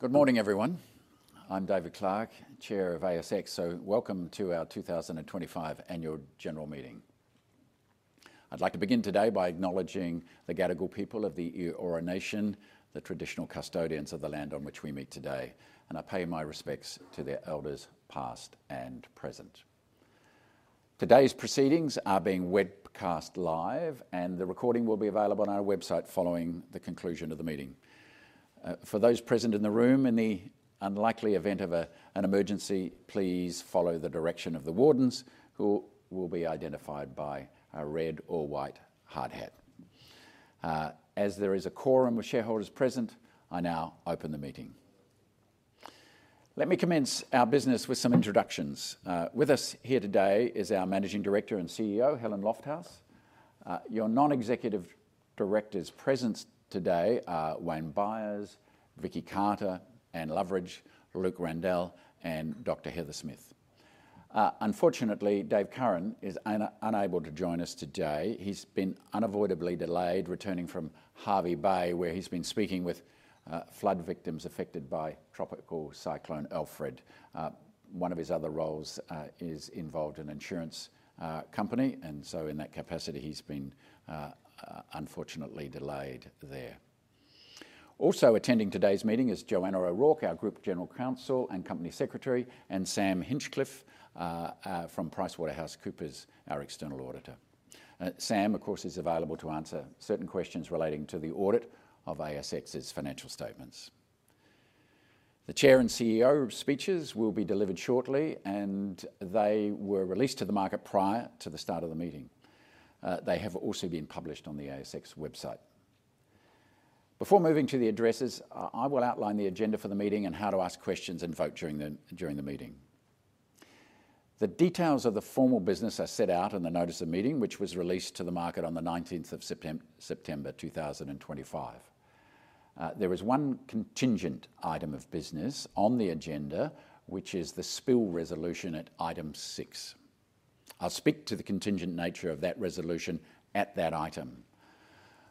Good morning, everyone. I'm David Clarke, Chair of ASX, so welcome to our 2025 Annual General Meeting. I'd like to begin today by acknowledging the Gadigal people of the Eora Nation, the traditional custodians of the land on which we meet today, and I pay my respects to their elders past and present. Today's proceedings are being webcast live, and the recording will be available on our website following the conclusion of the meeting. For those present in the room, in the unlikely event of an emergency, please follow the direction of the wardens, who will be identified by a red or white hard hat. As there is a quorum of shareholders present, I now open the meeting. Let me commence our business with some introductions. With us here today is our Managing Director and CEO, Helen Lofthouse. Your Non-Executive Directors present today are Wayne Byres, Vicki Carter, Anne Loveridge, Luke Randell, and Dr. Heather Smith. Unfortunately, Dave Curran is unable to join us today. He's been unavoidably delayed returning from Hervey Bay, where he's been speaking with flood victims affected by Tropical Cyclone Alfred. One of his other roles is involved in an insurance company, and in that capacity, he's been unfortunately delayed there. Also attending today's meeting is Johanna O'Rourke, our Group General Counsel and Company Secretary, and Sam Hinchliffe from PricewaterhouseCoopers, our external auditor. Sam, of course, is available to answer certain questions relating to the audit of ASX's financial statements. The Chair and CEO speeches will be delivered shortly, and they were released to the market prior to the start of the meeting. They have also been published on the ASX website. Before moving to the addresses, I will outline the agenda for the meeting and how to ask questions and vote during the meeting. The details of the formal business are set out in the Notice of Meeting, which was released to the market on the 19th of September 2025. There is one contingent item of business on the agenda, which is the spill resolution at item six. I'll speak to the contingent nature of that resolution at that item.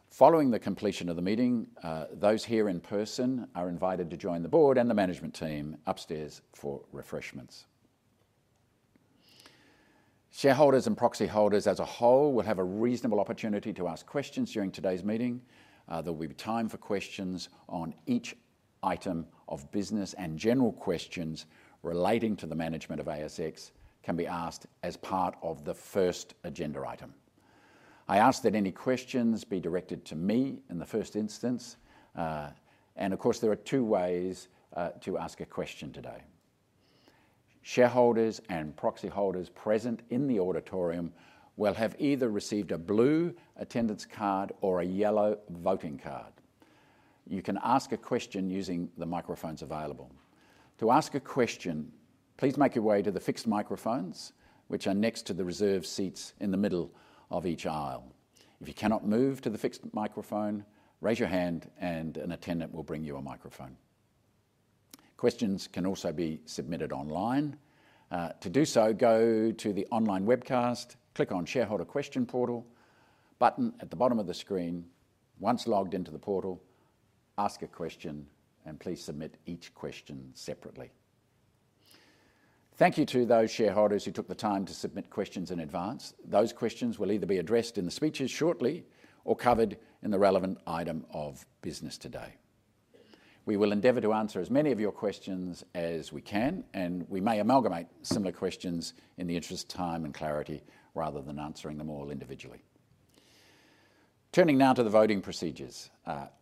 Following the completion of the meeting, those here in person are invited to join the board and the management team upstairs for refreshments. Shareholders and proxy holders as a whole will have a reasonable opportunity to ask questions during today's meeting. There will be time for questions on each item of business, and general questions relating to the management of ASX can be asked as part of the first agenda item. I ask that any questions be directed to me in the first instance, and of course there are two ways to ask a question today. Shareholders and proxy holders present in the auditorium will have either received a blue attendance card or a yellow voting card. You can ask a question using the microphones available. To ask a question, please make your way to the fixed microphones, which are next to the reserved seats in the middle of each aisle. If you cannot move to the fixed microphone, raise your hand and an attendant will bring you a microphone. Questions can also be submitted online. To do so, go to the online webcast, click on the Shareholder Question Portal button at the bottom of the screen. Once logged into the portal, ask a question and please submit each question separately. Thank you to those shareholders who took the time to submit questions in advance. Those questions will either be addressed in the speeches shortly or covered in the relevant item of business today. We will endeavor to answer as many of your questions as we can, and we may amalgamate similar questions in the interest of time and clarity rather than answering them all individually. Turning now to the voting procedures,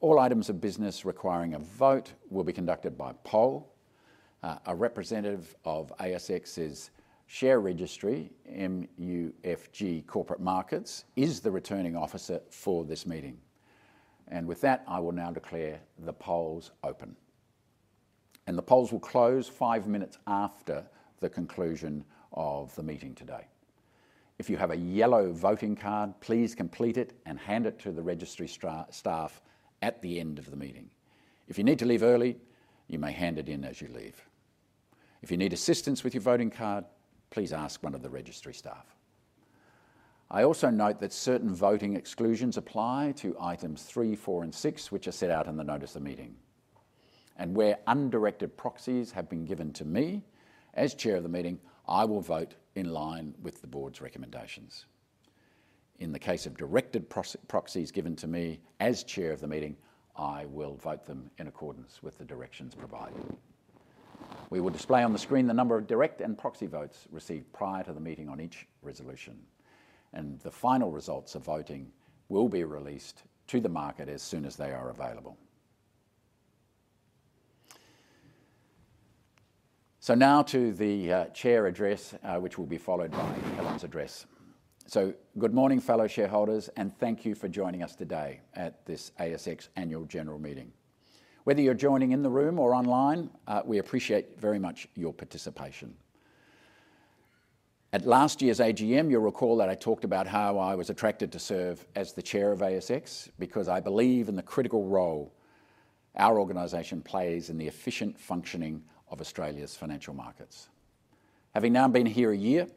all items of business requiring a vote will be conducted by poll. A representative of ASX's share registry, MUFG Corporate Markets, is the returning officer for this meeting. With that, I will now declare the polls open. The polls will close five minutes after the conclusion of the meeting today. If you have a yellow voting card, please complete it and hand it to the registry staff at the end of the meeting. If you need to leave early, you may hand it in as you leave. If you need assistance with your voting card, please ask one of the registry staff. I also note that certain voting exclusions apply to items three, four, and six, which are set out in the Notice of Meeting. Where undirected proxies have been given to me, as Chair of the meeting, I will vote in line with the board's recommendations. In the case of directed proxies given to me as Chair of the meeting, I will vote them in accordance with the directions provided. We will display on the screen the number of direct and proxy votes received prior to the meeting on each resolution. The final results of voting will be released to the market as soon as they are available. Now to the Chair address, which will be followed by Helen's address. Good morning, fellow shareholders, and thank you for joining us today at this ASX Annual General Meeting. Whether you're joining in the room or online, we appreciate very much your participation. At last year's AGM, you'll recall that I talked about how I was attracted to serve as the Chair of ASX because I believe in the critical role our organization plays in the efficient functioning of Australia's financial markets. Having now been here a year,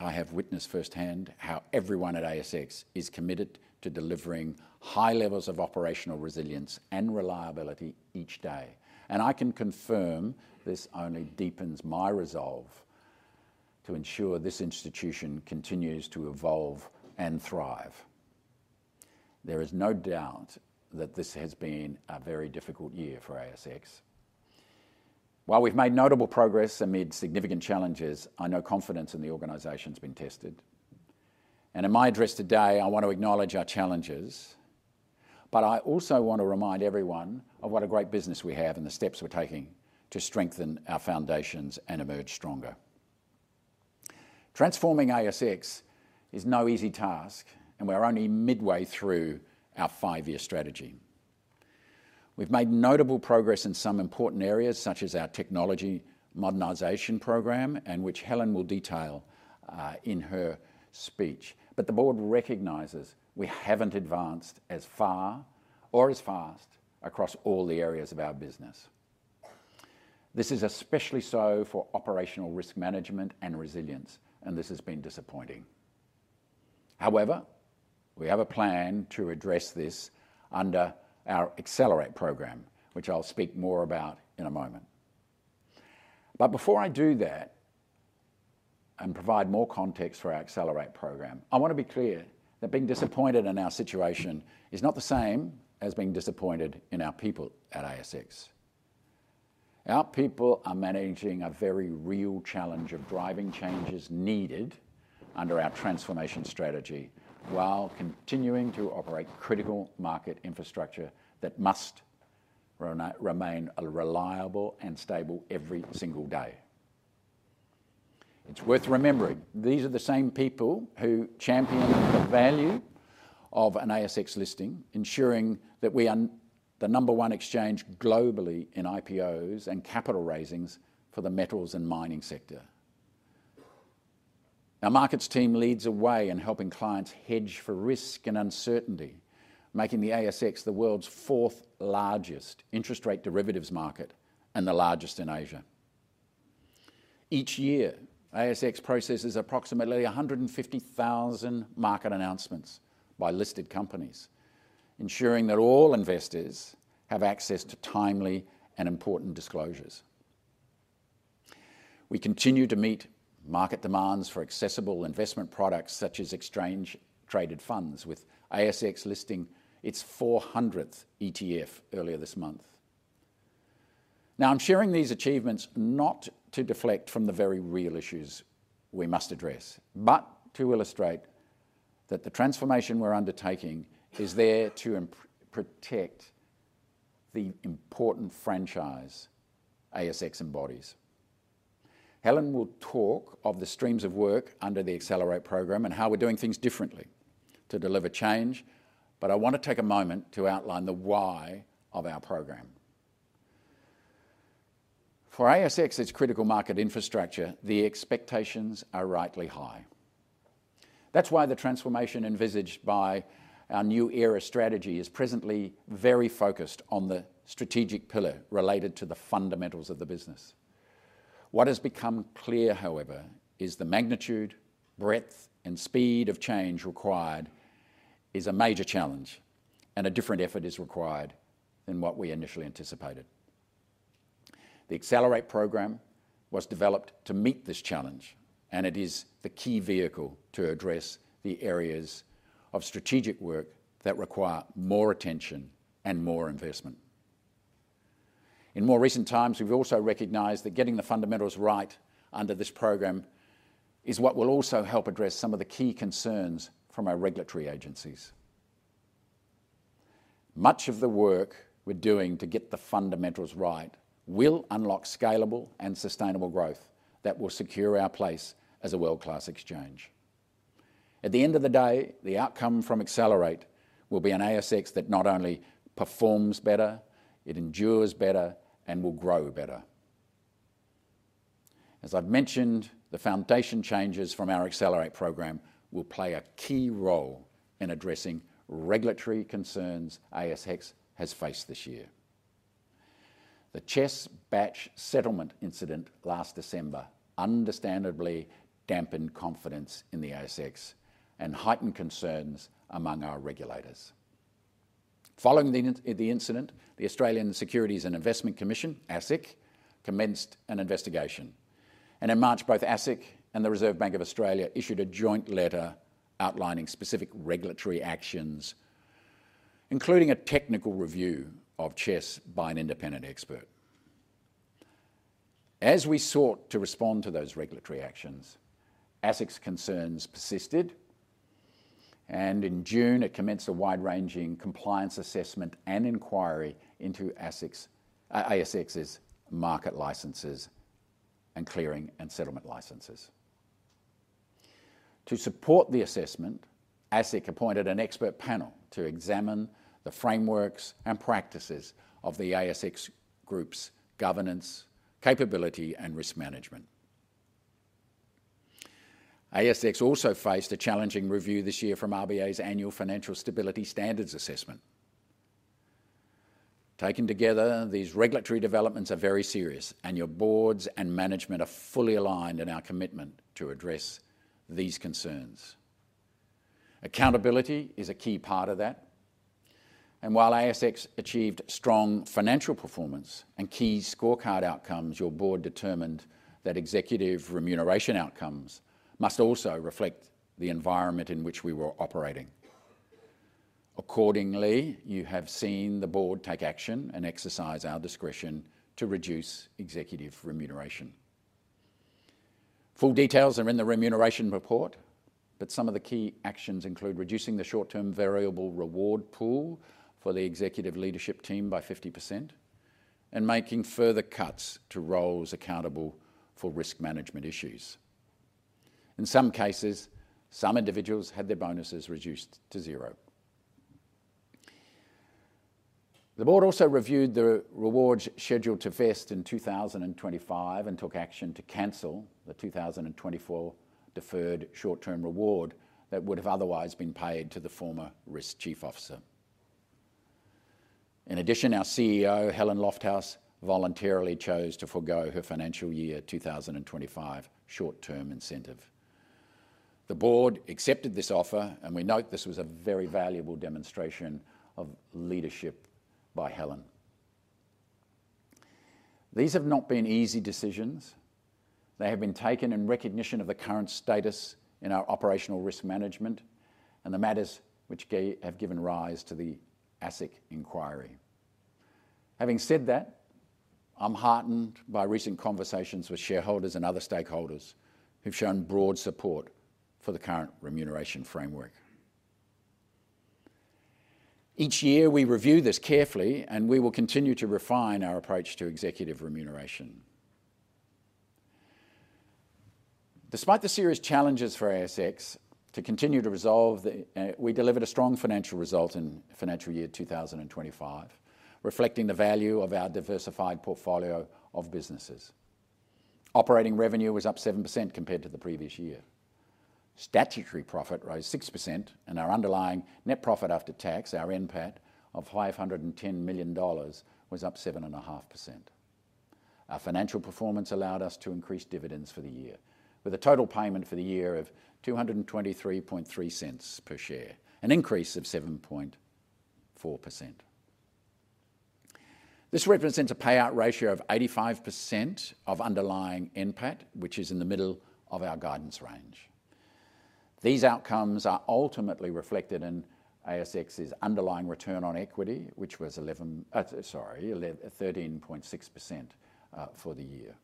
I have witnessed firsthand how everyone at ASX is committed to delivering high levels of operational resilience and reliability each day. I can confirm this only deepens my resolve to ensure this institution continues to evolve and thrive. There is no doubt that this has been a very difficult year for ASX. While we've made notable progress amid significant challenges, I know confidence in the organization has been tested. In my address today, I want to acknowledge our challenges, but I also want to remind everyone of what a great business we have and the steps we're taking to strengthen our foundations and emerge stronger. Transforming ASX is no easy task, and we're only midway through our five-year strategy. We've made notable progress in some important areas, such as our technology modernization program, which Helen will detail in her speech. The board recognizes we haven't advanced as far or as fast across all the areas of our business. This is especially so for operational risk management and resilience, and this has been disappointing. However, we have a plan to address this under our Accelerate program, which I'll speak more about in a moment. Before I do that and provide more context for our Accelerate program, I want to be clear that being disappointed in our situation is not the same as being disappointed in our people at ASX. Our people are managing a very real challenge of driving changes needed under our transformation strategy while continuing to operate critical market infrastructure that must remain reliable and stable every single day. It's worth remembering these are the same people who champion the value of an ASX listing, ensuring that we are the number one exchange globally in IPOs and capital raisings for the metals and mining sector. Our markets team leads the way in helping clients hedge for risk and uncertainty, making the ASX the world's fourth largest interest rate derivatives market and the largest in Asia. Each year, ASX processes approximately 150,000 market announcements by listed companies, ensuring that all investors have access to timely and important disclosures. We continue to meet market demands for accessible investment products such as exchange-traded funds, with ASX listing its 400th ETF earlier this month. I'm sharing these achievements not to deflect from the very real issues we must address, but to illustrate that the transformation we're undertaking is there to protect the important franchise ASX embodies. Helen will talk of the streams of work under the Accelerate program and how we're doing things differently to deliver change, but I want to take a moment to outline the why of our program. For ASX's critical market infrastructure, the expectations are rightly high. That's why the transformation envisaged by our New Era strategy is presently very focused on the strategic pillar related to the fundamentals of the business. What has become clear, however, is the magnitude, breadth, and speed of change required is a major challenge, and a different effort is required than what we initially anticipated. The Accelerate program was developed to meet this challenge, and it is the key vehicle to address the areas of strategic work that require more attention and more investment. In more recent times, we've also recognized that getting the fundamentals right under this program is what will also help address some of the key concerns from our regulatory agencies. Much of the work we're doing to get the fundamentals right will unlock scalable and sustainable growth that will secure our place as a world-class exchange. At the end of the day, the outcome from Accelerate will be an ASX that not only performs better, it endures better, and will grow better. As I've mentioned, the foundation changes from our Accelerate program will play a key role in addressing regulatory concerns ASX has faced this year. The CHESS batch settlement incident last December understandably dampened confidence in the ASX and heightened concerns among our regulators. Following the incident, the Australian Securities and Investments Commission, ASIC, commenced an investigation. In March, both ASIC and the Reserve Bank of Australia issued a joint letter outlining specific regulatory actions, including a technical review of CHESS by an independent expert. As we sought to respond to those regulatory actions, ASIC's concerns persisted, and in June, it commenced a wide-ranging compliance assessment and inquiry into ASX's market licenses and clearing and settlement licenses. To support the assessment, ASIC appointed an expert panel to examine the frameworks and practices of the ASX group's governance, capability, and risk management. ASX also faced a challenging review this year from the RBA's annual financial stability standards assessment. Taken together, these regulatory developments are very serious, and your boards and management are fully aligned in our commitment to address these concerns. Accountability is a key part of that. While ASX achieved strong financial performance and key scorecard outcomes, your board determined that executive remuneration outcomes must also reflect the environment in which we were operating. Accordingly, you have seen the board take action and exercise our discretion to reduce executive remuneration. Full details are in the Remuneration Report, but some of the key actions include reducing the short-term variable reward pool for the executive leadership team by 50% and making further cuts to roles accountable for risk management issues. In some cases, some individuals had their bonuses reduced to zero. The board also reviewed the rewards scheduled to vest in 2025 and took action to cancel the 2024 deferred short-term reward that would have otherwise been paid to the former Chief Risk Officer. In addition, our CEO, Helen Lofthouse, voluntarily chose to forego her financial year 2025 short-term incentive. The board accepted this offer, and we note this was a very valuable demonstration of leadership by Helen. These have not been easy decisions. They have been taken in recognition of the current status in our operational risk management and the matters which have given rise to the ASIC inquiry. Having said that, I'm heartened by recent conversations with shareholders and other stakeholders who've shown broad support for the current remuneration framework. Each year, we review this carefully, and we will continue to refine our approach to executive remuneration. Despite the serious challenges for ASX to continue to resolve, we delivered a strong financial result in financial year 2025, reflecting the value of our diversified portfolio of businesses. Operating revenue was up 7% compared to the previous year. Statutory profit rose 6%, and our underlying net profit after tax, our NPAT of $510 million, was up 7.5%. Our financial performance allowed us to increase dividends for the year, with a total payment for the year of $2.233 per share, an increase of 7.4%. This represents a payout ratio of 85% of underlying NPAT, which is in the middle of our guidance range. These outcomes are ultimately reflected in ASX's underlying return on equity, which was 11.6% for the year.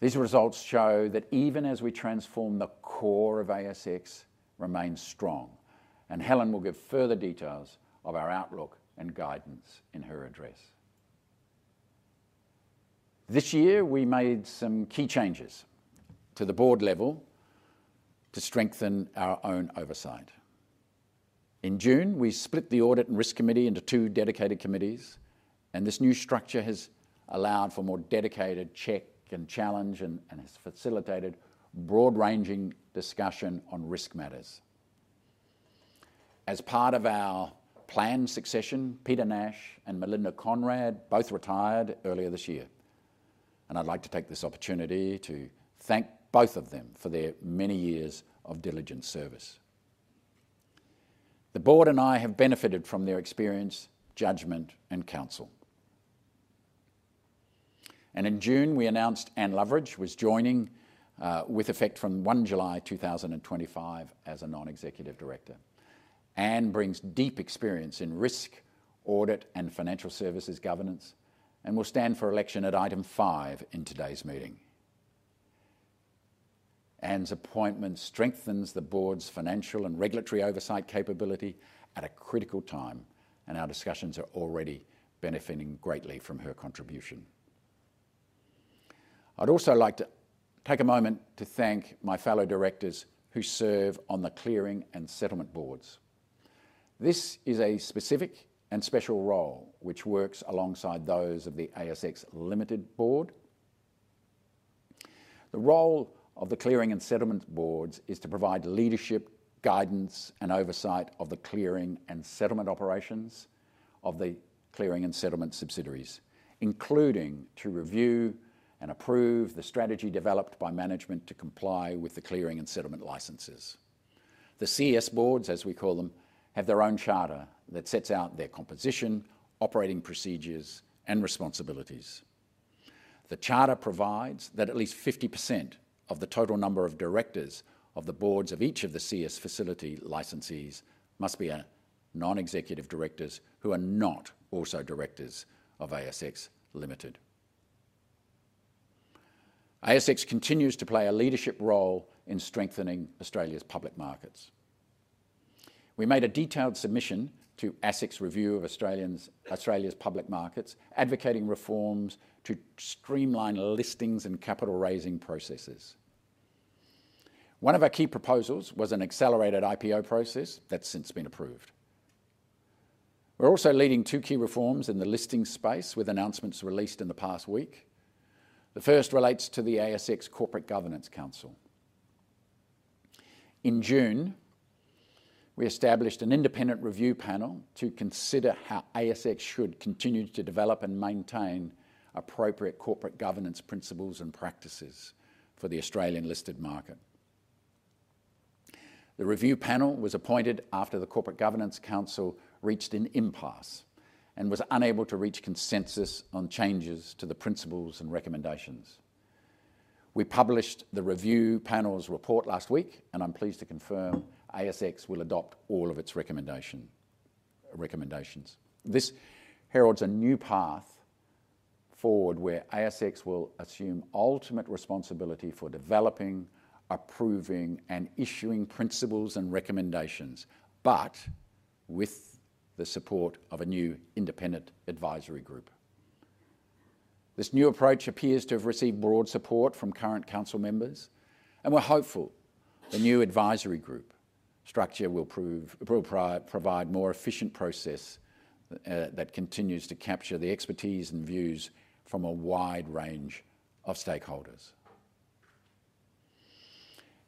These results show that even as we transform, the core of ASX remains strong, and Helen will give further details of our outlook and guidance in her address. This year, we made some key changes to the Board level to strengthen our own oversight. In June, we split the Audit and Risk Committee into two dedicated committees, and this new structure has allowed for more dedicated check and challenge and has facilitated broad-ranging discussion on risk matters. As part of our planned succession, Peter Nash and Melinda Conrad both retired earlier this year, and I'd like to take this opportunity to thank both of them for their many years of diligent service. The Board and I have benefited from their experience, judgement, and counsel. In June, we announced Anne Loveridge was joining with effect from 1 July 2025 as a Non-Executive Director. Anne brings deep experience in risk, audit, and financial services governance and will stand for election at item five in today's meeting. Anne's appointment strengthens the Board's financial and regulatory oversight capability at a critical time, and our discussions are already benefiting greatly from her contribution. I'd also like to take a moment to thank my fellow directors who serve on the clearing and settlement boards. This is a specific and special role which works alongside those of the ASX Limited Board. The role of the clearing and settlement boards is to provide leadership, guidance, and oversight of the clearing and settlement operations of the clearing and settlement subsidiaries, including to review and approve the strategy developed by management to comply with the clearing and settlement licenses. The CS Boards, as we call them, have their own charter that sets out their composition, operating procedures, and responsibilities. The charter provides that at least 50% of the total number of directors of the boards of each of the CS facility licensees must be non-executive directors who are not also directors of ASX Limited. ASX continues to play a leadership role in strengthening Australia's public markets. We made a detailed submission to ASIC's review of Australia's public markets, advocating reforms to streamline listings and capital raising processes. One of our key proposals was an accelerated IPO process that's since been approved. We're also leading two key reforms in the listing space with announcements released in the past week. The first relates to the ASX Corporate Governance Council. In June, we established an independent review panel to consider how ASX should continue to develop and maintain appropriate corporate governance principles and practices for the Australian listed market. The review panel was appointed after the Corporate Governance Council reached an impasse and was unable to reach consensus on changes to the principles and recommendations. We published the review panel's report last week, and I'm pleased to confirm ASX will adopt all of its recommendations. This heralds a new path forward where ASX will assume ultimate responsibility for developing, approving, and issuing principles and recommendations, but with the support of a new independent advisory group. This new approach appears to have received broad support from current council members, and we're hopeful the new advisory group structure will provide a more efficient process that continues to capture the expertise and views from a wide range of stakeholders.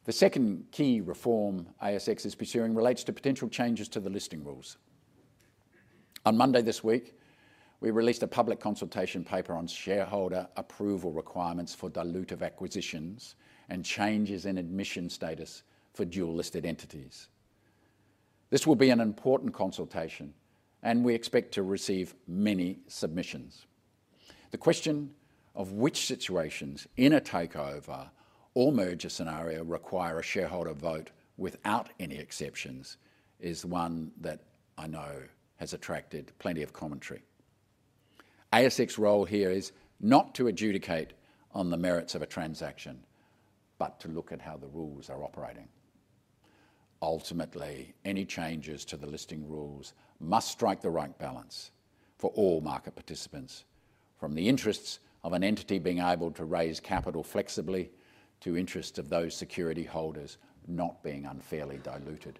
The second key reform ASX is pursuing relates to potential changes to the listing rules. On Monday this week, we released a public consultation paper on shareholder approval requirements for dilutive acquisitions and changes in admission status for dual listed entities. This will be an important consultation, and we expect to receive many submissions. The question of which situations in a takeover or merger scenario require a shareholder vote without any exceptions is one that I know has attracted plenty of commentary. ASX's role here is not to adjudicate on the merits of a transaction, but to look at how the rules are operating. Ultimately, any changes to the listing rules must strike the right balance for all market participants, from the interests of an entity being able to raise capital flexibly to interests of those security holders not being unfairly diluted.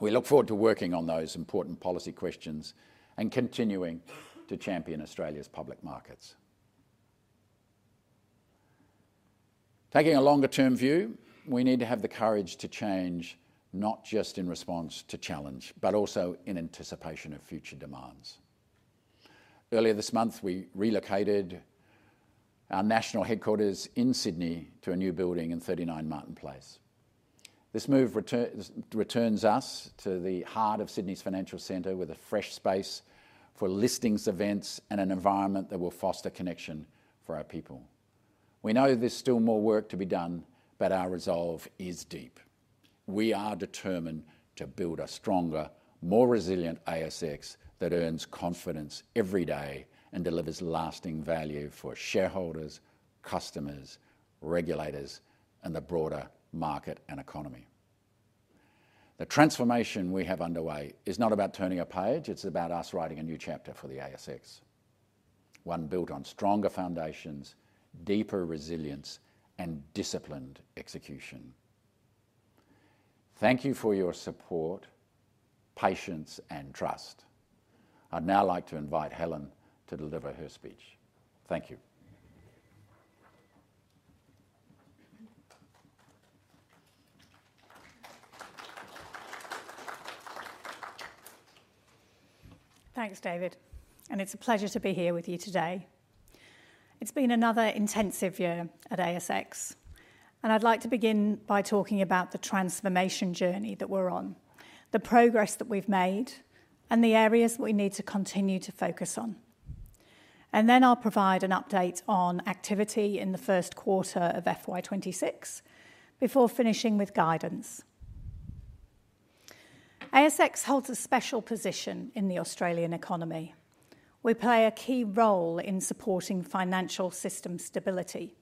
We look forward to working on those important policy questions and continuing to champion Australia's public markets. Taking a longer-term view, we need to have the courage to change not just in response to challenge, but also in anticipation of future demands. Earlier this month, we relocated our national headquarters in Sydney to a new building in 39 Martin Place. This move returns us to the heart of Sydney's financial center with a fresh space for listings events and an environment that will foster connection for our people. We know there's still more work to be done, but our resolve is deep. We are determined to build a stronger, more resilient ASX that earns confidence every day and delivers lasting value for shareholders, customers, regulators, and the broader market and economy. The transformation we have underway is not about turning a page, it's about us writing a new chapter for the ASX, one built on stronger foundations, deeper resilience, and disciplined execution. Thank you for your support, patience, and trust. I'd now like to invite Helen to deliver her speech. Thank you. Thanks, David. It's a pleasure to be here with you today. It's been another intensive year at ASX, and I'd like to begin by talking about the transformation journey that we're on, the progress that we've made, and the areas that we need to continue to focus on. I'll provide an update on activity in the Q1 of FY2026 before finishing with guidance. ASX holds a special position in the Australian economy. We play a key role in supporting financial system stability,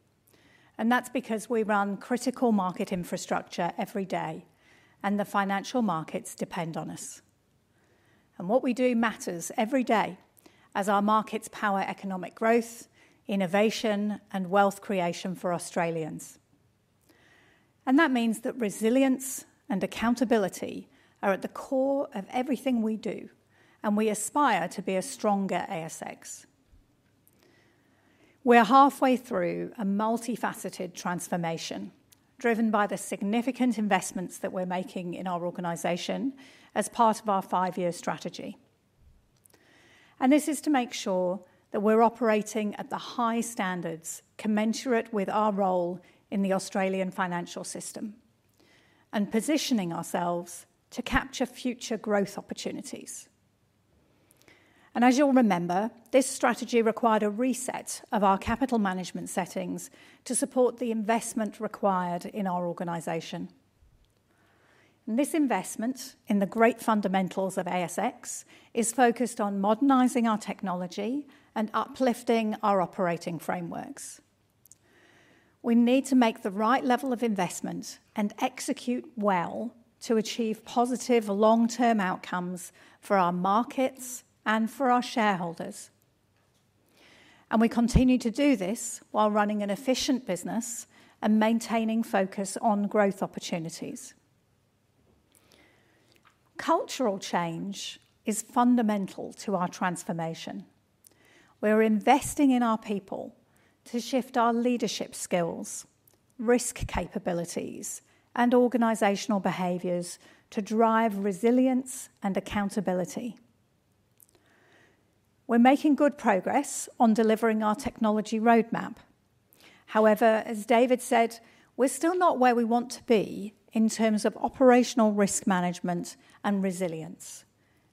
that's because we run critical market infrastructure every day, and the financial markets depend on us. What we do matters every day as our markets power economic growth, innovation, and wealth creation for Australians. That means that resilience and accountability are at the core of everything we do, and we aspire to be a stronger ASX. We are halfway through a multifaceted transformation driven by the significant investments that we're making in our organization as part of our five-year strategy. This is to make sure that we're operating at the high standards commensurate with our role in the Australian financial system and positioning ourselves to capture future growth opportunities. As you'll remember, this strategy required a reset of our capital management settings to support the investment required in our organization. This investment in the great fundamentals of ASX is focused on modernizing our technology and uplifting our operating frameworks. We need to make the right level of investment and execute well to achieve positive long-term outcomes for our markets and for our shareholders. We continue to do this while running an efficient business and maintaining focus on growth opportunities. Cultural change is fundamental to our transformation. We're investing in our people to shift our leadership skills, risk capabilities, and organizational behaviors to drive resilience and accountability. We're making good progress on delivering our technology roadmap. However, as David said, we're still not where we want to be in terms of operational risk management and resilience,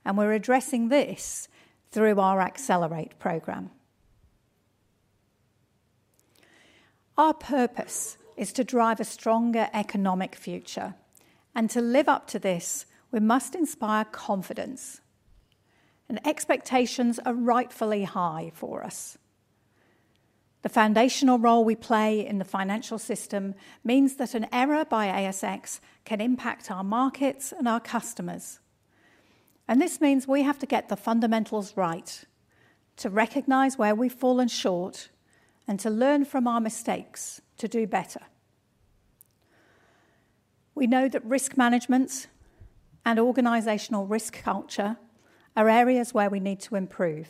and we're addressing this through our Accelerate program. Our purpose is to drive a stronger economic future, and to live up to this, we must inspire confidence, and expectations are rightfully high for us. The foundational role we play in the financial system means that an error by ASX can impact our markets and our customers. This means we have to get the fundamentals right to recognize where we've fallen short and to learn from our mistakes to do better. We know that risk management and organizational risk culture are areas where we need to improve.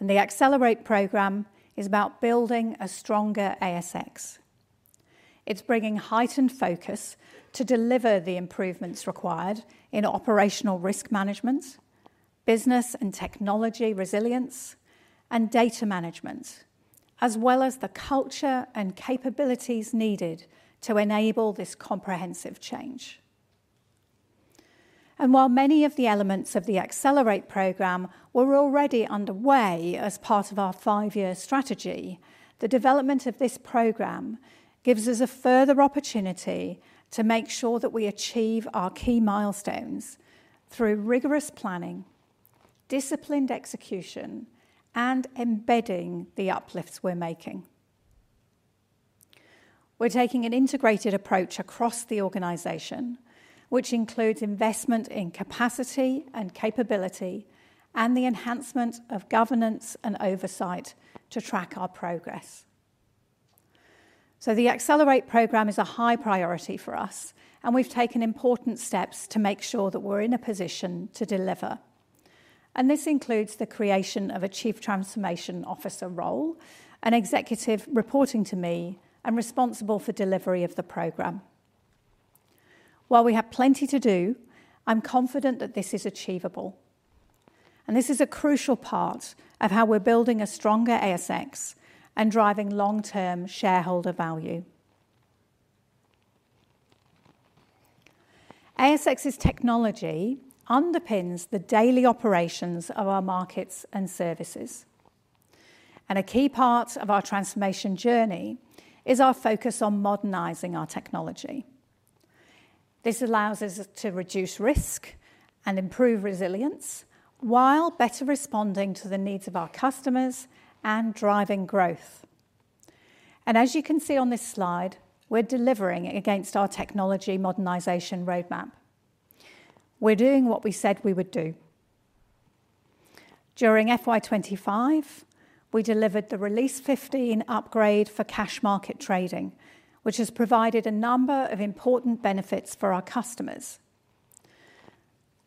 The Accelerate program is about building a stronger ASX. It is bringing heightened focus to deliver the improvements required in operational risk management, business and technology resilience, and data management, as well as the culture and capabilities needed to enable this comprehensive change. While many of the elements of the Accelerate program were already underway as part of our five-year strategy, the development of this program gives us a further opportunity to make sure that we achieve our key milestones through rigorous planning, disciplined execution, and embedding the uplifts we're making. We are taking an integrated approach across the organization, which includes investment in capacity and capability and the enhancement of governance and oversight to track our progress. The Accelerate program is a high priority for us, and we've taken important steps to make sure that we're in a position to deliver. This includes the creation of a Chief Transformation Officer role, an executive reporting to me and responsible for delivery of the program. While we have plenty to do, I'm confident that this is achievable. This is a crucial part of how we're building a stronger ASX and driving long-term shareholder value. ASX's technology underpins the daily operations of our markets and services. A key part of our transformation journey is our focus on modernizing our technology. This allows us to reduce risk and improve resilience while better responding to the needs of our customers and driving growth. As you can see on this slide, we're delivering against our technology modernization roadmap. We're doing what we said we would do. During FY2025, we delivered the Release 15 upgrade for cash market trading, which has provided a number of important benefits for our customers.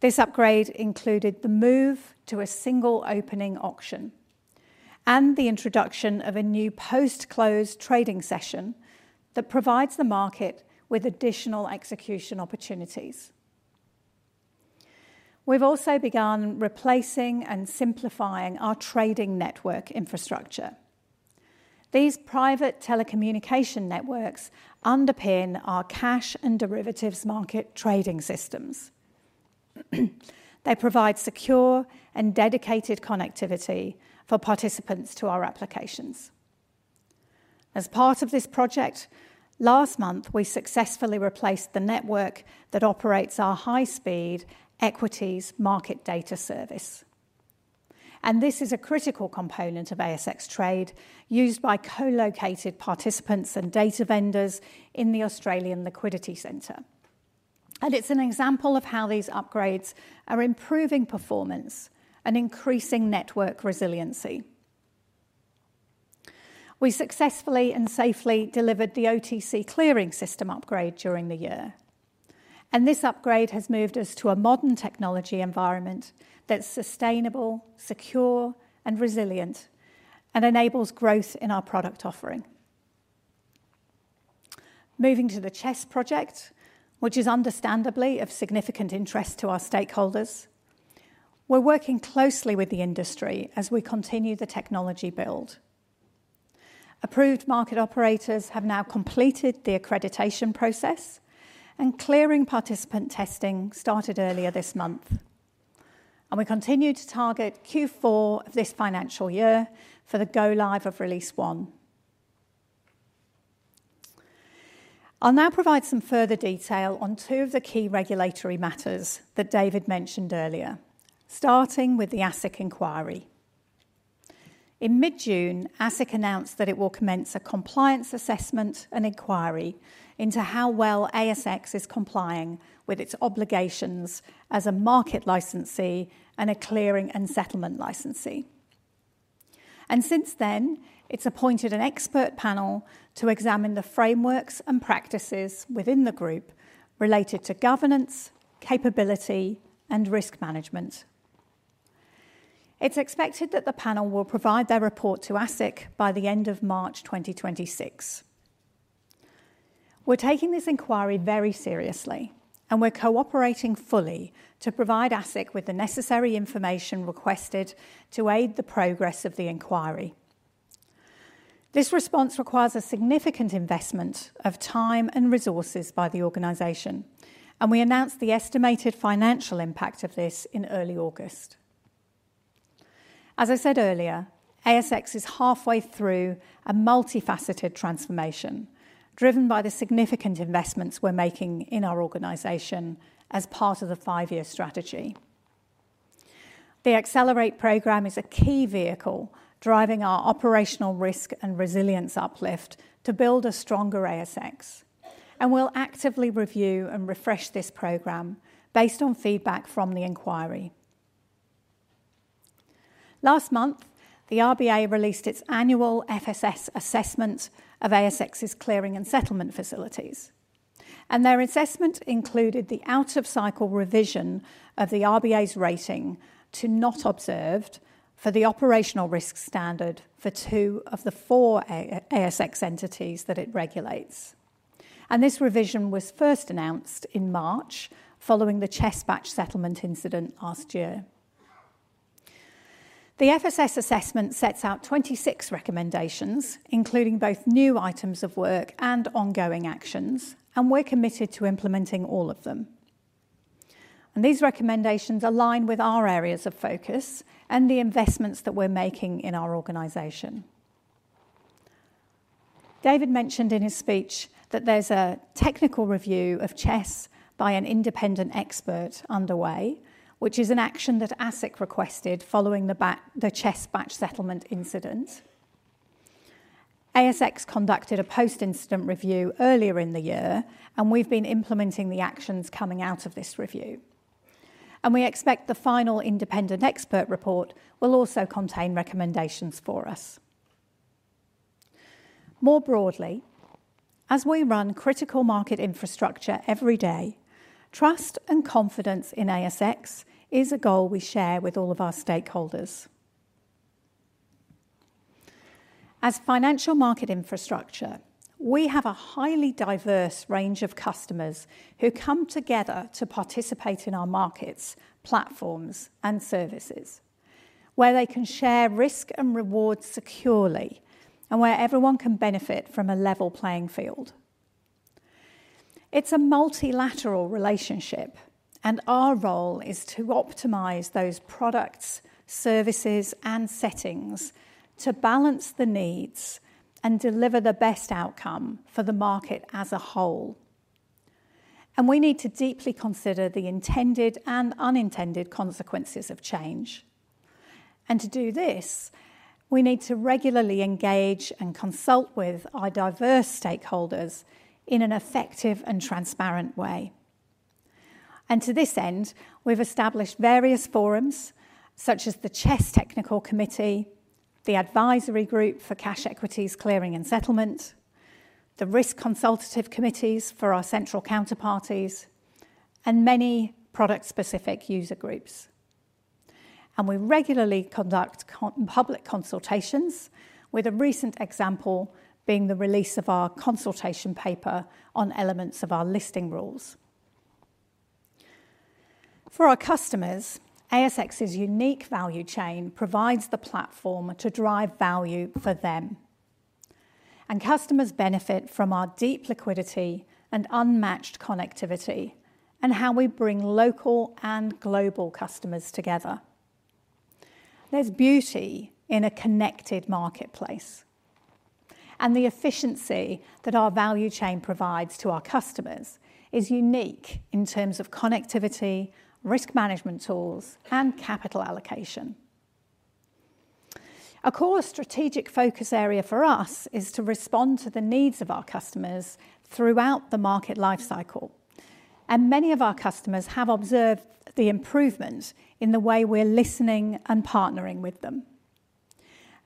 This upgrade included the move to a single opening auction and the introduction of a new post-close trading session that provides the market with additional execution opportunities. We've also begun replacing and simplifying our trading network infrastructure. These private telecommunication networks underpin our cash and derivatives market trading systems. They provide secure and dedicated connectivity for participants to our applications. As part of this project, last month, we successfully replaced the network that operates our high-speed equities market data service. This is a critical component of ASX Trade used by co-located participants and data vendors in the Australian Liquidity Centre. It is an example of how these upgrades are improving performance and increasing network resiliency. We successfully and safely delivered the OTC clearing system upgrade during the year. This upgrade has moved us to a modern technology environment that's sustainable, secure, and resilient and enables growth in our product offering. Moving to the CHESS project, which is understandably of significant interest to our stakeholders, we're working closely with the industry as we continue the technology build. Approved market operators have now completed the accreditation process, and clearing participant testing started earlier this month. We continue to target Q4 of this financial year for the go live of Release 1. I'll now provide some further detail on two of the key regulatory matters that David mentioned earlier, starting with the ASIC inquiry. In mid-June, ASIC announced that it will commence a compliance assessment and inquiry into how well ASX is complying with its obligations as a market licensee and a clearing and settlement licensee. Since then, it has appointed an expert panel to examine the frameworks and practices within the group related to governance, capability, and risk management. It is expected that the panel will provide their report to ASIC by the end of March 2026. We're taking this inquiry very seriously, and we're cooperating fully to provide ASIC with the necessary information requested to aid the progress of the inquiry. This response requires a significant investment of time and resources by the organization, and we announced the estimated financial impact of this in early August. As I said earlier, ASX is halfway through a multifaceted transformation driven by the significant investments we're making in our organization as part of the five-year strategy. The Accelerate program is a key vehicle driving our operational risk and resilience uplift to build a stronger ASX, and we'll actively review and refresh this program based on feedback from the inquiry. Last month, the RBA released its annual FSS assessment of ASX's clearing and settlement facilities, and their assessment included the out-of-cycle revision of the RBA's rating to "not observed" for the operational risk standard for two of the four ASX entities that it regulates. This revision was first announced in March following the CHESS Batch Settlement incident last year. The FSS assessment sets out 26 recommendations, including both new items of work and ongoing actions, and we're committed to implementing all of them. These recommendations align with our areas of focus and the investments that we're making in our organization. David mentioned in his speech that there's a technical review of CHESS by an independent expert underway, which is an action that ASIC requested following the CHESS Batch Settlement incident. ASX conducted a post-incident review earlier in the year, and we've been implementing the actions coming out of this review. We expect the final independent expert report will also contain recommendations for us. More broadly, as we run critical market infrastructure every day, trust and confidence in ASX is a goal we share with all of our stakeholders. As financial market infrastructure, we have a highly diverse range of customers who come together to participate in our markets, platforms, and services, where they can share risk and reward securely and where everyone can benefit from a level playing field. It's a multilateral relationship, and our role is to optimize those products, services, and settings to balance the needs and deliver the best outcome for the market as a whole. We need to deeply consider the intended and unintended consequences of change. To do this, we need to regularly engage and consult with our diverse stakeholders in an effective and transparent way. To this end, we've established various forums such as the CHESS Technical Committee, the Advisory Group for Cash Equities Clearing and Settlement, the Risk Consultative Committees for our central counterparties, and many product-specific user groups. We regularly conduct public consultations, with a recent example being the release of our consultation paper on elements of our listing rules. For our customers, ASX's unique value chain provides the platform to drive value for them. Customers benefit from our deep liquidity and unmatched connectivity and how we bring local and global customers together. There's beauty in a connected marketplace. The efficiency that our value chain provides to our customers is unique in terms of connectivity, risk management tools, and capital allocation. A core strategic focus area for us is to respond to the needs of our customers throughout the market lifecycle, and many of our customers have observed the improvement in the way we're listening and partnering with them.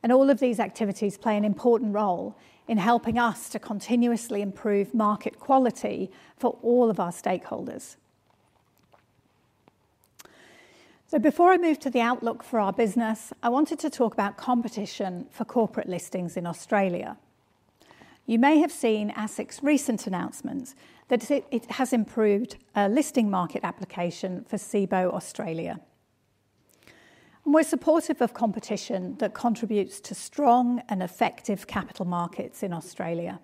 All of these activities play an important role in helping us to continuously improve market quality for all of our stakeholders. Before I move to the outlook for our business, I wanted to talk about competition for corporate listings in Australia. You may have seen ASIC's recent announcement that it has approved a listing market application for Cboe Australia. We're supportive of competition that contributes to strong and effective capital markets in Australia.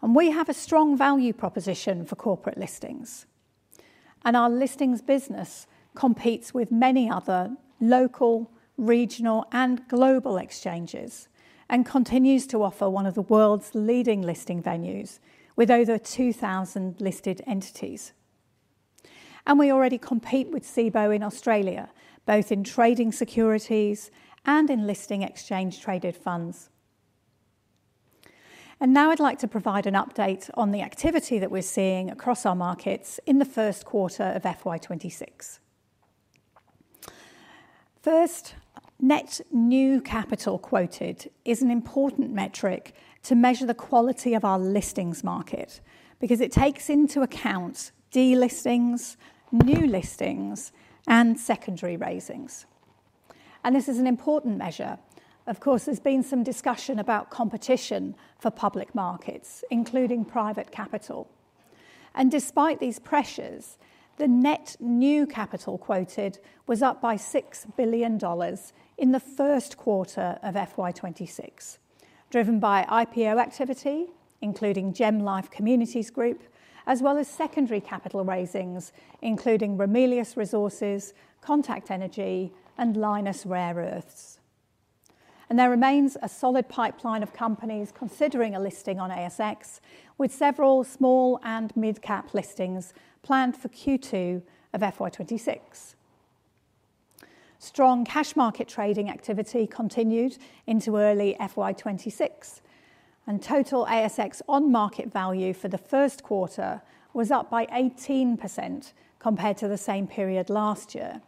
We have a strong value proposition for corporate listings. Our listings business competes with many other local, regional, and global exchanges and continues to offer one of the world's leading listing venues with over 2,000 listed entities. We already compete with Cboe in Australia, both in trading securities and in listing exchange-traded funds. I'd like to provide an update on the activity that we're seeing across our markets in the Q1 of FY2026. First, net new capital quoted is an important metric to measure the quality of our listings market because it takes into account delistings, new listings, and secondary raisings. This is an important measure. Of course, there's been some discussion about competition for public markets, including private capital. Despite these pressures, the net new capital quoted was up by $6 billion in the Q1 of FY2026, driven by IPO activity, including GemLife Communities Group, as well as secondary capital raisings, including Ramelius Resources, Contact Energy, and Lynas Rare Earths. There remains a solid pipeline of companies considering a listing on ASX, with several small and mid-cap listings planned for Q2 of FY2026. Strong cash market trading activity continued into early FY2026, and total ASX on-market value for the Q1 was up by 18% compared to the same period last year,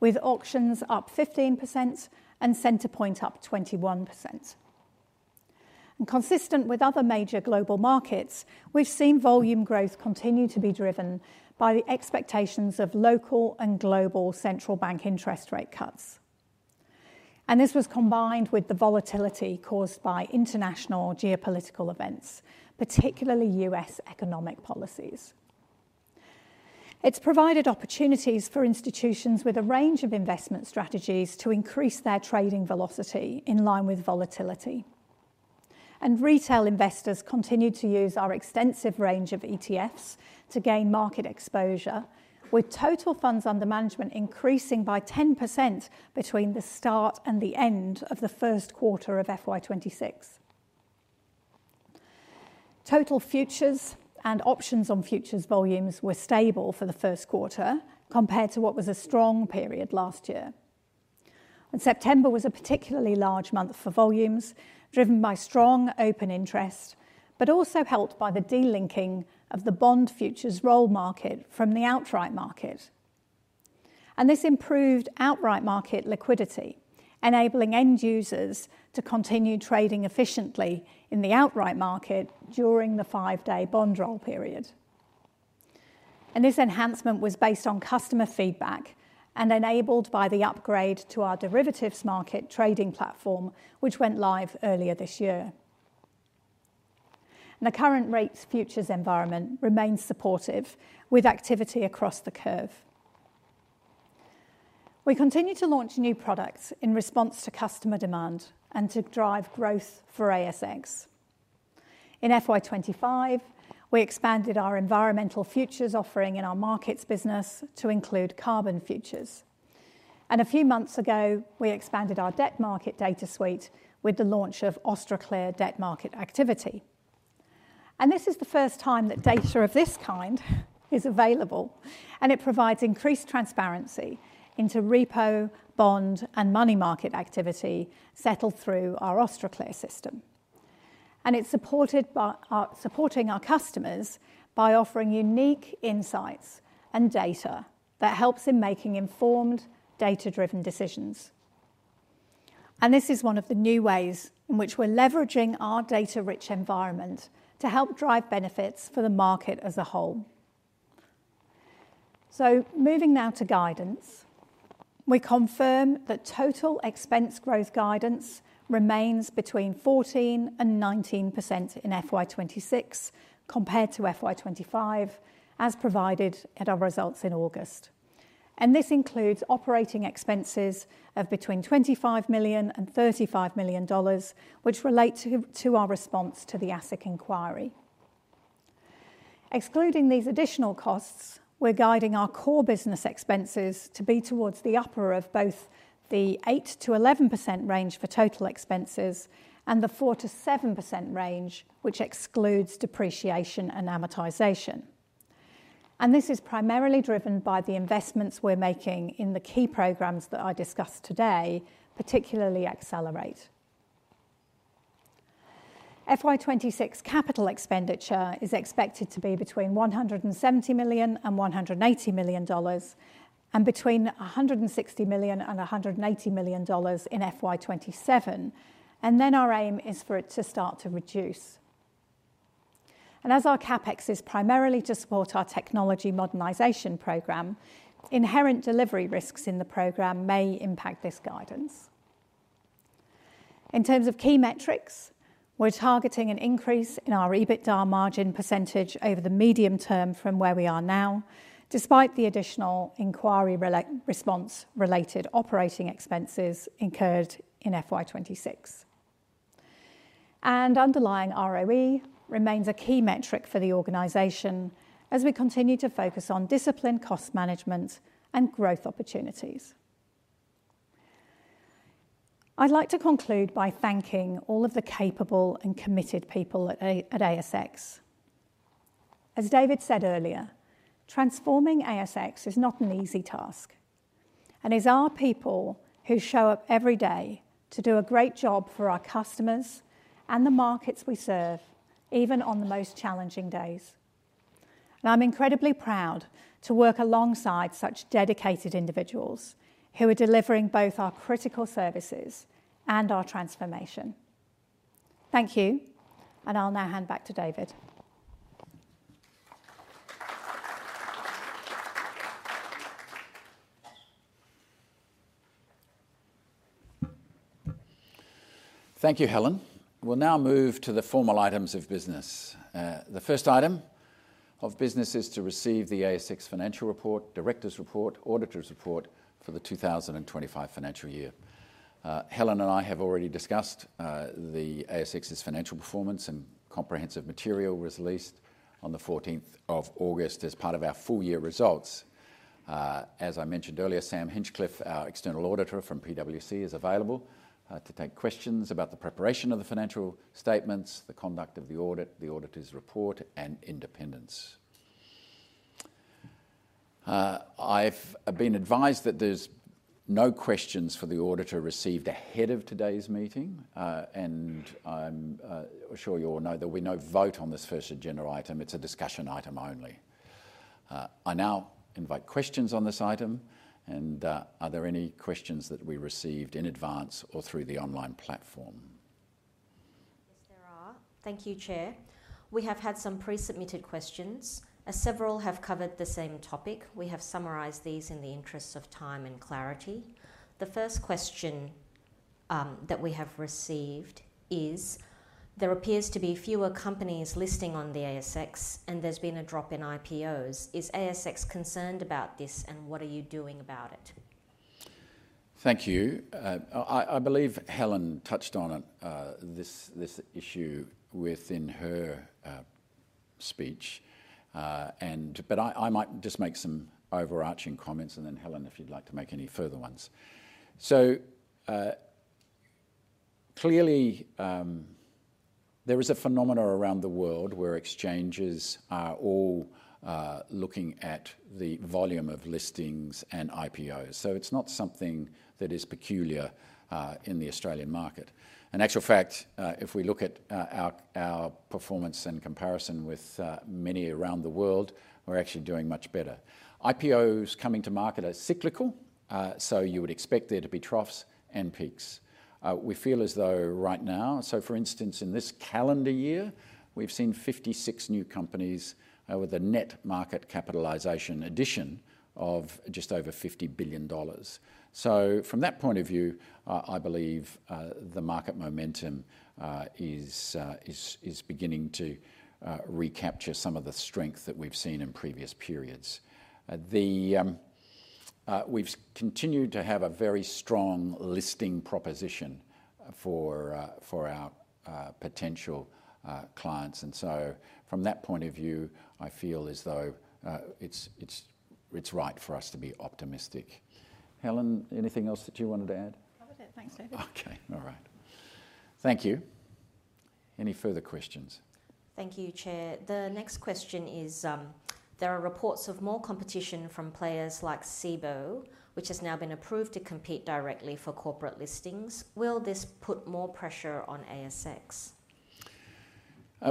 with auctions up 15% and Centre Point up 21%. Consistent with other major global markets, we've seen volume growth continue to be driven by the expectations of local and global central bank interest rate cuts. This was combined with the volatility caused by international geopolitical events, particularly US. economic policies. It has provided opportunities for institutions with a range of investment strategies to increase their trading velocity in line with volatility. Retail investors continue to use our extensive range of ETFs to gain market exposure, with total funds under management increasing by 10% between the start and the end of the Q1 of FY2026. Total futures and options on futures volumes were stable for the Q1 compared to what was a strong period last year. September was a particularly large month for volumes, driven by strong open interest, but also helped by the de-linking of the bond futures roll market from the outright market. This improved outright market liquidity, enabling end users to continue trading efficiently in the outright market during the five-day bond roll period. This enhancement was based on customer feedback and enabled by the upgrade to our derivatives market trading platform, which went live earlier this year. The current rates futures environment remains supportive, with activity across the curve. We continue to launch new products in response to customer demand and to drive growth for ASX. In FY2025, we expanded our environmental futures offering in our markets business to include carbon futures. A few months ago, we expanded our debt market data suite with the launch of Austraclear Debt Market Activity. This is the first time that data of this kind is available, and it provides increased transparency into repo, bond, and money market activity settled through our Austraclear system. It is supporting our customers by offering unique insights and data that helps in making informed, data-driven decisions. This is one of the new ways in which we're leveraging our data-rich environment to help drive benefits for the market as a whole. Moving now to guidance, we confirm that total expense growth guidance remains between 14% and 19% in FY2026 compared to FY2025, as provided at our results in August. This includes operating expenses of between $25 million and $35 million, which relate to our response to the ASIC inquiry. Excluding these additional costs, we're guiding our core business expenses to be towards the upper of both the 8% to 11% range for total expenses and the 4% to 7% range, which excludes depreciation and amortization. This is primarily driven by the investments we're making in the key programs that I discussed today, particularly Accelerate. FY2026 capital expenditure is expected to be between $170 million and $180 million, and between $160 million and $180 million in FY2027. Our aim is for it to start to reduce. As our CapEx is primarily to support our technology modernization program, inherent delivery risks in the program may impact this guidance. In terms of key metrics, we're targeting an increase in our EBITDA margin % over the medium term from where we are now, despite the additional inquiry response-related operating expenses incurred in FY2026. Underlying return on equity remains a key metric for the organization as we continue to focus on discipline, cost management, and growth opportunities. I'd like to conclude by thanking all of the capable and committed people at ASX. As David said earlier, transforming ASX is not an easy task. It's our people who show up every day to do a great job for our customers and the markets we serve, even on the most challenging days. I'm incredibly proud to work alongside such dedicated individuals who are delivering both our critical services and our transformation. Thank you, I'll now hand back to David. Thank you, Helen. We'll now move to the formal items of business. The first item of business is to receive the ASX financial report, Directors' report, Auditor's report for the 2025 financial year. Helen and I have already discussed the ASX's financial performance, and comprehensive material was released on the 14th of August as part of our full-year results. As I mentioned earlier, Sam Hinchliffe, our external auditor from PwC, is available to take questions about the preparation of the financial statements, the conduct of the audit, the Auditor's report, and independence. I've been advised that there are no questions for the auditor received ahead of today's meeting, and I'm sure you all know there'll be no vote on this first agenda item. It's a discussion item only. I now invite questions on this item, and are there any questions that we received in advance or through the online platform? Yes, there are. Thank you, Chair. We have had some pre-submitted questions, as several have covered the same topic. We have summarized these in the interest of time and clarity. The first question that we have received is, there appears to be fewer companies listing on the ASX, and there's been a drop in IPOs. Is ASX concerned about this, and what are you doing about it? Thank you. I believe Helen touched on this issue within her speech, but I might just make some overarching comments, and then Helen, if you'd like to make any further ones. Clearly, there is a phenomena around the world where exchanges are all looking at the volume of listings and IPOs. It is not something that is peculiar in the Australian market. In actual fact, if we look at our performance and comparison with many around the world, we're actually doing much better. IPOs coming to market are cyclical, so you would expect there to be troughs and peaks. We feel as though right now, for instance, in this calendar year, we've seen 56 new companies with a net market capitalisation addition of just over $50 billion. From that point of view, I believe the market momentum is beginning to recapture some of the strength that we've seen in previous periods. We've continued to have a very strong listing proposition for our potential clients, and from that point of view, I feel as though it's right for us to be optimistic. Helen, anything else that you wanted to add? Covered it. Thanks, David. Okay, all right. Thank you. Any further questions? Thank you, Chair. The next question is, there are reports of more competition from players like Cboe, which has now been approved to compete directly for corporate listings. Will this put more pressure on ASX?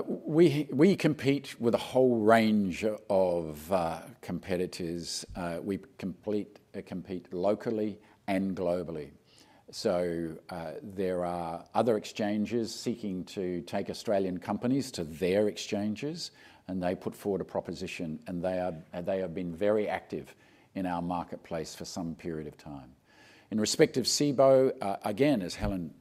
We compete with a whole range of competitors. We compete locally and globally. There are other exchanges seeking to take Australian companies to their exchanges, and they put forward a proposition, and they have been very active in our marketplace for some period of time. In respect of Cboe Australia, again, as Helen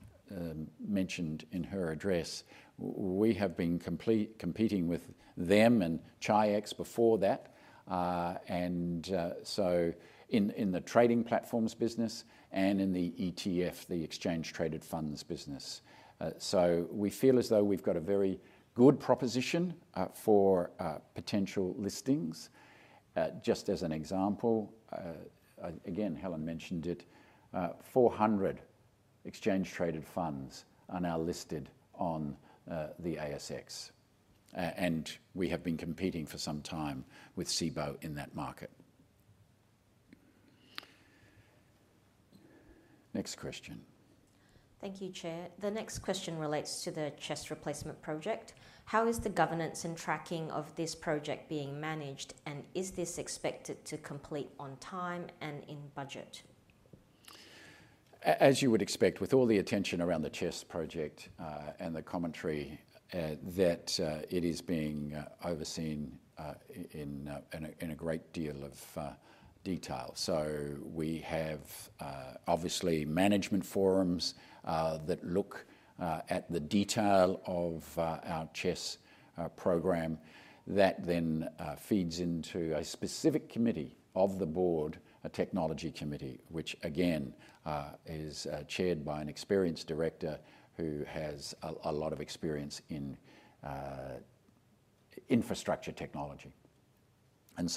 mentioned in her address, we have been competing with them and Chi-X before that, in the trading platforms business and in the ETF, the exchange-traded funds business. We feel as though we've got a very good proposition for potential listings. Just as an example, again, Helen mentioned it, 400 exchange-traded funds are now listed on the ASX, and we have been competing for some time with Cboe Australia in that market. Next question. Thank you, Chair. The next question relates to the CHESS replacement project. How is the governance and tracking of this project being managed, and is this expected to complete on time and in budget? As you would expect, with all the attention around the CHESS project and the commentary, it is being overseen in a great deal of detail. We have management forums that look at the detail of our CHESS programme that then feeds into a specific committee of the board, a Technology Committee, which again is chaired by an experienced director who has a lot of experience in infrastructure technology.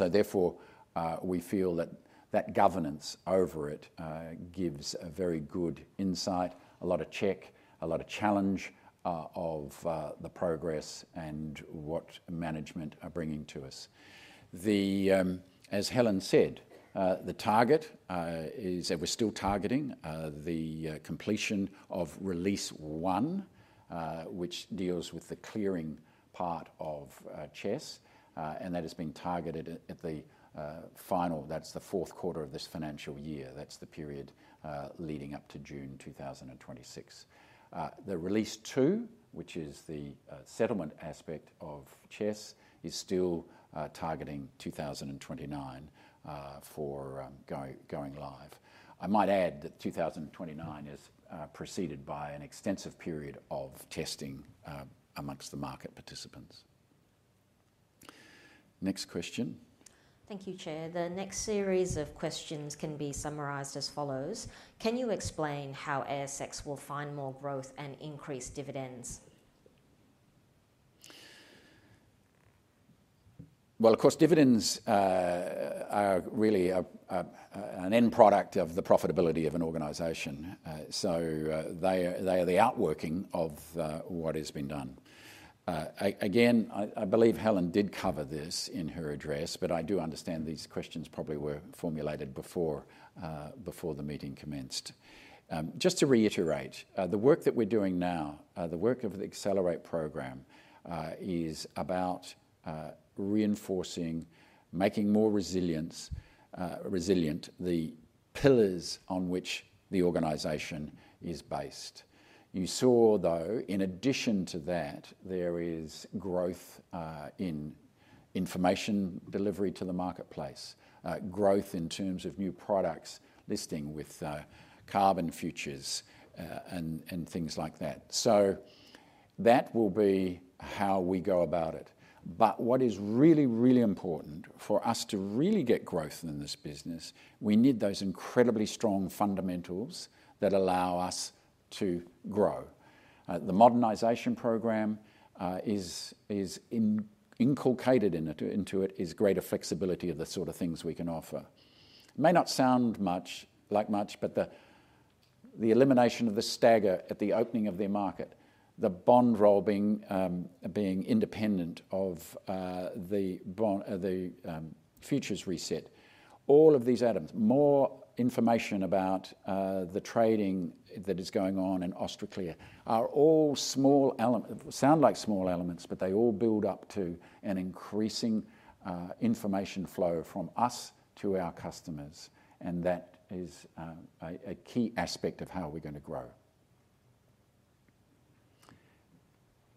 Therefore, we feel that that governance over it gives a very good insight, a lot of check, a lot of challenge of the progress and what management are bringing to us. As Helen said, the target is that we're still targeting the completion of Release 1, which deals with the clearing part of CHESS, and that has been targeted at the final, that's the Q4 of this financial year. That's the period leading up to June 2026. Release 2, which is the settlement aspect of CHESS, is still targeting 2029 for going live. I might add that 2029 is preceded by an extensive period of testing amongst the market participants. Next question. Thank you, Chair. The next series of questions can be summarized as follows. Can you explain how ASX will find more growth and increase dividends? Of course, dividends are really an end product of the profitability of an organization, so they are the outworking of what has been done. I believe Helen did cover this in her address, but I do understand these questions probably were formulated before the meeting commenced. Just to reiterate, the work that we're doing now, the work of the Accelerate program, is about reinforcing, making more resilient the pillars on which the organization is based. You saw, though, in addition to that, there is growth in information delivery to the marketplace, growth in terms of new products listing with carbon futures and things like that. That will be how we go about it. What is really, really important for us to really get growth in this business, we need those incredibly strong fundamentals that allow us to grow. The modernization programme is inculcated into it, is greater flexibility of the sort of things we can offer. It may not sound like much, but the elimination of the stagger at the opening of their market, the bond roll being independent of the futures reset, all of these items, more information about the trading that is going on in Austraclear, are all small elements. They sound like small elements, but they all build up to an increasing information flow from us to our customers, and that is a key aspect of how we're going to grow.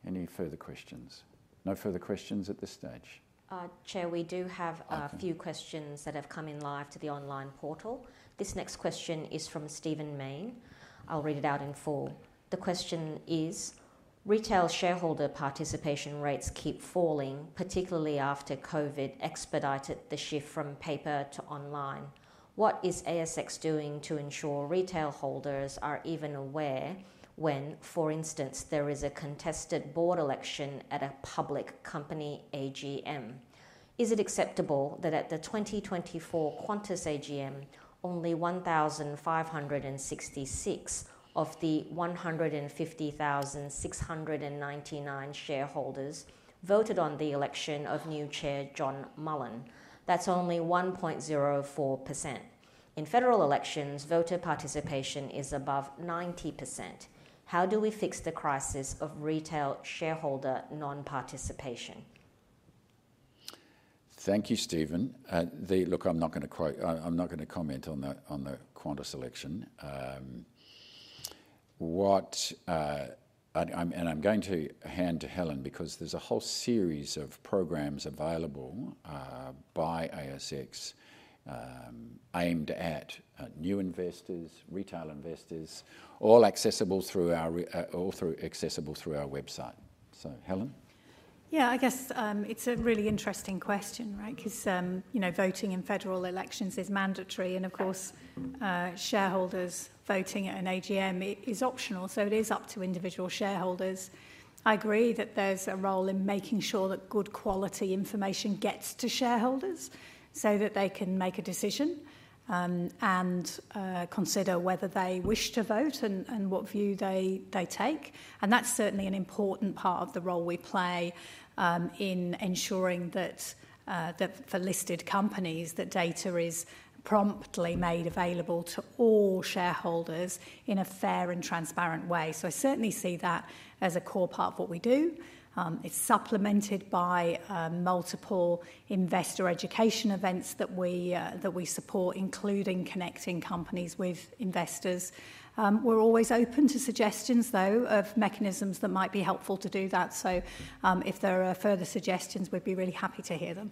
Any further questions? No further questions at this stage? Chair, we do have a few questions that have come in live to the online portal. This next question is from Stephen Mayne. I'll read it out in full. The question is, retail shareholder participation rates keep falling, particularly after COVID expedited the shift from paper to online. What is ASX doing to ensure retail holders are even aware when, for instance, there is a contested board election at a public company AGM? Is it acceptable that at the 2024 Qantas AGM, only 1,566 of the 150,699 shareholders voted on the election of new Chair John Mullen? That's only 1.04%. In federal elections, voter participation is above 90%. How do we fix the crisis of retail shareholder non-participation? Thank you, Stephen. I'm not going to comment on the Qantas election. I'm going to hand to Helen because there's a whole series of programs available by ASX aimed at new investors, retail investors, all accessible through our website. Helen? Yeah, I guess it's a really interesting question, right? Because voting in federal elections is mandatory, and of course, shareholders voting at an AGM is optional, so it is up to individual shareholders. I agree that there's a role in making sure that good quality information gets to shareholders so that they can make a decision and consider whether they wish to vote and what view they take. That's certainly an important part of the role we play in ensuring that for listed companies, that data is promptly made available to all shareholders in a fair and transparent way. I certainly see that as a core part of what we do. It's supplemented by multiple investor education events that we support, including connecting companies with investors. We're always open to suggestions of mechanisms that might be helpful to do that. If there are further suggestions, we'd be really happy to hear them.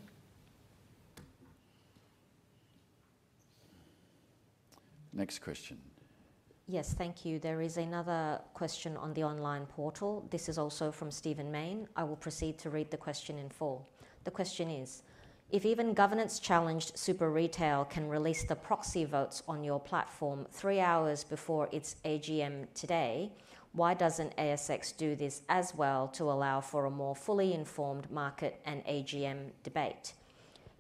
Next question. Yes, thank you. There is another question on the online portal. This is also from Stephen Mayne. I will proceed to read the question in full. The question is, if even governance-challenged Super Retail can release the proxy votes on your platform three hours before its AGM today, why doesn't ASX do this as well to allow for a more fully informed market and AGM debate?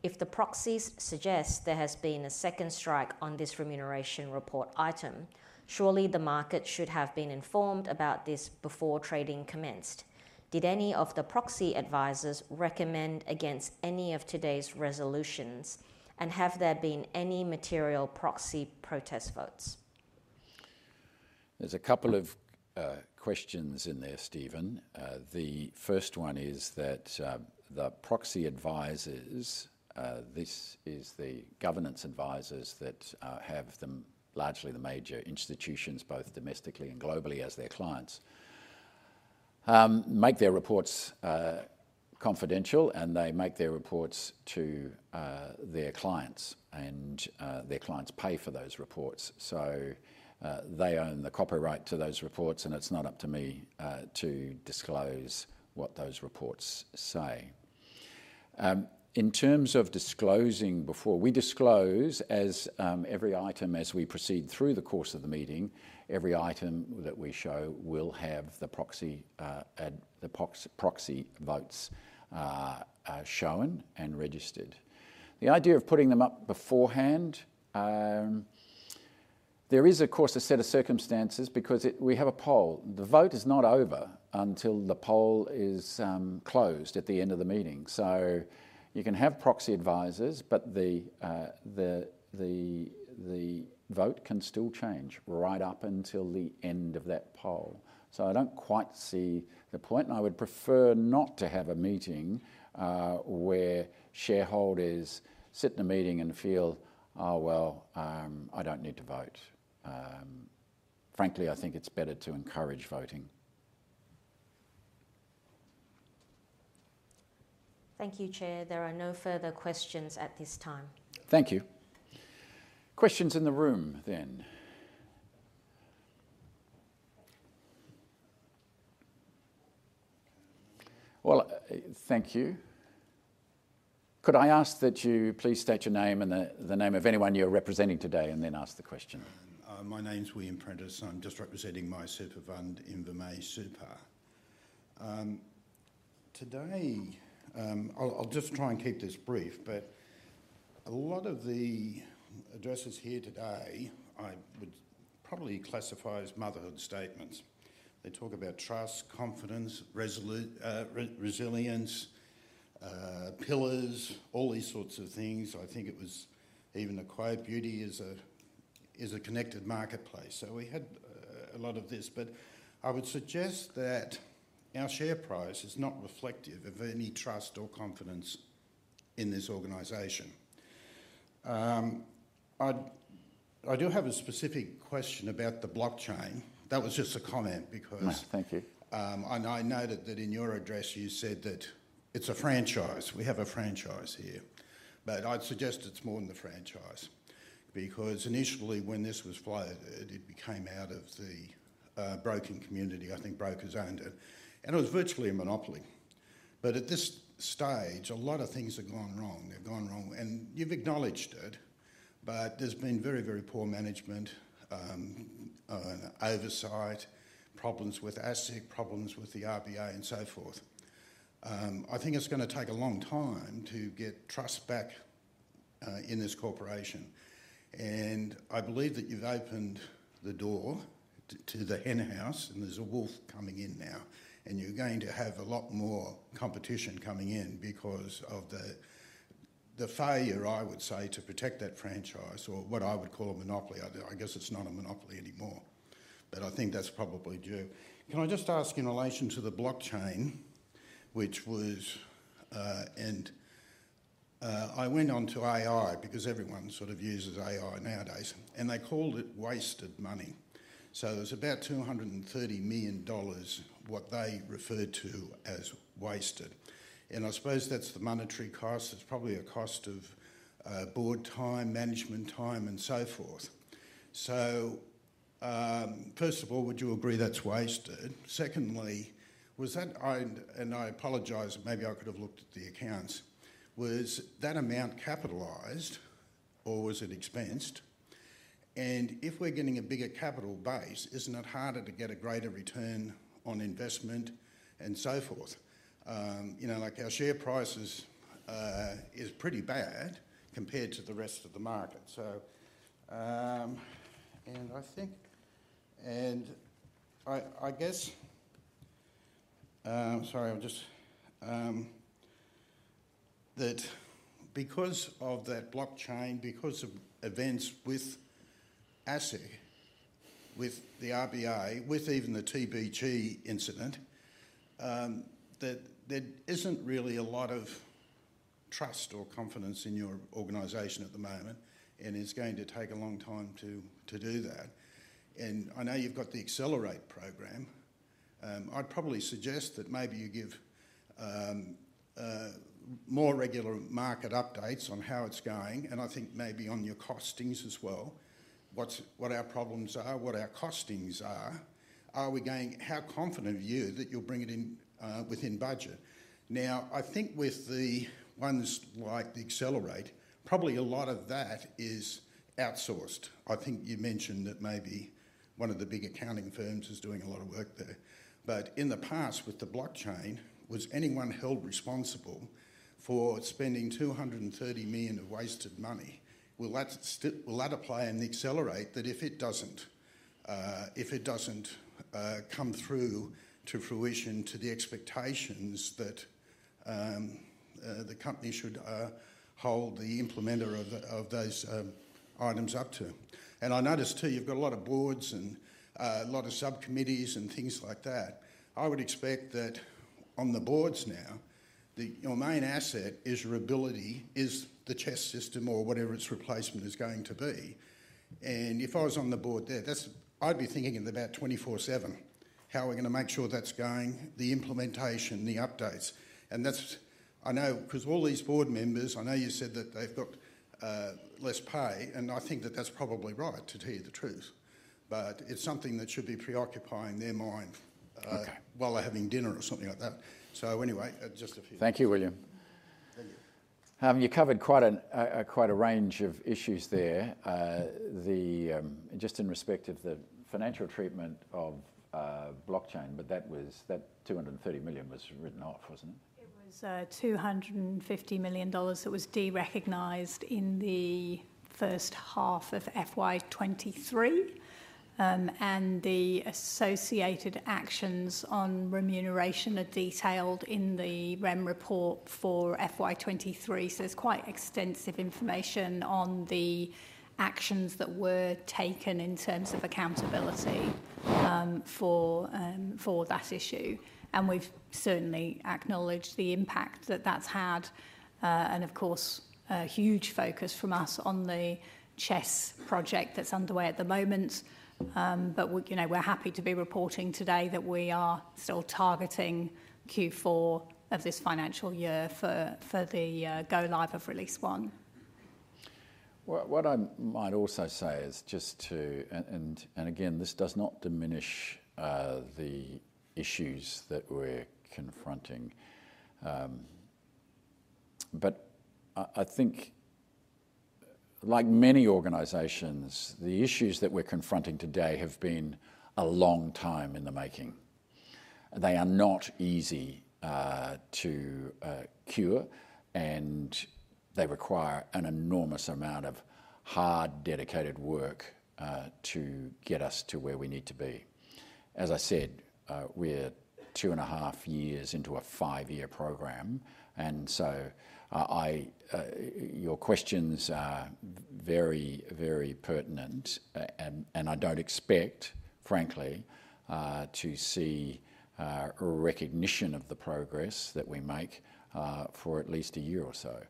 If the proxies suggest there has been a second strike on this remuneration report item, surely the market should have been informed about this before trading commenced. Did any of the proxy advisors recommend against any of today's resolutions, and have there been any material proxy protest votes? are a couple of questions in there, Stephen. The first one is that the proxy advisors, these are the governance advisors that have largely the major institutions, both domestically and globally, as their clients, make their reports confidential, and they make their reports to their clients, and their clients pay for those reports. They own the copyright to those reports, and it's not up to me to disclose what those reports say. In terms of disclosing before, we disclose, as every item, as we proceed through the course of the meeting, every item that we show will have the proxy votes shown and registered. The idea of putting them up beforehand, there is, of course, a set of circumstances because we have a poll. The vote is not over until the poll is closed at the end of the meeting. You can have proxy advisors, but the vote can still change right up until the end of that poll. I don't quite see the point, and I would prefer not to have a meeting where shareholders sit in a meeting and feel, "Oh, well, I don't need to vote." Frankly, I think it's better to encourage voting. Thank you, Chair. There are no further questions at this time. Thank you. Are there questions in the room? Thank you. Could I ask that you please state your name and the name of anyone you're representing today, and then ask the question? My name's William Prentice. I'm just representing my supervisor, Inverness Super. Today, I'll just try and keep this brief, but a lot of the addresses here today, I would probably classify as motherhood statements. They talk about trust, confidence, resilience, pillars, all these sorts of things. I think it was even a quote, "Beauty is a connected marketplace." We had a lot of this, but I would suggest that our share price is not reflective of any trust or confidence in this organization. I do have a specific question about the blockchain. That was just a comment because. No, thank you. I noted that in your address, you said that it's a franchise. We have a franchise here, but I'd suggest it's more than the franchise because initially, when this was floated, it came out of the broking community. I think brokers owned it, and it was virtually a monopoly. At this stage, a lot of things have gone wrong. They've gone wrong, and you've acknowledged it, but there's been very, very poor management, oversight, problems with ASIC, problems with the RBA, and so forth. I think it's going to take a long time to get trust back in this corporation. I believe that you've opened the door to the hen house, and there's a wolf coming in now, and you're going to have a lot more competition coming in because of the failure, I would say, to protect that franchise or what I would call a monopoly. I guess it's not a monopoly anymore, but I think that's probably due. Can I just ask in relation to the blockchain, which was, and I went on to AI because everyone sort of uses AI nowadays, and they called it wasted money. It was about $230 million, what they referred to as wasted. I suppose that's the monetary cost. It's probably a cost of board time, management time, and so forth. First of all, would you agree that's wasted? Was that owned, and I apologize, maybe I could have looked at the accounts, was that amount capitalized or was it expensed? If we're getting a bigger capital base, isn't it harder to get a greater return on investment and so forth? Our share price is pretty bad compared to the rest of the market. I think, and I guess, sorry, I'll just, that because of that blockchain, because of events with ASIC, with the RBA, with even the TBT incident, there isn't really a lot of trust or confidence in your organization at the moment, and it's going to take a long time to do that. I know you've got the Accelerate program. I'd probably suggest that maybe you give more regular market updates on how it's going, and I think maybe on your costings as well, what our problems are, what our costings are. Are we going, how confident are you that you'll bring it in within budget? I think with the ones like the Accelerate, probably a lot of that is outsourced. I think you mentioned that maybe one of the big accounting firms is doing a lot of work there. In the past, with the blockchain, was anyone held responsible for spending $230 million of wasted money? Will that apply in the Accelerate program that if it doesn't come through to fruition, to the expectations that the company should hold the implementer of those items up to? I noticed too, you've got a lot of boards and a lot of subcommittees and things like that. I would expect that on the boards now, your main asset is your ability, is the CHESS system or whatever its replacement is going to be. If I was on the board there, I'd be thinking of about 24/7, how we're going to make sure that's going, the implementation, the updates. I know, because all these board members, I know you said that they've got less pay, and I think that that's probably right to tell you the truth. It's something that should be preoccupying their mind while they're having dinner or something like that. Anyway, just a few. Thank you, William. Thank you. You covered quite a range of issues there, just in respect of the financial treatment of blockchain, but that $230 million was written off, wasn't it? It was $250 million that was derecognized in the first half of FY2023, and the associated actions on remuneration are detailed in the Rem report for FY2023. There is quite extensive information on the actions that were taken in terms of accountability for that issue. We have certainly acknowledged the impact that that's had, and of course, a huge focus from us on the CHESS project that's underway at the moment. We are happy to be reporting today that we are still targeting Q4 of this financial year for the go live of Release 1. What I might also say is, and again, this does not diminish the issues that we're confronting. I think, like many organizations, the issues that we're confronting today have been a long time in the making. They are not easy to cure, and they require an enormous amount of hard, dedicated work to get us to where we need to be. As I said, we're two and a half years into a five-year program, and your questions are very, very pertinent. I don't expect, frankly, to see a recognition of the progress that we make for at least a year or so.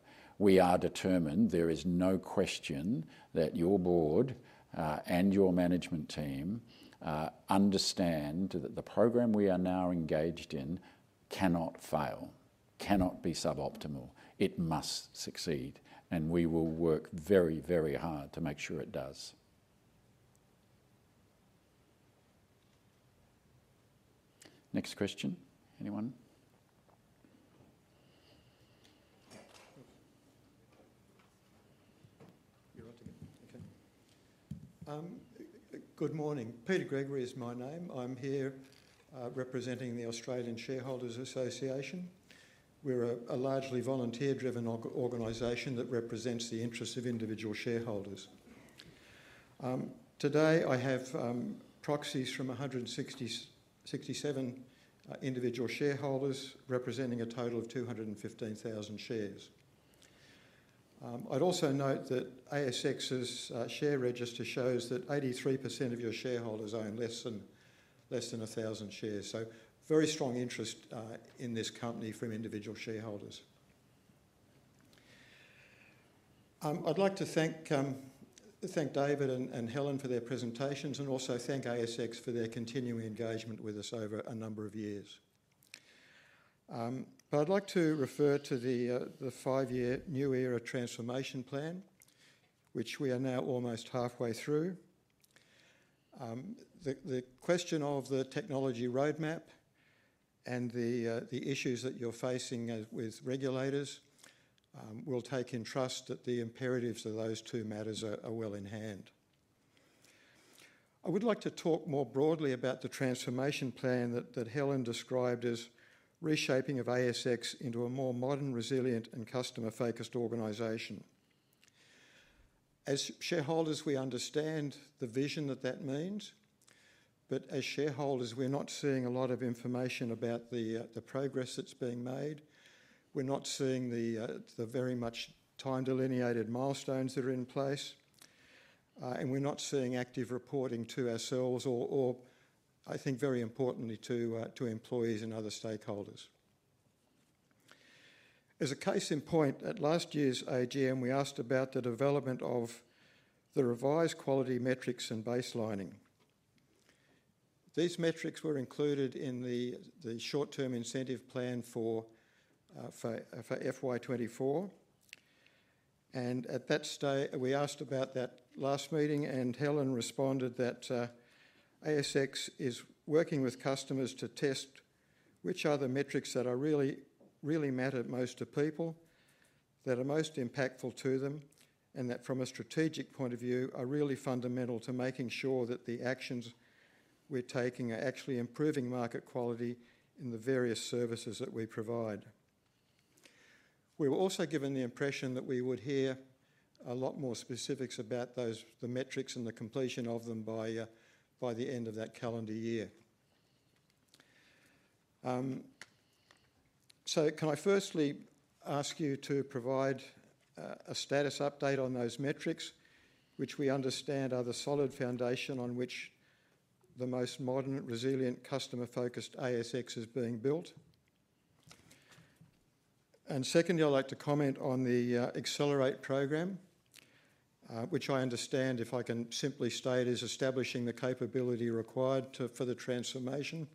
We are determined. There is no question that your board and your management team understand that the program we are now engaged in cannot fail, cannot be suboptimal. It must succeed, and we will work very, very hard to make sure it does. Next question, anyone? You're up again. Okay. Good morning. Peter Gregory is my name. I'm here representing the Australian Shareholders Association. We're a largely volunteer-driven organization that represents the interests of individual shareholders. Today, I have proxies from 167 individual shareholders representing a total of 215,000 shares. I'd also note that ASX's share register shows that 83% of your shareholders own less than 1,000 shares, so very strong interest in this company from individual shareholders. I'd like to thank David and Helen for their presentations and also thank ASX for their continuing engagement with us over a number of years. I'd like to refer to the five-year New Era Transformation Plan, which we are now almost halfway through. The question of the technology roadmap and the issues that you're facing with regulators will take in trust that the imperatives of those two matters are well in hand. I would like to talk more broadly about the transformation plan that Helen described as reshaping of ASX into a more modern, resilient, and customer-focused organization. As shareholders, we understand the vision that that means, but as shareholders, we're not seeing a lot of information about the progress that's being made. We're not seeing the very much time-delineated milestones that are in place, and we're not seeing active reporting to ourselves or, I think, very importantly, to employees and other stakeholders. As a case in point, at last year's AGM, we asked about the development of the revised quality metrics and baselining. These metrics were included in the short-term incentive plan for FY24, and at that stage, we asked about that last meeting, and Helen responded that ASX is working with customers to test which are the metrics that really, really matter most to people, that are most impactful to them, and that from a strategic point of view, are really fundamental to making sure that the actions we're taking are actually improving market quality in the various services that we provide. We were also given the impression that we would hear a lot more specifics about those metrics and the completion of them by the end of that calendar year. Can I firstly ask you to provide a status update on those metrics, which we understand are the solid foundation on which the most modern, resilient, customer-focused ASX is being built? Secondly, I'd like to comment on the Accelerate program, which I understand, if I can simply state it, is establishing the capability required for the transformation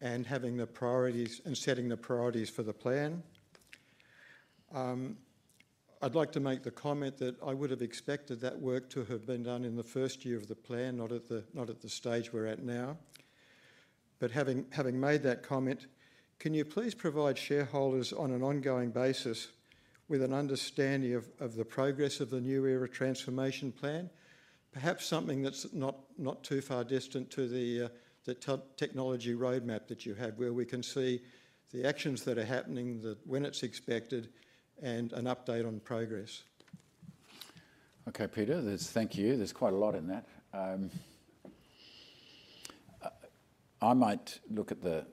and having the priorities and setting the priorities for the plan. I'd like to make the comment that I would have expected that work to have been done in the first year of the plan, not at the stage we're at now. Having made that comment, can you please provide shareholders on an ongoing basis with an understanding of the progress of the New Era Transformation Plan? Perhaps something that's not too far distant to the technology roadmap that you have, where we can see the actions that are happening, when it's expected, and an update on progress. Okay, Peter, thank you. There's quite a lot in that. I might look at the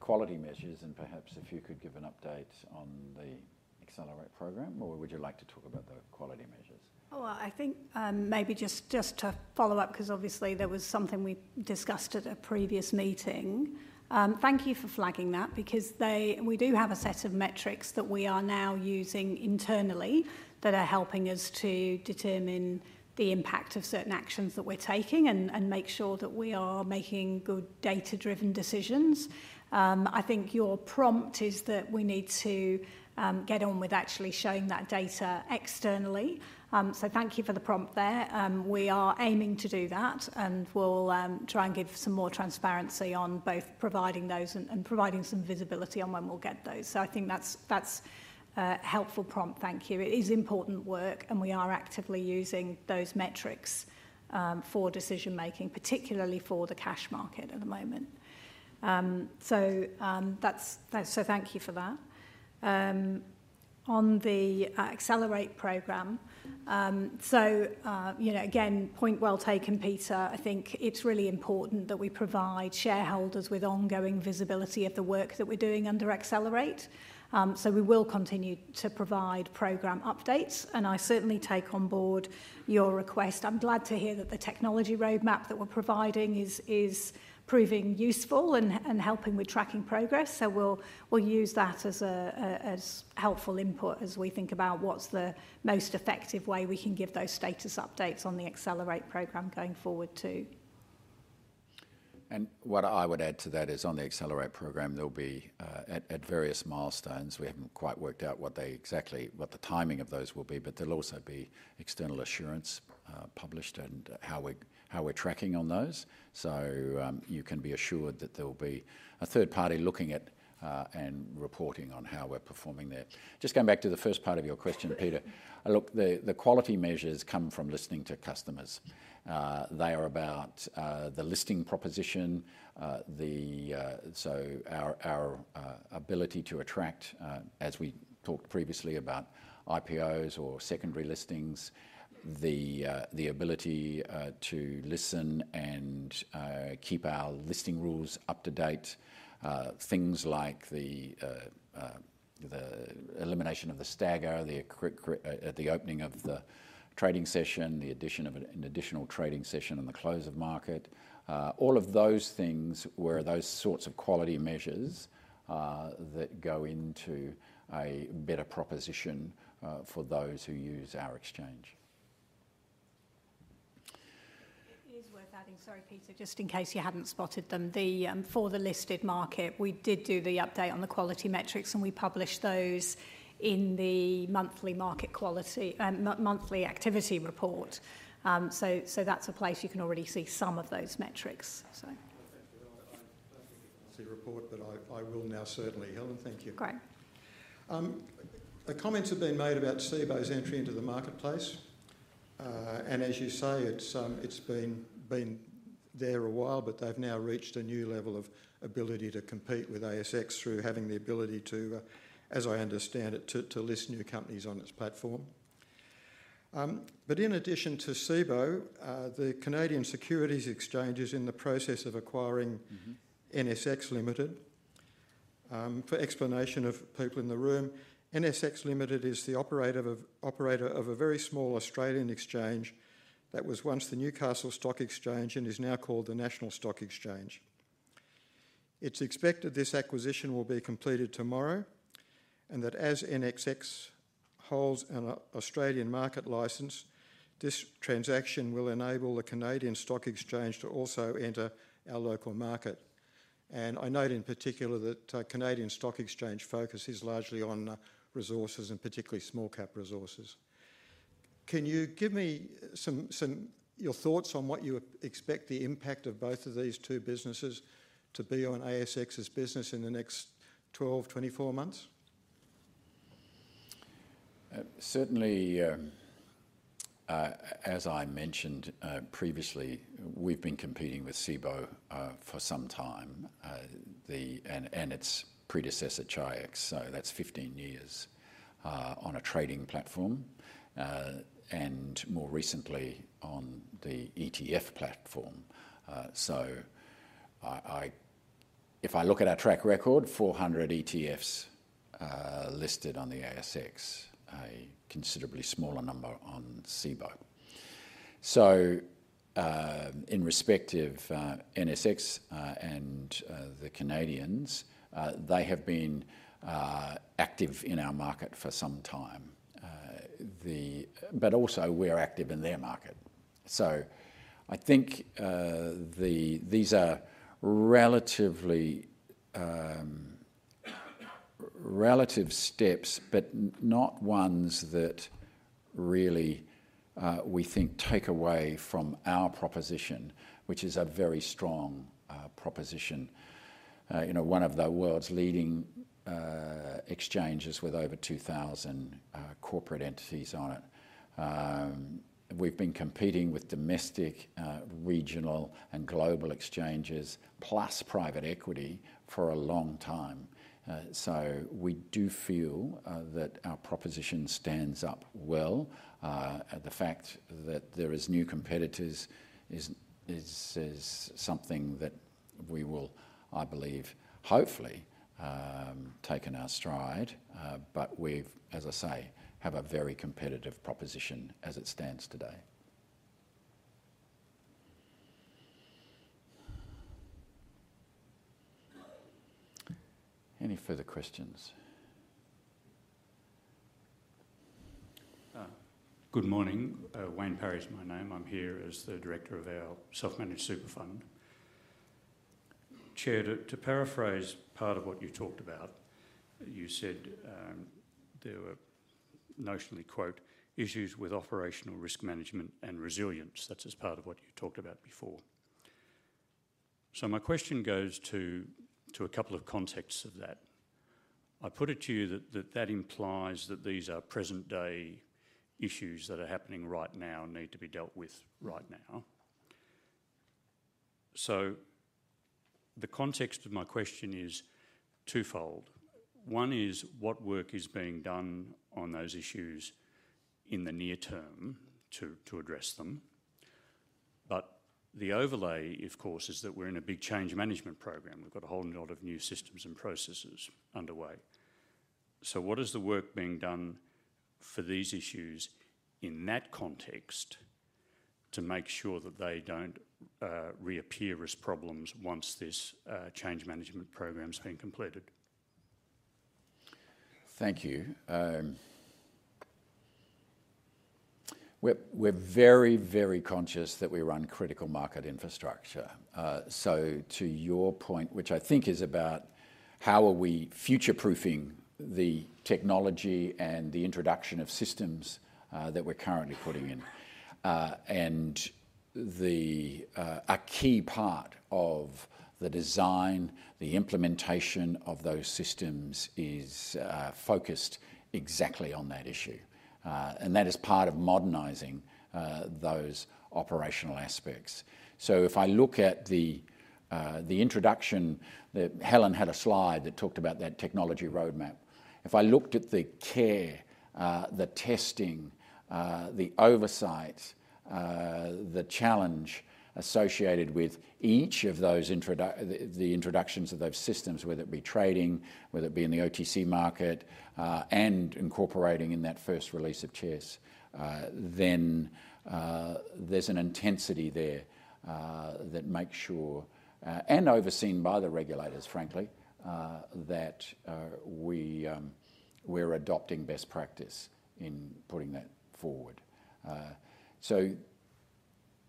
quality measures, and perhaps if you could give an update on the Accelerate program, or would you like to talk about the quality measures? I think maybe just to follow up, because obviously there was something we discussed at a previous meeting. Thank you for flagging that because we do have a set of metrics that we are now using internally that are helping us to determine the impact of certain actions that we're taking and make sure that we are making good data-driven decisions. I think your prompt is that we need to get on with actually showing that data externally. Thank you for the prompt there. We are aiming to do that and will try and give some more transparency on both providing those and providing some visibility on when we'll get those. I think that's a helpful prompt. Thank you. It is important work and we are actively using those metrics for decision-making, particularly for the cash market at the moment. Thank you for that. On the Accelerate program, point well taken, Peter. I think it's really important that we provide shareholders with ongoing visibility of the work that we're doing under Accelerate. We will continue to provide program updates and I certainly take on board your request. I'm glad to hear that the technology roadmap that we're providing is proving useful and helping with tracking progress. We'll use that as helpful input as we think about what's the most effective way we can give those status updates on the Accelerate program going forward too. What I would add to that is on the Accelerate program, there will be, at various milestones—we haven't quite worked out what the timing of those will be—external assurance published and how we're tracking on those. You can be assured that there will be a third party looking at and reporting on how we're performing there. Just going back to the first part of your question, Peter, the quality measures come from listening to customers. They are about the listing proposition, so our ability to attract, as we talked previously about IPOs or secondary listings, the ability to listen and keep our listing rules up to date, things like the elimination of the stagger, the opening of the trading session, the addition of an additional trading session, and the close of market. All of those things were those sorts of quality measures that go into a better proposition for those who use our exchange. It is worth adding, sorry, Peter, just in case you hadn't spotted them, for the listed market, we did do the update on the quality metrics, and we published those in the monthly market quality, monthly activity report. That's a place you can already see some of those metrics. I see a report that I will now, certainly, Helen, thank you. Great. A comment had been made about Cboe's entry into the marketplace. As you say, it's been there a while, but they've now reached a new level of ability to compete with ASX through having the ability to, as I understand it, to list new companies on its platform. In addition to Cboe, the Canadian Securities Exchange is in the process of acquiring NSX Limited. For explanation of people in the room, NSX Limited is the operator of a very small Australian exchange that was once the Newcastle Stock Exchange and is now called the National Stock Exchange. It's expected this acquisition will be completed tomorrow and that as NSX holds an Australian market license, this transaction will enable the Canadian Securities Exchange to also enter our local market. I note in particular that Canadian Securities Exchange focuses largely on resources and particularly small-cap resources. Can you give me some of your thoughts on what you expect the impact of both of these two businesses to be on ASX's business in the next 12, 24 months? Certainly, as I mentioned previously, we've been competing with Cboe for some time and its predecessor, Chi-X. That's 15 years on a trading platform and more recently on the ETF platform. If I look at our track record, 400 ETFs listed on the ASX, a considerably smaller number on Cboe. In respect of NSX and the Canadians, they have been active in our market for some time. We are also active in their market. I think these are relatively relative steps, but not ones that really we think take away from our proposition, which is a very strong proposition. You know, one of the world's leading exchanges with over 2,000 corporate entities on it. We've been competing with domestic, regional, and global exchanges plus private equity for a long time. We do feel that our proposition stands up well. The fact that there are new competitors is something that we will, I believe, hopefully, take in our stride. We've, as I say, have a very competitive proposition as it stands today. Any further questions? Good morning. Wayne Byres, my name. I'm here as the Director of our self-managed super fund. Chair, to paraphrase part of what you talked about, you said there were notionally, quote, issues with operational risk management and resilience. That's as part of what you talked about before. My question goes to a couple of contexts of that. I put it to you that that implies that these are present-day issues that are happening right now and need to be dealt with right now. The context of my question is twofold. One is what work is being done on those issues in the near term to address them. The overlay, of course, is that we're in a big change management program. We've got a whole lot of new systems and processes underway. What is the work being done for these issues in that context to make sure that they don't reappear as problems once this change management program's been completed? Thank you. We're very, very conscious that we run critical market infrastructure. To your point, which I think is about how are we future-proofing the technology and the introduction of systems that we're currently putting in, a key part of the design and the implementation of those systems is focused exactly on that issue. That is part of modernizing those operational aspects. If I look at the introduction, Helen had a slide that talked about that technology roadmap. If I look at the care, the testing, the oversight, the challenge associated with each of those introductions of those systems, whether it be trading, whether it be in the OTC market, and incorporating in that first release of CHESS, there's an intensity there that makes sure, and overseen by the regulators, frankly, that we're adopting best practice in putting that forward.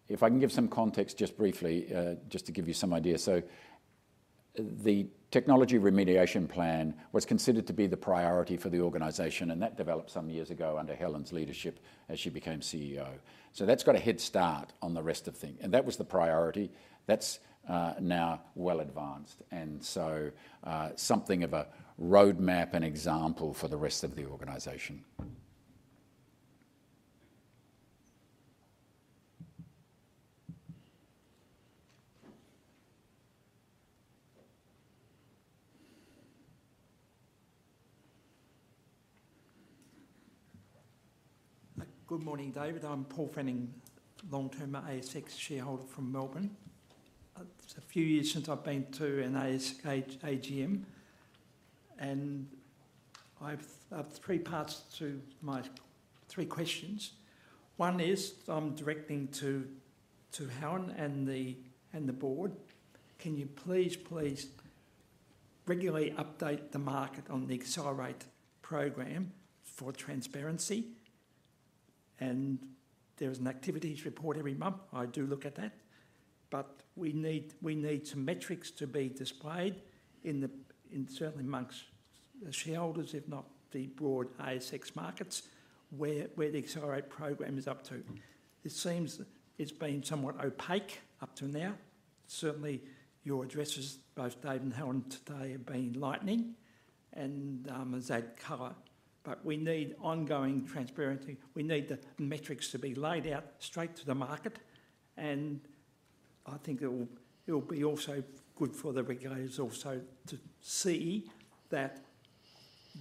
If I can give some context just briefly, just to give you some idea, the technology remediation plan was considered to be the priority for the organization, and that developed some years ago under Helen's leadership as she became CEO. That's got a head start on the rest of things. That was the priority. That's now well advanced and something of a roadmap and example for the rest of the organization. Good morning, David. I'm Paul Fanning, long-term ASX shareholder from Melbourne. It's a few years since I've been to an ASX AGM. I have three parts to my three questions. One is, I'm directing to Helen and the board, can you please, please regularly update the market on the Accelerate program for transparency? There's an activities report every month. I do look at that. We need some metrics to be displayed certainly amongst the shareholders, if not the broad ASX markets, where the Accelerate program is up to. It seems it's been somewhat opaque up to now. Certainly, your addresses, both David and Helen today, have been enlightening and said color. We need ongoing transparency. We need the metrics to be laid out straight to the market. I think it'll be also good for the regulators also to see that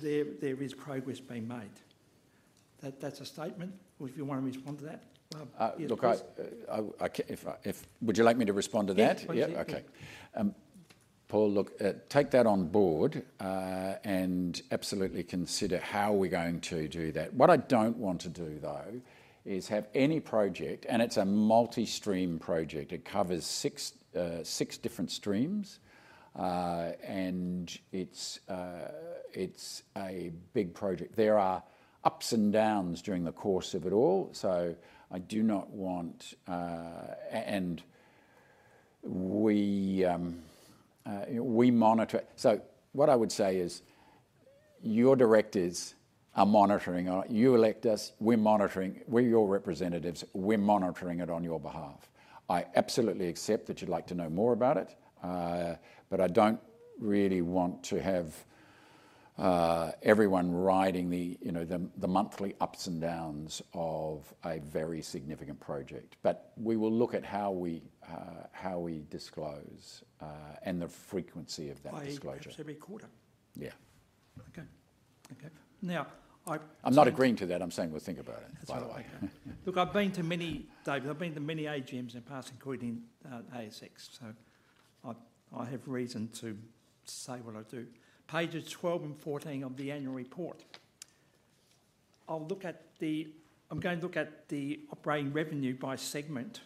there is progress being made. That's a statement. If you want to respond to that, it's great. Would you like me to respond to that? Yes. Okay. Paul, look, take that on board and absolutely consider how we're going to do that. What I don't want to do, though, is have any project, and it's a multi-stream project, it covers six different streams, and it's a big project. There are ups and downs during the course of it all. I do not want, and we monitor. What I would say is your directors are monitoring. You elect us. We're monitoring. We're your representatives. We're monitoring it on your behalf. I absolutely accept that you'd like to know more about it. I don't really want to have everyone riding the monthly ups and downs of a very significant project. We will look at how we disclose and the frequency of that disclosure. Every quarter? Yeah. Okay. Now. I'm not agreeing to that. I'm saying we'll think about it. That's what I heard. Look, I've been to many, David, I've been to many AGMs in the past, including ASX. I have reason to say what I do. Pages 12 and 14 of the annual report. I'll look at the, I'm going to look at the operating revenue by segment.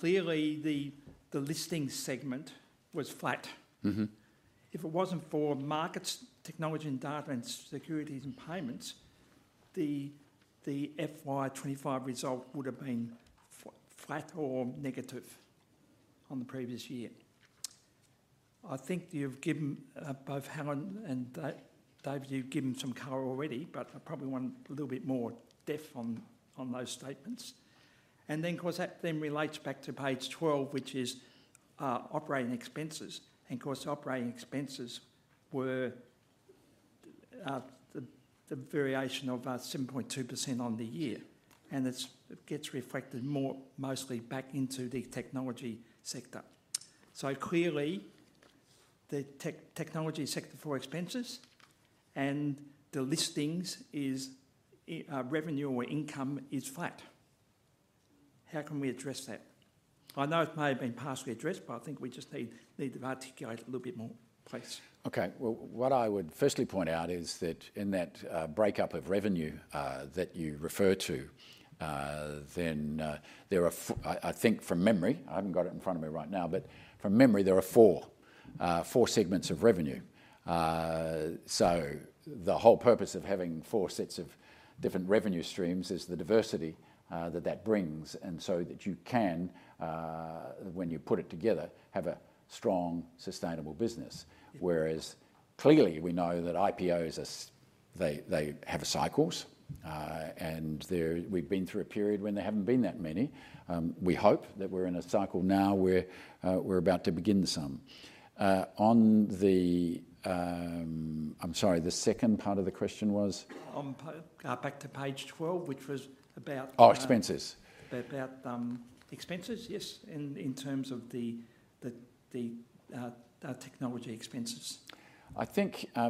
Clearly, the listings segment was flat. If it wasn't for markets, technology and data, and securities and payments, the FY25 result would have been flat or negative on the previous year. I think you've given both Helen and David, you've given some color already, but I probably want a little bit more depth on those statements. Of course, that then relates back to page 12, which is operating expenses. The operating expenses were the variation of 7.2% on the year. It gets reflected mostly back into the technology sector. Clearly, the technology sector for expenses and the listings is revenue or income is flat. How can we address that? I know it may have been partially addressed, but I think we just need to articulate a little bit more, please. Okay. What I would firstly point out is that in that breakup of revenue that you refer to, there are, I think from memory, I haven't got it in front of me right now, but from memory, there are four segments of revenue. The whole purpose of having four sets of different revenue streams is the diversity that that brings, so that you can, when you put it together, have a strong, sustainable business. Clearly, we know that IPOs have cycles, and we've been through a period when there haven't been that many. We hope that we're in a cycle now where we're about to begin some. I'm sorry, the second part of the question was? Back to page 12, which was about. Oh, expenses. About expenses, yes, in terms of the technology expenses. I think I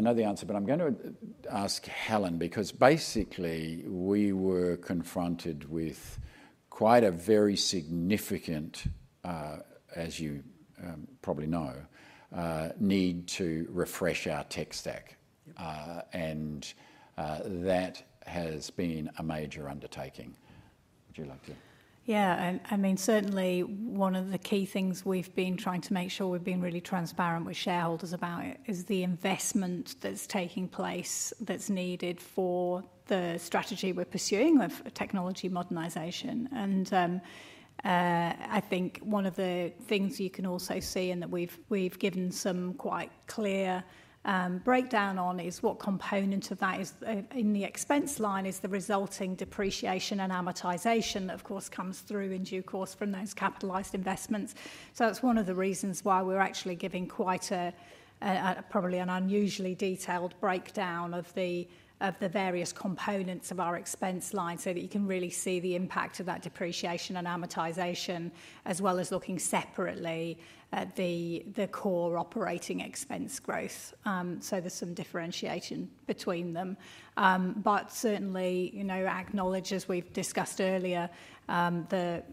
know the answer, but I'm going to ask Helen because basically, we were confronted with quite a very significant, as you probably know, need to refresh our tech stack. That has been a major undertaking. Would you like to? Yeah, I mean, certainly, one of the key things we've been trying to make sure we've been really transparent with shareholders about is the investment that's taking place that's needed for the strategy we're pursuing of technology modernization. I think one of the things you can also see and that we've given some quite clear breakdown on is what component of that is in the expense line is the resulting depreciation and amortization that, of course, comes through in due course from those capitalized investments. That's one of the reasons why we're actually giving quite a, probably an unusually detailed breakdown of the various components of our expense line so that you can really see the impact of that depreciation and amortization, as well as looking separately at the core operating expense growth. There's some differentiation between them. Certainly, you know, acknowledge, as we've discussed earlier, the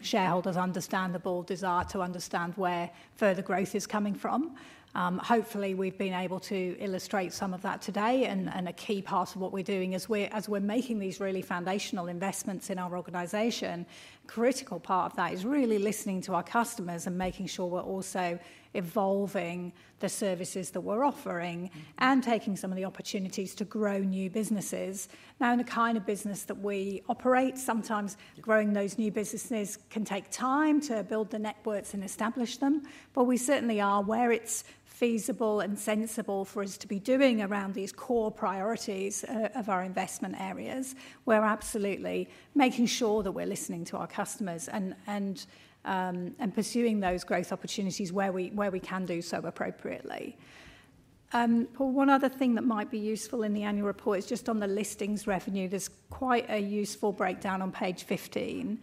shareholders understand the desire to understand where further growth is coming from. Hopefully, we've been able to illustrate some of that today. A key part of what we're doing is we're making these really foundational investments in our organization. A critical part of that is really listening to our customers and making sure we're also evolving the services that we're offering and taking some of the opportunities to grow new businesses. Now, in the kind of business that we operate, sometimes growing those new businesses can take time to build the networks and establish them. We certainly are where it's feasible and sensible for us to be doing around these core priorities of our investment areas. We're absolutely making sure that we're listening to our customers and pursuing those growth opportunities where we can do so appropriately. One other thing that might be useful in the annual report is just on the listings revenue. There's quite a useful breakdown on page 15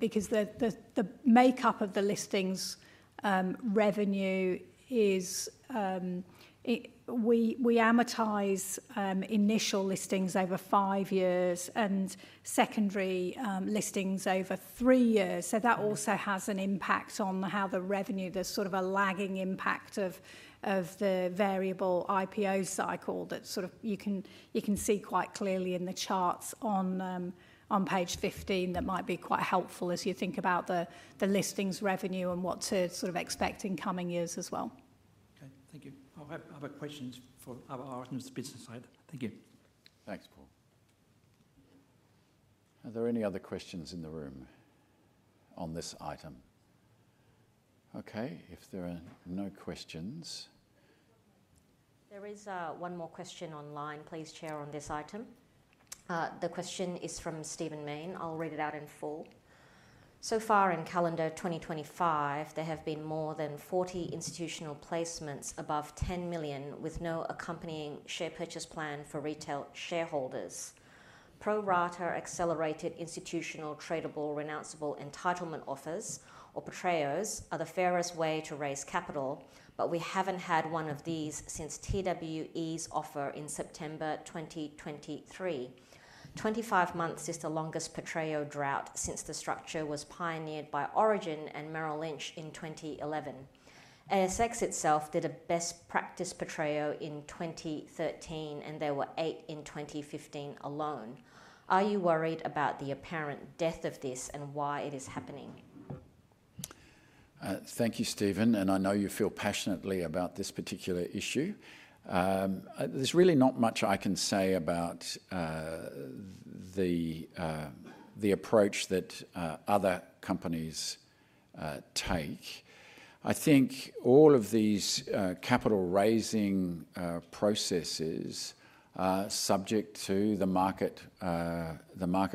because the makeup of the listings revenue is we amortize initial listings over five years and secondary listings over three years. That also has an impact on how the revenue, there's sort of a lagging impact of the variable IPO cycle that sort of you can see quite clearly in the charts on page 15 that might be quite helpful as you think about the listings revenue and what to sort of expect in coming years as well. Okay, thank you. I have other questions for other items of the business side. Thank you. Thanks, Paul. Are there any other questions in the room on this item? Okay, if there are no questions. There is one more question online, please, Chair, on this item. The question is from Stephen Mayne. I'll read it out in full. So far, in calendar 2025, there have been more than 40 institutional placements above $10 million with no accompanying share purchase plan for retail shareholders. Pro-rata accelerated institutional tradable renounceable entitlement offers, or PAITREOs, are the fairest way to raise capital, but we haven't had one of these since TWE's offer in September 2023. Twenty-five months is the longest PAITREO drought since the structure was pioneered by Origin and Merrill Lynch in 2011. ASX itself did a best practice PAITREO in 2013, and there were eight in 2015 alone. Are you worried about the apparent death of this and why it is happening? Thank you, Stephen, and I know you feel passionately about this particular issue. There's really not much I can say about the approach that other companies take. I think all of these capital raising processes are subject to the market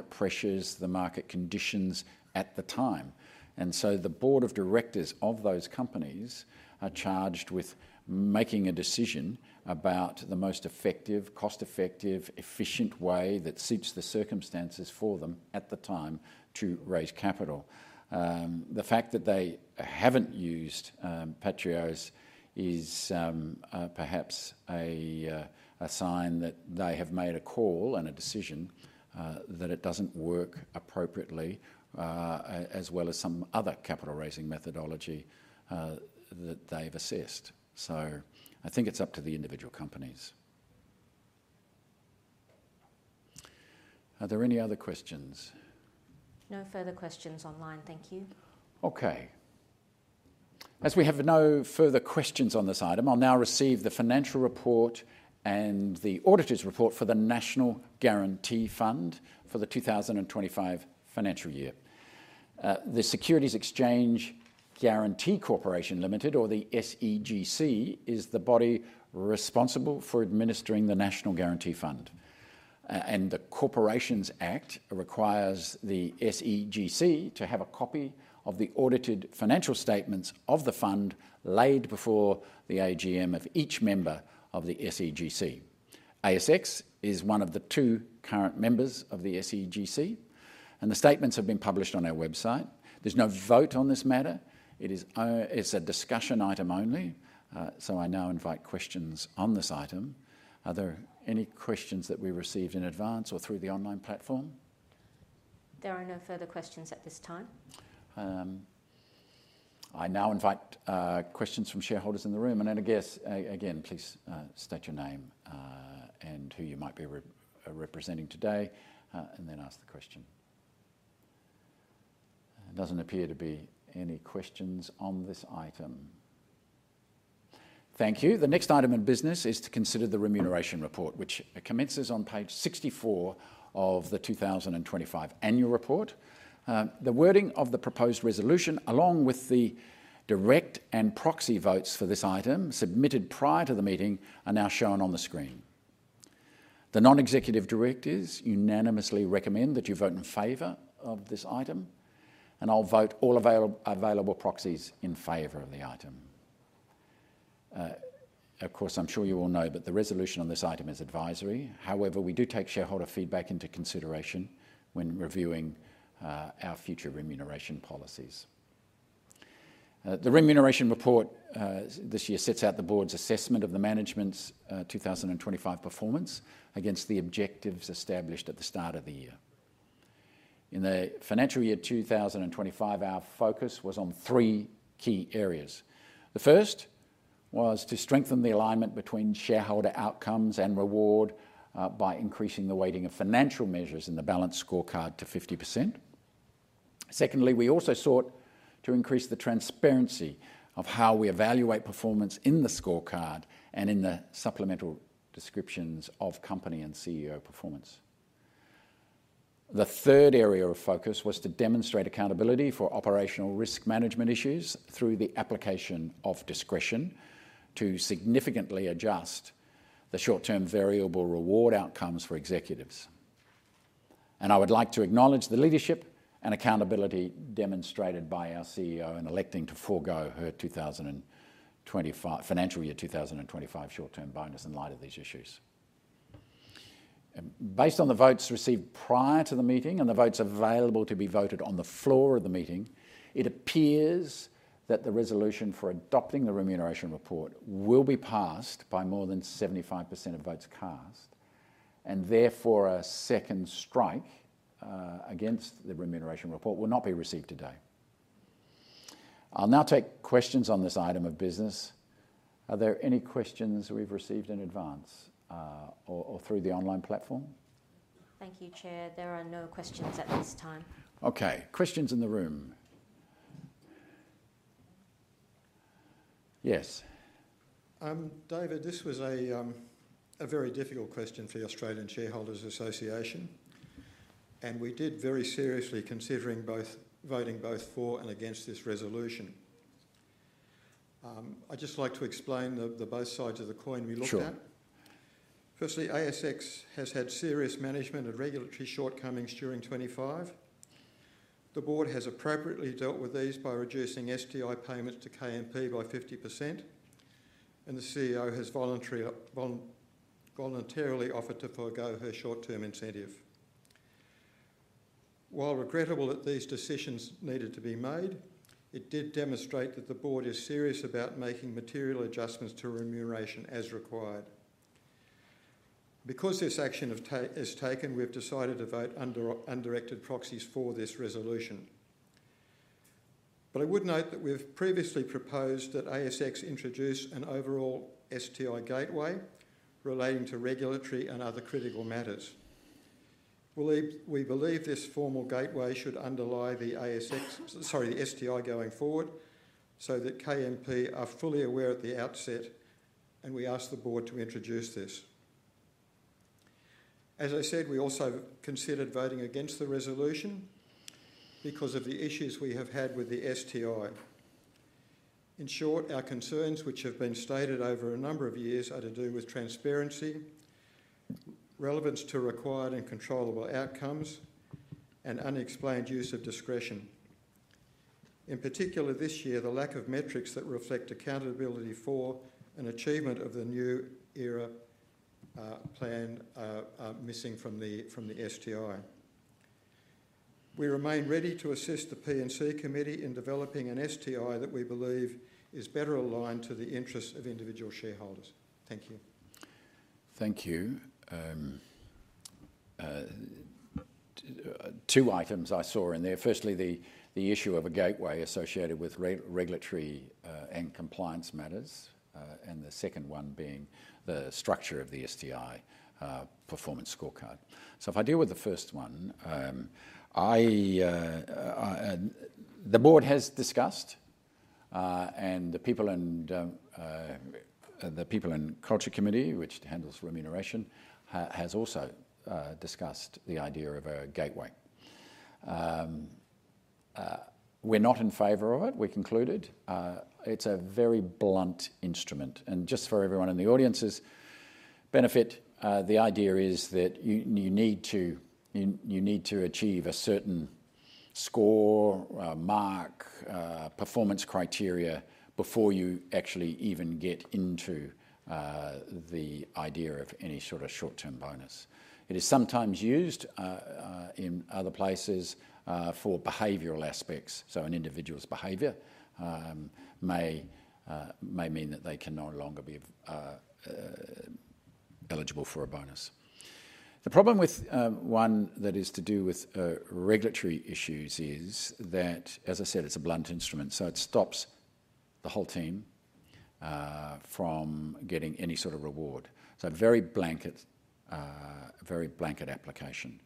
pressures, the market conditions at the time. The board of directors of those companies are charged with making a decision about the most effective, cost-effective, efficient way that suits the circumstances for them at the time to raise capital. The fact that they haven't used PAITREOs is perhaps a sign that they have made a call and a decision that it doesn't work appropriately, as well as some other capital raising methodology that they've assessed. I think it's up to the individual companies. Are there any other questions? No further questions online. Thank you. Okay. As we have no further questions on this item, I'll now receive the financial report and the auditor's report for the National Guarantee Fund for the 2025 financial year. The Securities Exchange Guarantee Corporation Limited, or the SEGC, is the body responsible for administering the National Guarantee Fund. The Corporations Act requires the SEGC to have a copy of the audited financial statements of the fund laid before the AGM of each member of the SEGC. ASX is one of the two current members of the SEGC, and the statements have been published on our website. There's no vote on this matter. It's a discussion item only. I now invite questions on this item. Are there any questions that we received in advance or through the online platform? There are no further questions at this time. I now invite questions from shareholders in the room. Please state your name and who you might be representing today, and then ask the question. It doesn't appear to be any questions on this item. Thank you. The next item in business is to consider the Remuneration Report, which commences on page 64 of the 2025 Annual Report. The wording of the proposed resolution, along with the direct and proxy votes for this item submitted prior to the meeting, are now shown on the screen. The non-executive directors unanimously recommend that you vote in favor of this item, and I'll vote all available proxies in favor of the item. Of course, I'm sure you all know, the resolution on this item is advisory. However, we do take shareholder feedback into consideration when reviewing our future remuneration policies. The Remuneration Report this year sets out the board's assessment of the management's 2025 performance against the objectives established at the start of the year. In the financial year 2025, our focus was on three key areas. The first was to strengthen the alignment between shareholder outcomes and reward by increasing the weighting of financial measures in the balanced scorecard to 50%. Secondly, we also sought to increase the transparency of how we evaluate performance in the scorecard and in the supplemental descriptions of company and CEO performance. The third area of focus was to demonstrate accountability for operational risk management issues through the application of discretion to significantly adjust the short-term variable reward outcomes for executives. I would like to acknowledge the leadership and accountability demonstrated by our CEO in electing to forego her financial year 2025 short-term bonus in light of these issues. Based on the votes received prior to the meeting and the votes available to be voted on the floor of the meeting, it appears that the resolution for adopting the Remuneration Report will be passed by more than 75% of votes cast, and therefore a second strike against the Remuneration Report will not be received today. I'll now take questions on this item of business. Are there any questions we've received in advance or through the online platform? Thank you, Chair. There are no questions at this time. Okay. Questions in the room? Yes. David, this was a very difficult question for the Australian Shareholders Association, and we did very seriously consider both voting for and against this resolution. I'd just like to explain both sides of the coin we looked at. Sure. Firstly, ASX has had serious management and regulatory shortcomings during 2025. The board has appropriately dealt with these by reducing STI payments to KMP by 50%, and the CEO has voluntarily offered to forego her short-term incentive. While regrettable that these decisions needed to be made, it did demonstrate that the board is serious about making material adjustments to remuneration as required. Because this action is taken, we've decided to vote undirected proxies for this resolution. I would note that we've previously proposed that ASX introduce an overall STI gateway relating to regulatory and other critical matters. We believe this formal gateway should underlie the STI going forward so that KMP are fully aware at the outset, and we ask the board to introduce this. As I said, we also considered voting against the resolution because of the issues we have had with the STI. In short, our concerns, which have been stated over a number of years, are to do with transparency, relevance to required and controllable outcomes, and unexplained use of discretion. In particular, this year, the lack of metrics that reflect accountability for an achievement of the new era plan are missing from the STI. We remain ready to assist the P&C committee in developing an STI that we believe is better aligned to the interests of individual shareholders. Thank you. Thank you. Two items I saw in there. Firstly, the issue of a gateway associated with regulatory and compliance matters, and the second one being the structure of the STI performance scorecard. If I deal with the first one, the board has discussed, and the people in the People and Culture Committee, which handles remuneration, have also discussed the idea of a gateway. We're not in favor of it, we concluded. It's a very blunt instrument. Just for everyone in the audience's benefit, the idea is that you need to achieve a certain score, mark, or performance criteria before you actually even get into the idea of any sort of short-term bonus. It is sometimes used in other places for behavioral aspects. An individual's behavior may mean that they can no longer be eligible for a bonus. The problem with one that is to do with regulatory issues is that, as I said, it's a blunt instrument. It stops the whole team from getting any sort of reward. A very blanket application.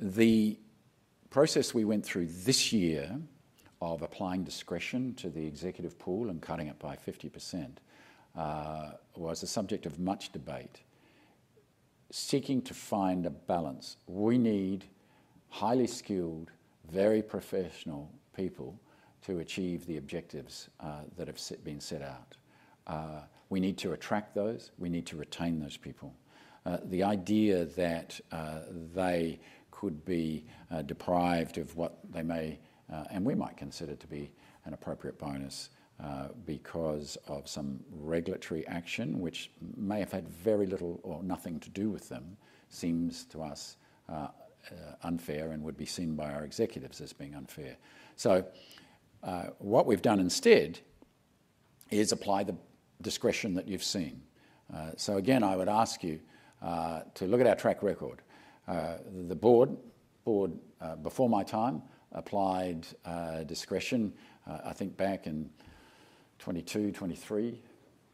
The process we went through this year of applying discretion to the executive pool and cutting it by 50% was the subject of much debate, seeking to find a balance. We need highly skilled, very professional people to achieve the objectives that have been set out. We need to attract those. We need to retain those people. The idea that they could be deprived of what they may, and we might consider to be an appropriate bonus because of some regulatory action, which may have had very little or nothing to do with them, seems to us unfair and would be seen by our executives as being unfair. What we've done instead is apply the discretion that you've seen. I would ask you to look at our track record. The board before my time applied discretion, I think back in 2022, 2023,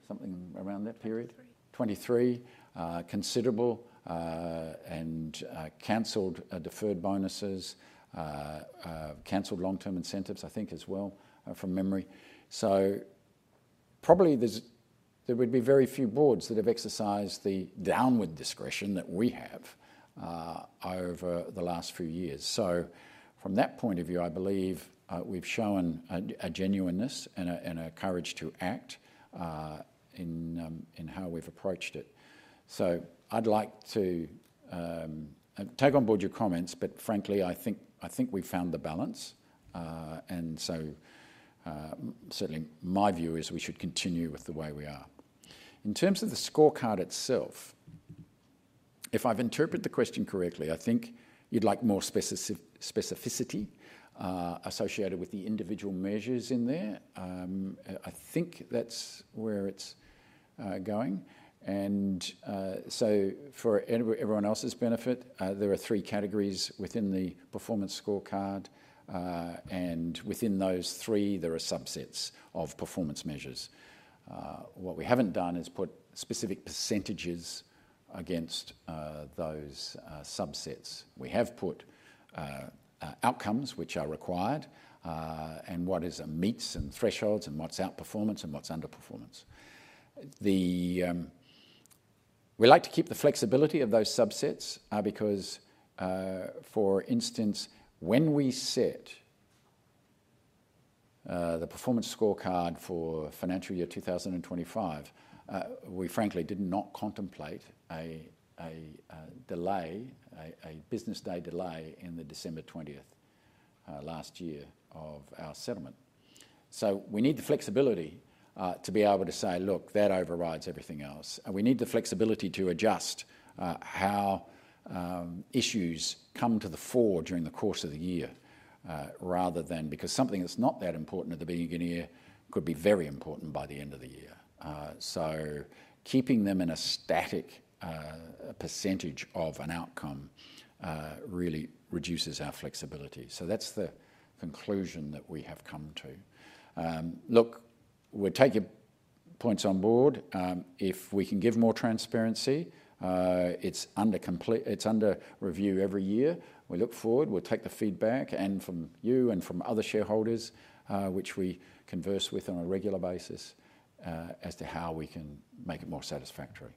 something around that period. '23. '23, considerable, and canceled deferred bonuses, canceled long-term incentives, I think as well, from memory. There would be very few boards that have exercised the downward discretion that we have over the last few years. From that point of view, I believe we've shown a genuineness and a courage to act in how we've approached it. I'd like to take on board your comments, but frankly, I think we found the balance. Certainly my view is we should continue with the way we are. In terms of the scorecard itself, if I've interpreted the question correctly, I think you'd like more specificity associated with the individual measures in there. I think that's where it's going. For everyone else's benefit, there are three categories within the performance scorecard, and within those three, there are subsets of performance measures. What we haven't done is put specific % against those subsets. We have put outcomes which are required and what is a meets and thresholds and what's outperformance and what's underperformance. We like to keep the flexibility of those subsets because, for instance, when we set the performance scorecard for financial year 2025, we frankly did not contemplate a delay, a business day delay in the December 20th last year of our settlement. We need the flexibility to be able to say, look, that overrides everything else. We need the flexibility to adjust how issues come to the fore during the course of the year, rather than because something that's not that important at the beginning of the year could be very important by the end of the year. Keeping them in a static % of an outcome really reduces our flexibility. That's the conclusion that we have come to. We'll take your points on board. If we can give more transparency, it's under review every year. We look forward. We'll take the feedback from you and from other shareholders, which we converse with on a regular basis, as to how we can make it more satisfactory.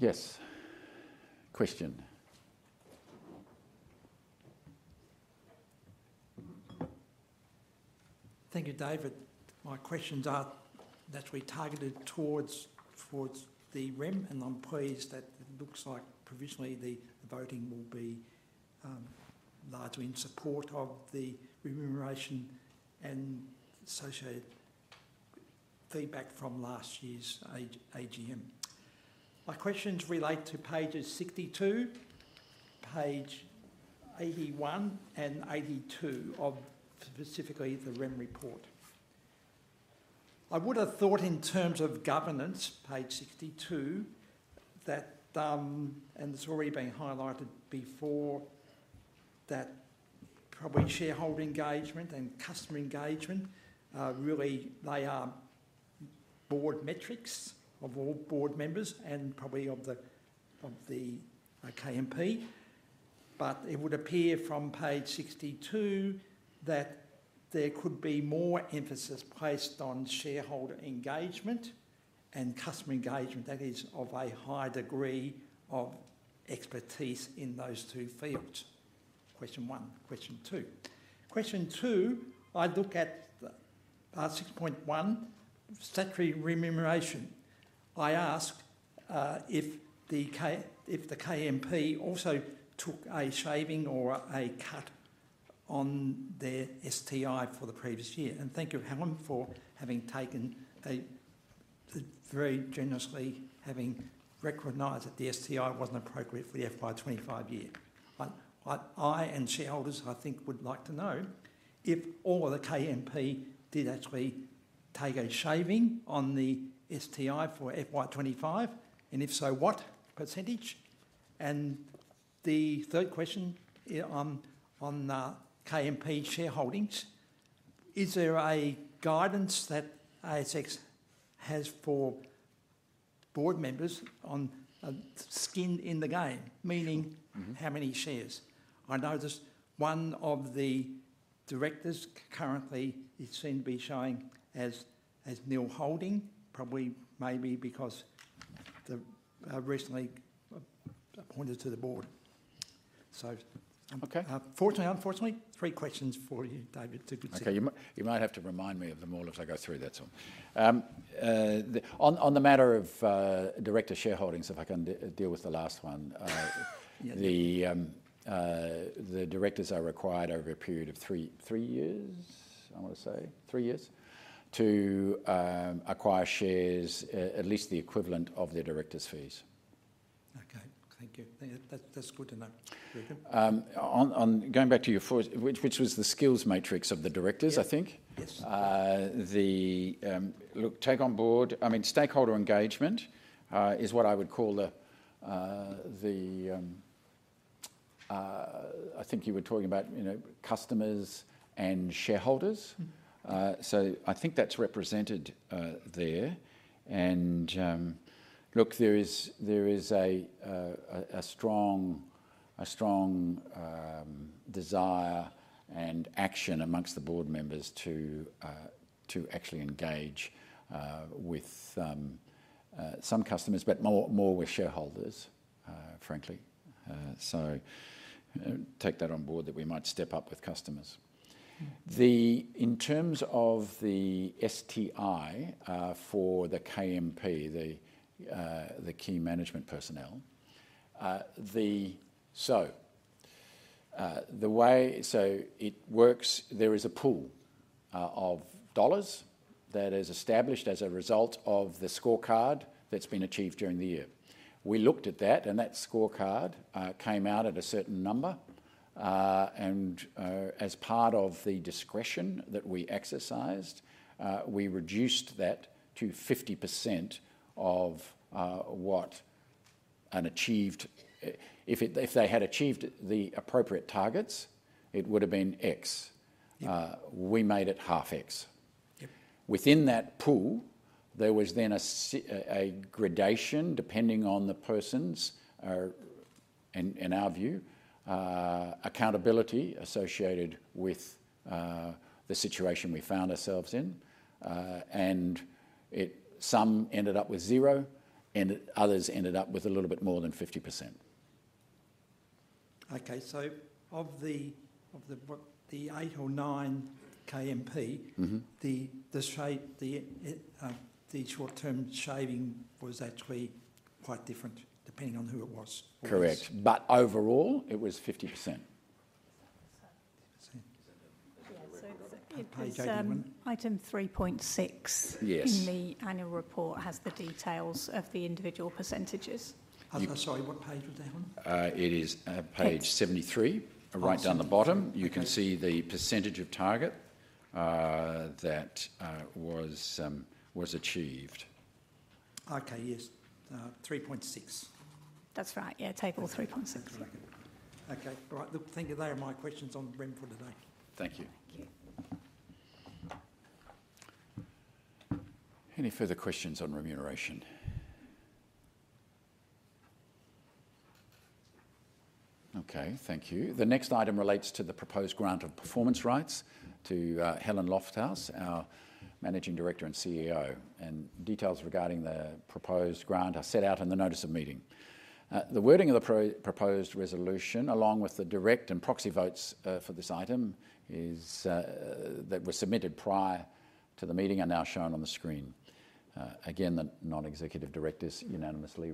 Yes, question. Thank you, David. My questions are that we targeted towards the Rem, and I'm pleased that it looks like provisionally the voting will be largely in support of the remuneration and associated feedback from last year's AGM. My questions relate to pages 62, page 81, and 82 of specifically the Rem report. I would have thought in terms of governance, page 62, that, and it's already been highlighted before, that probably shareholder engagement and customer engagement really, they are board metrics of all board members and probably of the KMP. It would appear from page 62 that there could be more emphasis placed on shareholder engagement and customer engagement, that is, of a high degree of expertise in those two fields. Question one. Question two. I look at the 6.1 statutory remuneration. I ask if the KMP also took a shaving or a cut on their STI for the previous year. Thank you, Helen, for having taken a very generously, having recognized that the STI wasn't appropriate for the FY25 year. I and shareholders, I think, would like to know if all the KMP did actually take a shaving on the STI for FY25, and if so, what percentage? The third question on the KMP shareholdings, is there a guidance that ASX has for board members on a skin in the game, meaning how many shares? I noticed one of the directors currently is seen to be showing as nil holding, probably maybe because recently appointed to the board. Fortunately, unfortunately, three questions for you, David, to consider. Okay, you might have to remind me of them all as I go through that. On the matter of director shareholdings, if I can deal with the last one, the directors are required over a period of three years, I want to say, three years, to acquire shares, at least the equivalent of their director's fees. Okay, thank you. That's good to know. Going back to your first, which was the skills matrix of the directors, I think. Look, take on board, I mean, stakeholder engagement is what I would call the, I think you were talking about customers and shareholders. I think that's represented there. There is a strong desire and action amongst the board members to actually engage with some customers, but more with shareholders, frankly. Take that on board that we might step up with customers. In terms of the STI for the KMP, the key management personnel, it works, there is a pool of dollars that is established as a result of the scorecard that's been achieved during the year. We looked at that, and that scorecard came out at a certain number. As part of the discretion that we exercised, we reduced that to 50% of what an achieved, if they had achieved the appropriate targets, it would have been X. We made it half X. Within that pool, there was then a gradation depending on the person's, in our view, accountability associated with the situation we found ourselves in. Some ended up with zero, and others ended up with a little bit more than 50%. Okay, of the eight or nine KMP, the short-term shaving was actually quite different depending on who it was. Correct. Overall, it was 50%. Item 3.6 in the annual report has the details of the individual %. I'm sorry, what page was that? It is page 73. Right down the bottom, you can see the % of target that was achieved. Okay, yes, 3.6. That's right, yeah, table 3.6. Okay, all right. Thank you. Those are my questions on Rem for today. Thank you. Thank you. Any further questions on remuneration? Okay, thank you. The next item relates to the proposed grant of performance rights to Helen Lofthouse, our Managing Director and CEO. Details regarding the proposed grant are set out in the Notice of Meeting. The wording of the proposed resolution, along with the direct and proxy votes for this item that were submitted prior to the meeting, are now shown on the screen. Again, the non-executive directors unanimously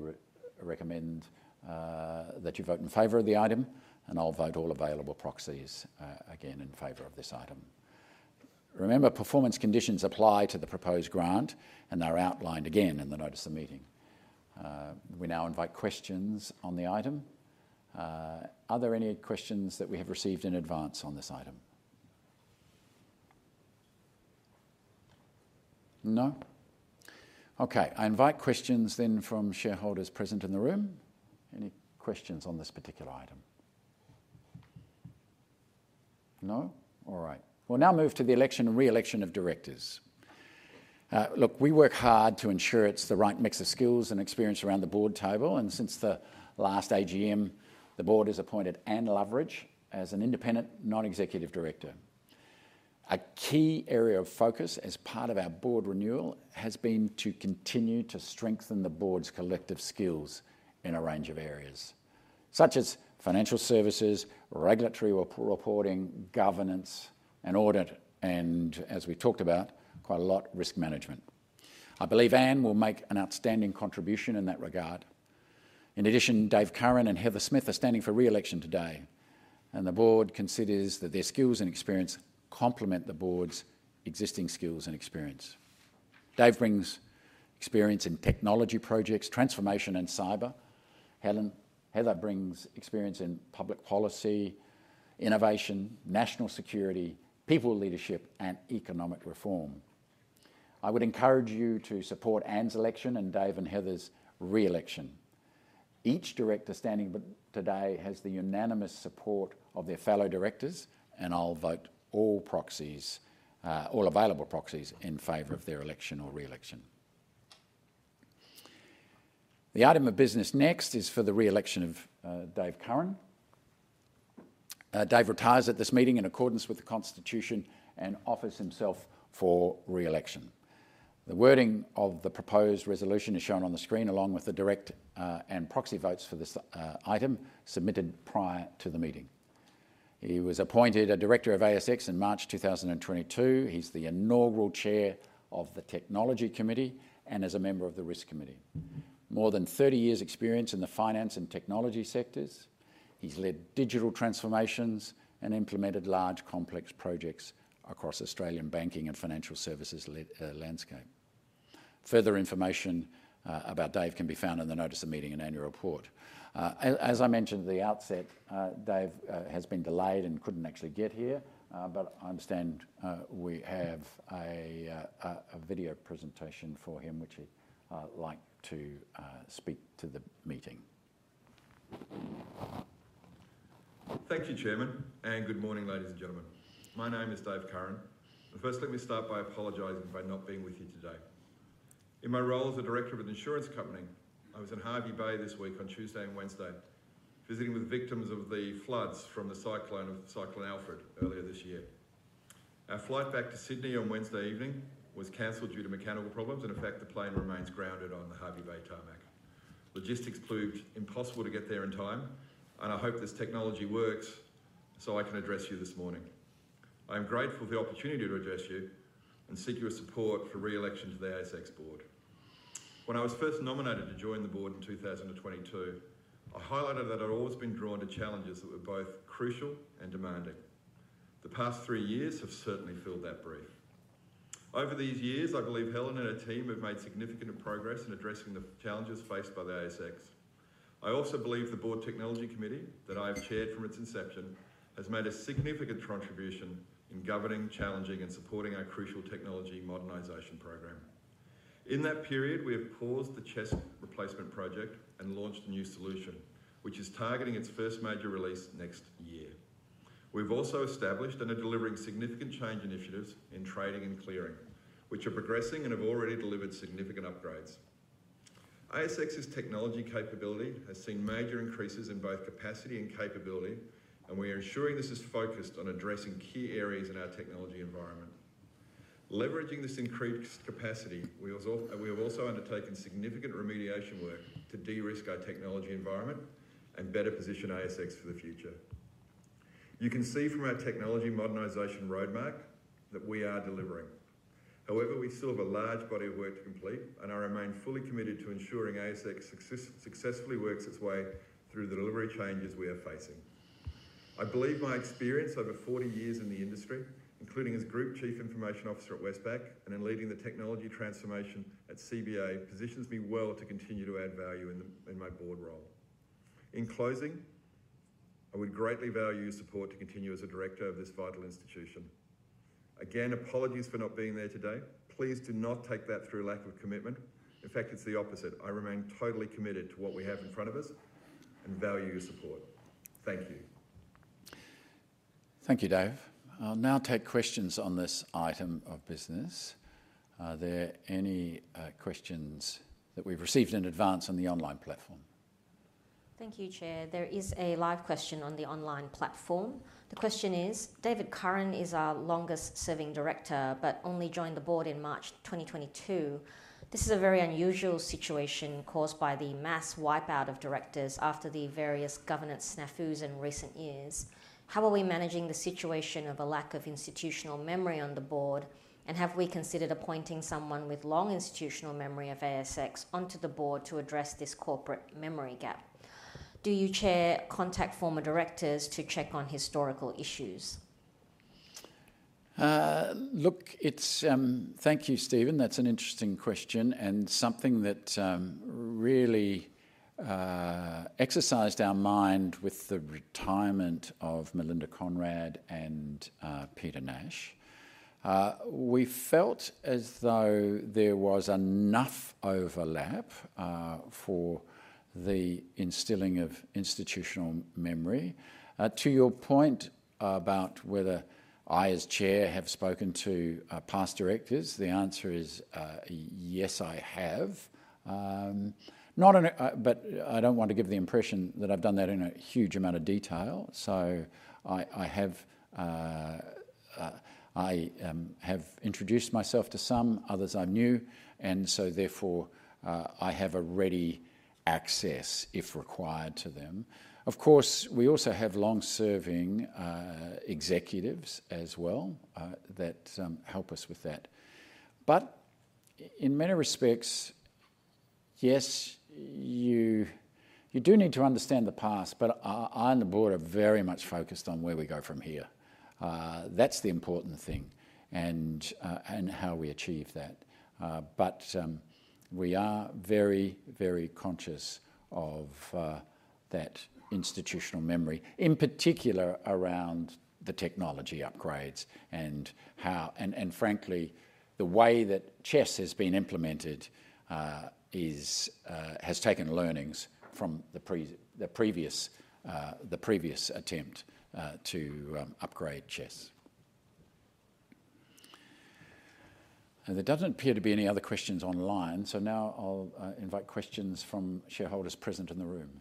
recommend that you vote in favor of the item, and I'll vote all available proxies again in favor of this item. Remember, performance conditions apply to the proposed grant, and they're outlined again in the Notice of Meeting. We now invite questions on the item. Are there any questions that we have received in advance on this item? No? Okay, I invite questions then from shareholders present in the room. Any questions on this particular item? No? All right. We'll now move to the election and re-election of directors. We work hard to ensure it's the right mix of skills and experience around the board table. Since the last AGM, the board has appointed Anne Loveridge as an independent non-executive director. A key area of focus as part of our board renewal has been to continue to strengthen the board's collective skills in a range of areas, such as financial services, regulatory reporting, governance, and audit, and as we talked about, quite a lot, risk management. I believe Anne will make an outstanding contribution in that regard. In addition, Dave Curran and Dr. Heather Smith are standing for re-election today, and the board considers that their skills and experience complement the board's existing skills and experience. Dave brings experience in technology projects, transformation, and cyber. Heather brings experience in public policy, innovation, national security, people leadership, and economic reform. I would encourage you to support Anne's election and Dave and Heather's re-election. Each director standing today has the unanimous support of their fellow directors, and I'll vote all proxies, all available proxies, in favor of their election or re-election. The item of business next is for the re-election of Dave Curran. Dave retires at this meeting in accordance with the Constitution and offers himself for re-election. The wording of the proposed resolution is shown on the screen, along with the direct and proxy votes for this item submitted prior to the meeting. He was appointed a director of ASX Limited in March 2022. He's the inaugural Chair of the Technology Committee and is a member of the Risk Committee. With more than 30 years' experience in the finance and technology sectors, he's led digital transformations and implemented large complex projects across the Australian banking and financial services landscape. Further information about Dave can be found in the Notice of Meeting and Annual Report. As I mentioned at the outset, Dave has been delayed and couldn't actually get here, but I understand we have a video presentation for him, which he'd like to speak to the meeting. Thank you, Chairman, and good morning, ladies and gentlemen. My name is Dave Curran. First, let me start by apologizing for not being with you today. In my role as a director of an insurance company, I was in Hervey Bay this week on Tuesday and Wednesday, visiting with victims of the floods from Cyclone Alfred earlier this year. Our flight back to Sydney on Wednesday evening was canceled due to mechanical problems, and in fact, the plane remains grounded on the Hervey Bay tarmac. Logistics proved impossible to get there in time, and I hope this technology works so I can address you this morning. I am grateful for the opportunity to address you and seek your support for re-election to the ASX board. When I was first nominated to join the board in 2022, I highlighted that I'd always been drawn to challenges that were both crucial and demanding. The past three years have certainly filled that brief. Over these years, I believe Helen and her team have made significant progress in addressing the challenges faced by the ASX. I also believe the Board Technology Committee that I've chaired from its inception has made a significant contribution in governing, challenging, and supporting our crucial technology modernization program. In that period, we have paused the CHESS replacement project and launched a new solution, which is targeting its first major release next year. We've also established and are delivering significant change initiatives in trading and clearing, which are progressing and have already delivered significant upgrades. ASX's technology capability has seen major increases in both capacity and capability, and we are ensuring this is focused on addressing key areas in our technology environment. Leveraging this increased capacity, we have also undertaken significant remediation work to de-risk our technology environment and better position ASX for the future. You can see from our technology modernization roadmap that we are delivering. However, we still have a large body of work to complete, and I remain fully committed to ensuring ASX successfully works its way through the delivery changes we are facing. I believe my experience over 40 years in the industry, including as Group Chief Information Officer at Westpac and in leading the technology transformation at CBA, positions me well to continue to add value in my board role. In closing, I would greatly value your support to continue as a director of this vital institution. Again, apologies for not being there today. Please do not take that through lack of commitment. In fact, it's the opposite. I remain totally committed to what we have in front of us and value your support. Thank you. Thank you, Dave. I'll now take questions on this item of business. Are there any questions that we've received in advance on the online platform? Thank you, Chair. There is a live question on the online platform. The question is, David Curran is our longest-serving director, but only joined the board in March 2022. This is a very unusual situation caused by the mass wipeout of directors after the various governance snafus in recent years. How are we managing the situation of a lack of institutional memory on the board, and have we considered appointing someone with long institutional memory of ASX onto the board to address this corporate memory gap? Do you, Chair, contact former directors to check on historical issues? Thank you, Stephen. That's an interesting question and something that really exercised our mind with the retirement of Melinda Conrad and Peter Nash. We felt as though there was enough overlap for the instilling of institutional memory. To your point about whether I, as Chair, have spoken to past directors, the answer is yes, I have. I don't want to give the impression that I've done that in a huge amount of detail. I have introduced myself to some others I knew, and therefore I have ready access, if required, to them. Of course, we also have long-serving executives as well that help us with that. In many respects, yes, you do need to understand the past, but I and the board are very much focused on where we go from here. That's the important thing and how we achieve that. We are very, very conscious of that institutional memory, in particular around the technology upgrades and how, and frankly, the way that CHESS has been implemented has taken learnings from the previous attempt to upgrade CHESS. There doesn't appear to be any other questions online, so now I'll invite questions from shareholders present in the room.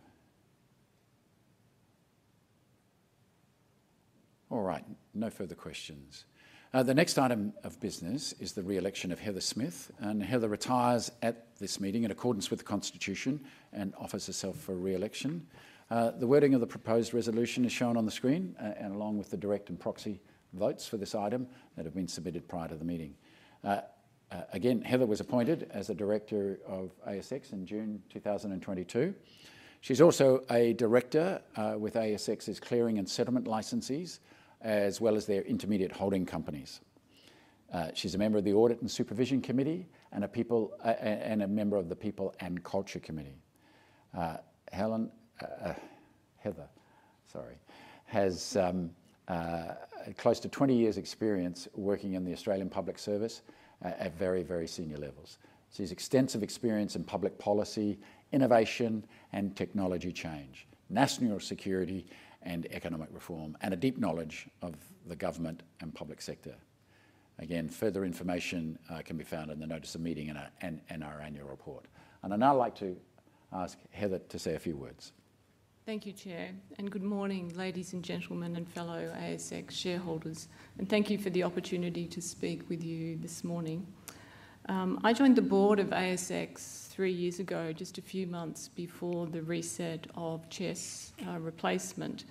All right, no further questions. The next item of business is the re-election of Heather Smith, and Heather retires at this meeting in accordance with the Constitution and offers herself for re-election. The wording of the proposed resolution is shown on the screen, along with the direct and proxy votes for this item that have been submitted prior to the meeting. Again, Heather was appointed as a director of ASX in June 2022. She's also a director with ASX's clearing and settlement licenses, as well as their intermediate holding companies. She's a member of the Audit and Supervision Committee and a member of the People and Culture Committee. Heather has close to 20 years' experience working in the Australian Public Service at very, very senior levels. She has extensive experience in public policy, innovation, and technology change, national security and economic reform, and a deep knowledge of the government and public sector. Further information can be found in the Notice of Meeting and our Annual Report. I'd now like to ask Heather to say a few words. Thank you, Chair, and good morning, ladies and gentlemen, and fellow ASX shareholders, and thank you for the opportunity to speak with you this morning. I joined the board of ASX three years ago, just a few months before the reset of CHESS's replacement.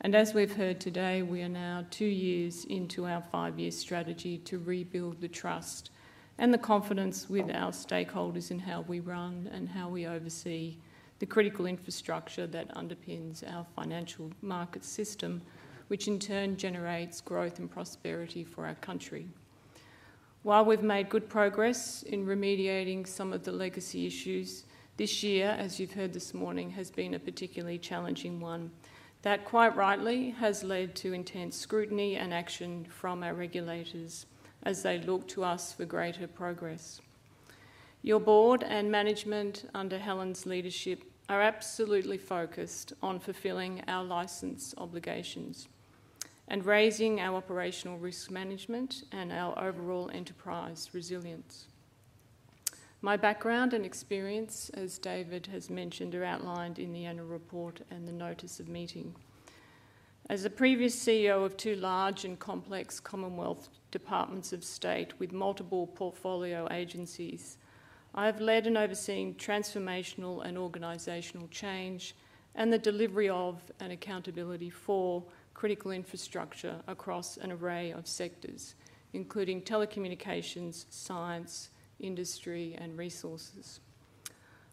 As we've heard today, we are now two years into our five-year strategy to rebuild the trust and the confidence with our stakeholders in how we run and how we oversee the critical infrastructure that underpins our financial market system, which in turn generates growth and prosperity for our country. While we've made good progress in remediating some of the legacy issues, this year, as you've heard this morning, has been a particularly challenging one that quite rightly has led to intense scrutiny and action from our regulators as they look to us for greater progress. Your board and management under Helen's leadership are absolutely focused on fulfilling our license obligations and raising our operational risk management and our overall enterprise resilience. My background and experience, as David has mentioned, are outlined in the Annual Report and the Notice of Meeting. As a previous CEO of two large and complex Commonwealth departments of state with multiple portfolio agencies, I have led and overseen transformational and organizational change and the delivery of and accountability for critical infrastructure across an array of sectors, including telecommunications, science, industry, and resources.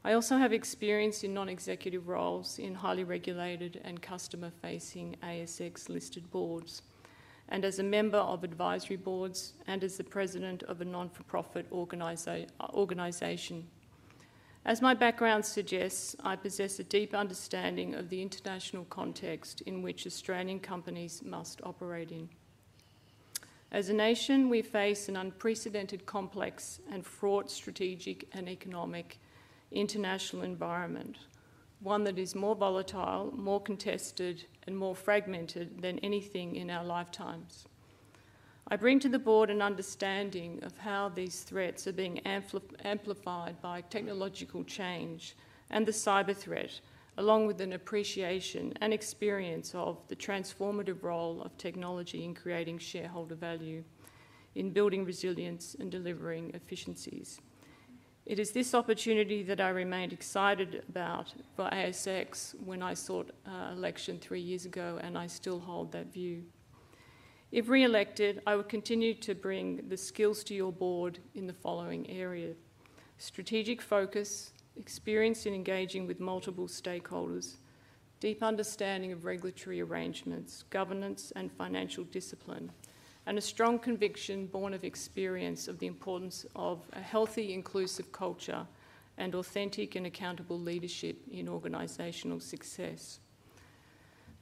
I also have experience in non-executive roles in highly regulated and customer-facing ASX-listed boards, and as a member of advisory boards and as the president of a non-profit organization. As my background suggests, I possess a deep understanding of the international context in which Australian companies must operate in. As a nation, we face an unprecedented complex and fraught strategic and economic international environment, one that is more volatile, more contested, and more fragmented than anything in our lifetimes. I bring to the board an understanding of how these threats are being amplified by technological change and the cyber threat, along with an appreciation and experience of the transformative role of technology in creating shareholder value, in building resilience, and delivering efficiencies. It is this opportunity that I remained excited about for ASX when I sought election three years ago, and I still hold that view. If re-elected, I would continue to bring the skills to your Board in the following areas: strategic focus, experience in engaging with multiple stakeholders, deep understanding of regulatory arrangements, governance, and financial discipline, and a strong conviction born of experience of the importance of a healthy, inclusive culture and authentic and accountable leadership in organizational success.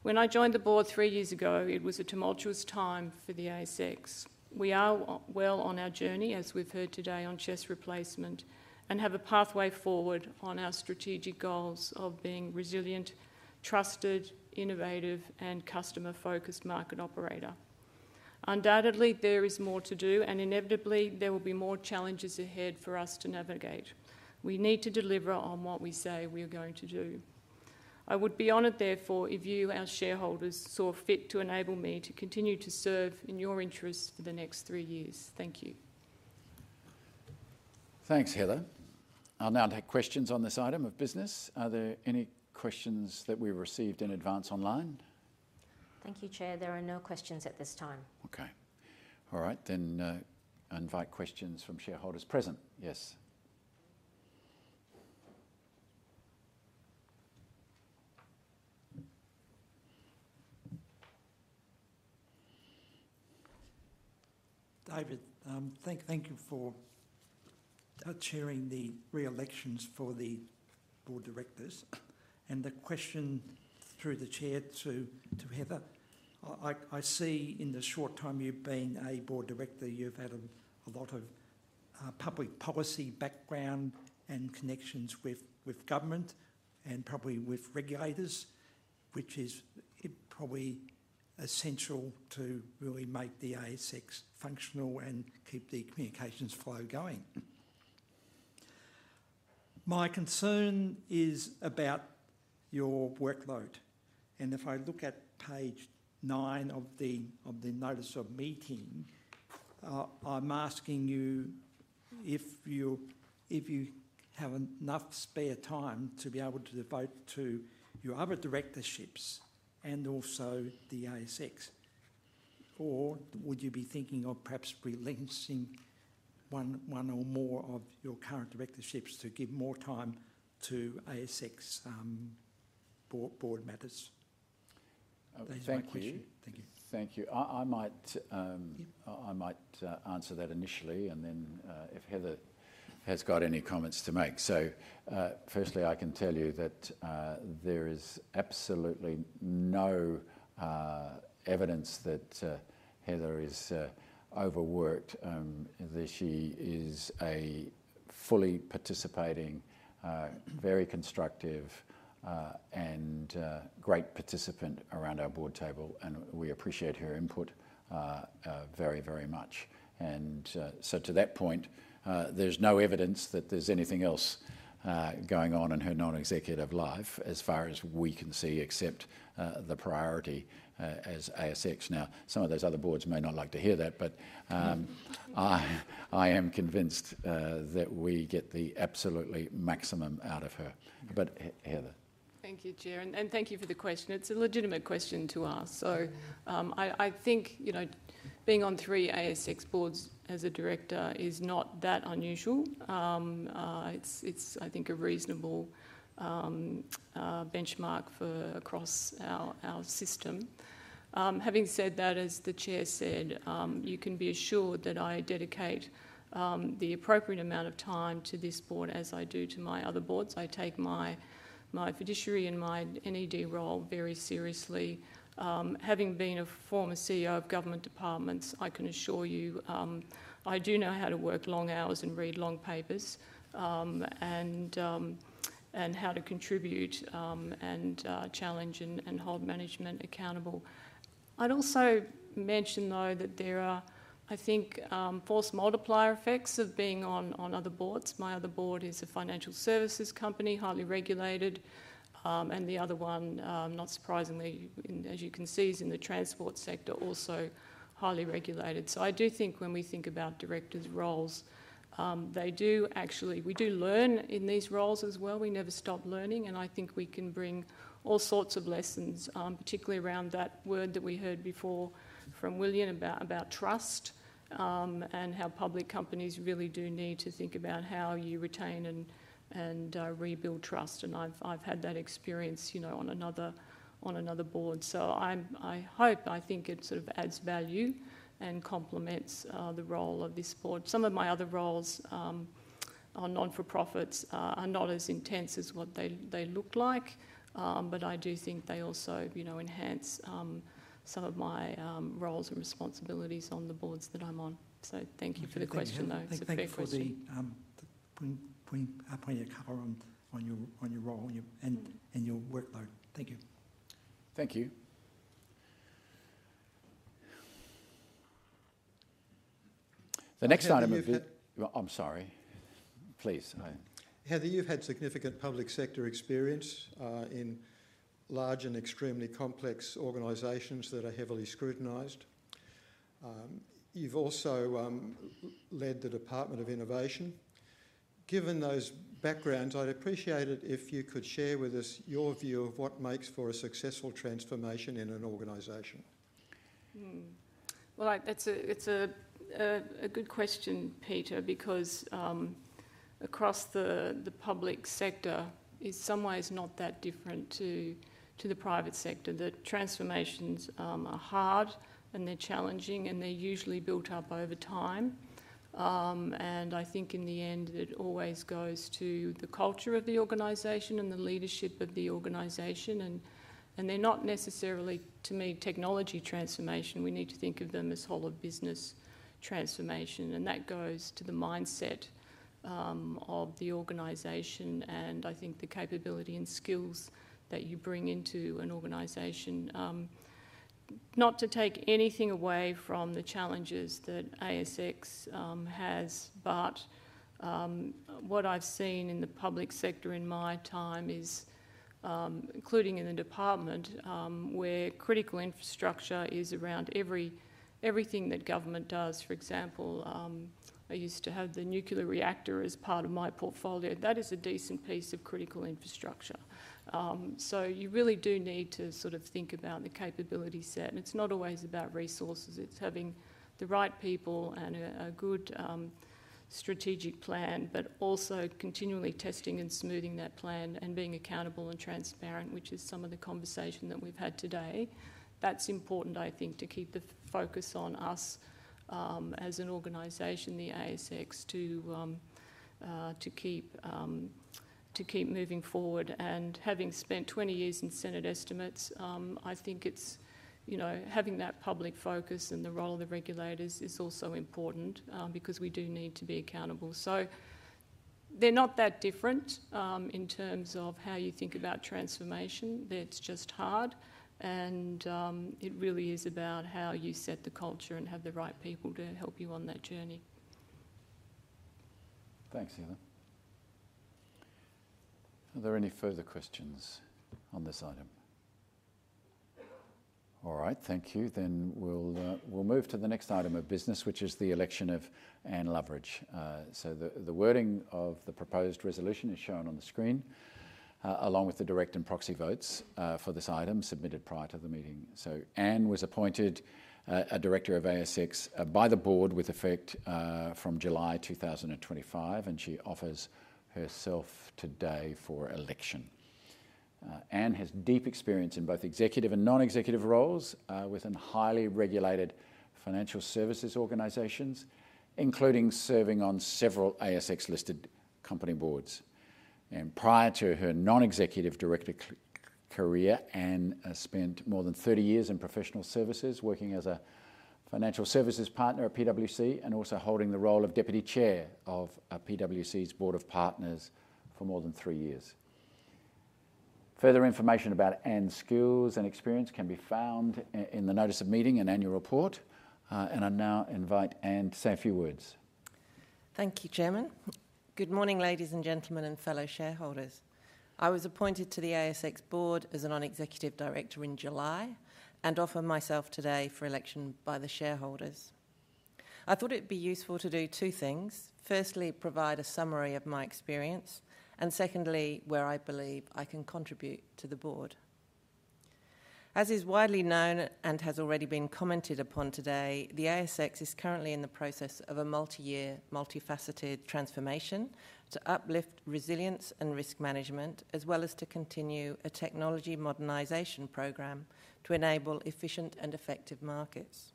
When I joined the Board three years ago, it was a tumultuous time for ASX. We are well on our journey, as we've heard today on CHESS's replacement, and have a pathway forward on our strategic goals of being a resilient, trusted, innovative, and customer-focused market operator. Undoubtedly, there is more to do, and inevitably there will be more challenges ahead for us to navigate. We need to deliver on what we say we are going to do. I would be honored, therefore, if you, our shareholders, saw fit to enable me to continue to serve in your interests for the next three years. Thank you. Thanks, Heather. I'll now take questions on this item of business. Are there any questions that we received in advance online? Thank you, Chair. There are no questions at this time. Okay. All right, I invite questions from shareholders present. Yes. David, thank you for chairing the re-elections for the board directors. The question through the Chair to Heather, I see in the short time you've been a board director, you've had a lot of public policy background and connections with government and probably with regulators, which is probably essential to really make the ASX functional and keep the communications flow going. My concern is about your workload. If I look at page nine of the Notice of Meeting, I'm asking you if you have enough spare time to be able to devote to your other directorships and also the ASX. Would you be thinking of perhaps relinquishing one or more of your current directorships to give more time to ASX board matters? Thank you. I might answer that initially, and then if Heather has any comments to make. Firstly, I can tell you that there is absolutely no evidence that Heather is overworked, that she is a fully participating, very constructive, and great participant around our board table. We appreciate her input very, very much. To that point, there's no evidence that there's anything else going on in her non-executive life as far as we can see, except the priority as ASX. Some of those other boards may not like to hear that, but I am convinced that we get the absolutely maximum out of her. Heather. Thank you, Chair. Thank you for the question. It's a legitimate question to ask. I think being on three ASX boards as a director is not that unusual. It's a reasonable benchmark for across our system. Having said that, as the Chair said, you can be assured that I dedicate the appropriate amount of time to this board as I do to my other boards. I take my fiduciary and my NED role very seriously. Having been a former CEO of government departments, I can assure you I do know how to work long hours and read long papers and how to contribute and challenge and hold management accountable. I'd also mention that there are, I think, force multiplier effects of being on other boards. My other board is a financial services company, highly regulated, and the other one, not surprisingly, as you can see, is in the transport sector, also highly regulated. I do think when we think about directors' roles, we do learn in these roles as well. We never stop learning. I think we can bring all sorts of lessons, particularly around that word that we heard before from William about trust and how public companies really do need to think about how you retain and rebuild trust. I've had that experience on another board. I hope it sort of adds value and complements the role of this board. Some of my other roles on non-for-profits are not as intense as what they look like, but I do think they also enhance some of my roles and responsibilities on the boards that I'm on. Thank you for the question, though. Thank you, Chair. I think you're putting a cover on your role and your workload. Thank you. Thank you. The next item of business. I'm sorry. Please. Heather, you've had significant public sector experience in large and extremely complex organizations that are heavily scrutinized. You've also led the Department of Innovation. Given those backgrounds, I'd appreciate it if you could share with us your view of what makes for a successful transformation in an organization. It's a good question, Peter, because across the public sector is somewhat not that different to the private sector. The transformations are hard and they're challenging and they're usually built up over time. I think in the end, it always goes to the culture of the organization and the leadership of the organization. They're not necessarily, to me, technology transformation. We need to think of them as whole of business transformation. That goes to the mindset of the organization and I think the capability and skills that you bring into an organization. Not to take anything away from the challenges that ASX has, but what I've seen in the public sector in my time is, including in the department, where critical infrastructure is around everything that government does. For example, I used to have the nuclear reactor as part of my portfolio. That is a decent piece of critical infrastructure. You really do need to sort of think about the capability set. It's not always about resources. It's having the right people and a good strategic plan, but also continually testing and smoothing that plan and being accountable and transparent, which is some of the conversation that we've had today. That's important, I think, to keep the focus on us as an organization, the ASX, to keep moving forward. Having spent 20 years in Senate Estimates, I think it's, you know, having that public focus and the role of the regulators is also important because we do need to be accountable. They're not that different in terms of how you think about transformation. It's just hard. It really is about how you set the culture and have the right people to help you on that journey. Thanks, Heather. Are there any further questions on this item? All right, thank you. We'll move to the next item of business, which is the election of Anne Loveridge. The wording of the proposed resolution is shown on the screen, along with the direct and proxy votes for this item submitted by prior to the meeting. Anne was appointed a Director of ASX by the board with effect from July 2025, and she offers herself today for election. Anne has deep experience in both executive and non-executive roles within highly regulated financial services organizations, including serving on several ASX-listed company boards. Prior to her non-executive director career, Anne spent more than 30 years in professional services, working as a financial services partner at PwC and also holding the role of Deputy Chair of PwC's Board of Partners for more than three years. Further information about Anne's skills and experience can be found in the Notice of Meeting and Annual Report, and I now invite Anne to say a few words. Thank you, Chairman. Good morning, ladies and gentlemen, and fellow shareholders. I was appointed to the ASX board as a non-executive director in July and offer myself today for election by the shareholders. I thought it would be useful to do two things: firstly, provide a summary of my experience, and secondly, where I believe I can contribute to the board. As is widely known and has already been commented upon today, the ASX is currently in the process of a multi-year, multifaceted transformation to uplift resilience and risk management, as well as to continue a technology modernization program to enable efficient and effective markets.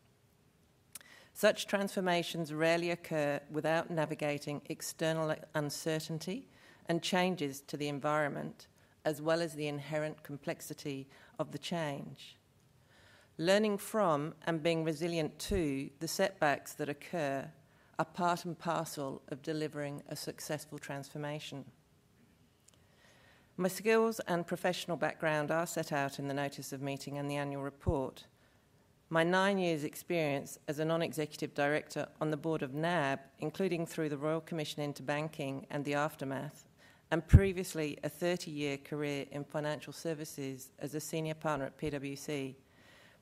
Such transformations rarely occur without navigating external uncertainty and changes to the environment, as well as the inherent complexity of the change. Learning from and being resilient to the setbacks that occur are part and parcel of delivering a successful transformation. My skills and professional background are set out in the Notice of Meeting and the Annual Report. My nine years' experience as a non-executive director on the board of NAB, including through the Royal Commission into Banking and the aftermath, and previously a 30-year career in financial services as a Senior Partner at PwC,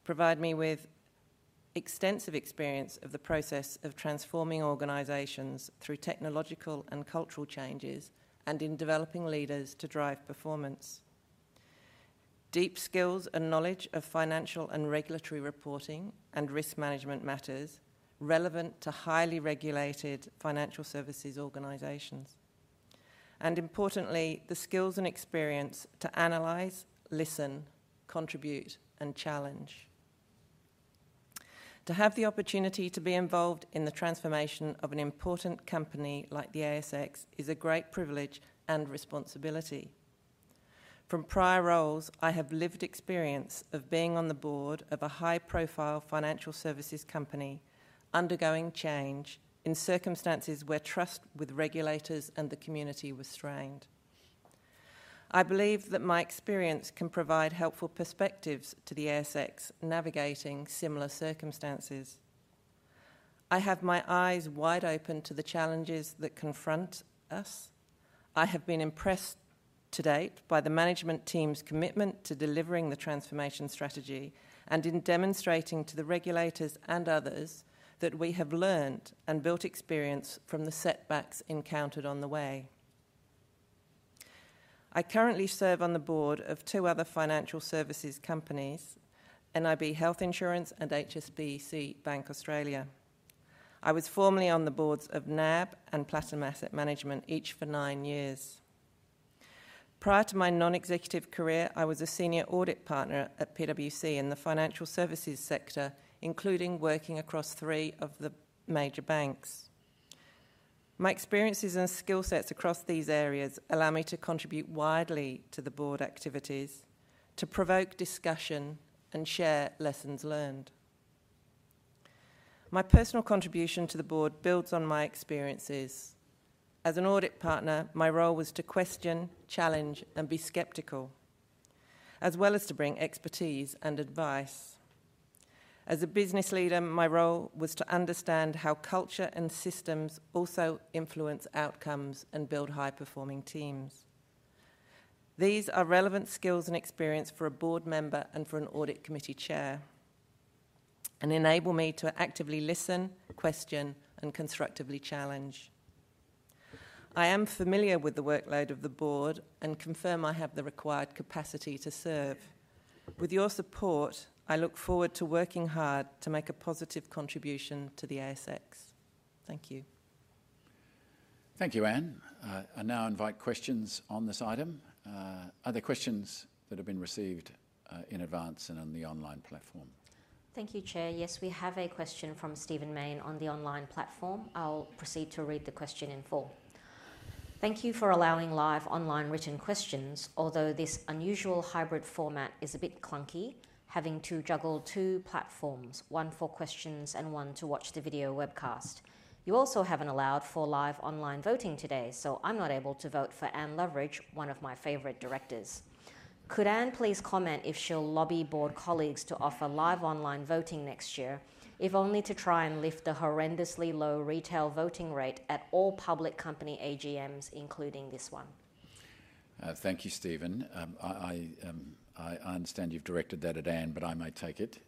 provide me with extensive experience of the process of transforming organizations through technological and cultural changes and in developing leaders to drive performance. Deep skills and knowledge of financial and regulatory reporting and risk management matters relevant to highly regulated financial services organizations. Importantly, the skills and experience to analyze, listen, contribute, and challenge. To have the opportunity to be involved in the transformation of an important company like the ASX is a great privilege and responsibility. From prior roles, I have lived experience of being on the board of a high-profile financial services company undergoing change in circumstances where trust with regulators and the community was strained. I believe that my experience can provide helpful perspectives to the ASX navigating similar circumstances. I have my eyes wide open to the challenges that confront us. I have been impressed to date by the management team's commitment to delivering the transformation strategy and in demonstrating to the regulators and others that we have learned and built experience from the setbacks encountered on the way. I currently serve on the board of two other financial services companies, nib Health Insurance and HSBC Bank Australia. I was formerly on the boards of NAB and Platinum Asset Management, each for nine years. Prior to my non-executive career, I was a Senior Audit Partner at PwC in the financial services sector, including working across three of the major banks. My experiences and skill sets across these areas allow me to contribute widely to the board activities, to provoke discussion, and share lessons learned. My personal contribution to the board builds on my experiences. As an Audit Partner, my role was to question, challenge, and be skeptical, as well as to bring expertise and advice. As a business leader, my role was to understand how culture and systems also influence outcomes and build high-performing teams. These are relevant skills and experience for a board member and for an Audit Committee Chair and enable me to actively listen, question, and constructively challenge. I am familiar with the workload of the board and confirm I have the required capacity to serve. With your support, I look forward to working hard to make a positive contribution to the ASX. Thank you. Thank you, Anne. I now invite questions on this item. Are there questions that have been received in advance and on the online platform? Thank you, Chair. Yes, we have a question from Stephen Mayne on the online platform. I'll proceed to read the question in full. Thank you for allowing live online written questions, although this unusual hybrid format is a bit clunky, having to juggle two platforms, one for questions and one to watch the video webcast. You also haven't allowed for live online voting today, so I'm not able to vote for Anne Loveridge, one of my favorite directors. Could Anne please comment if she'll lobby board colleagues to offer live online voting next year, if only to try and lift the horrendously low retail voting rate at all public company AGMs, including this one? Thank you, Stephen. I understand you've directed that at Anne, but I may take it.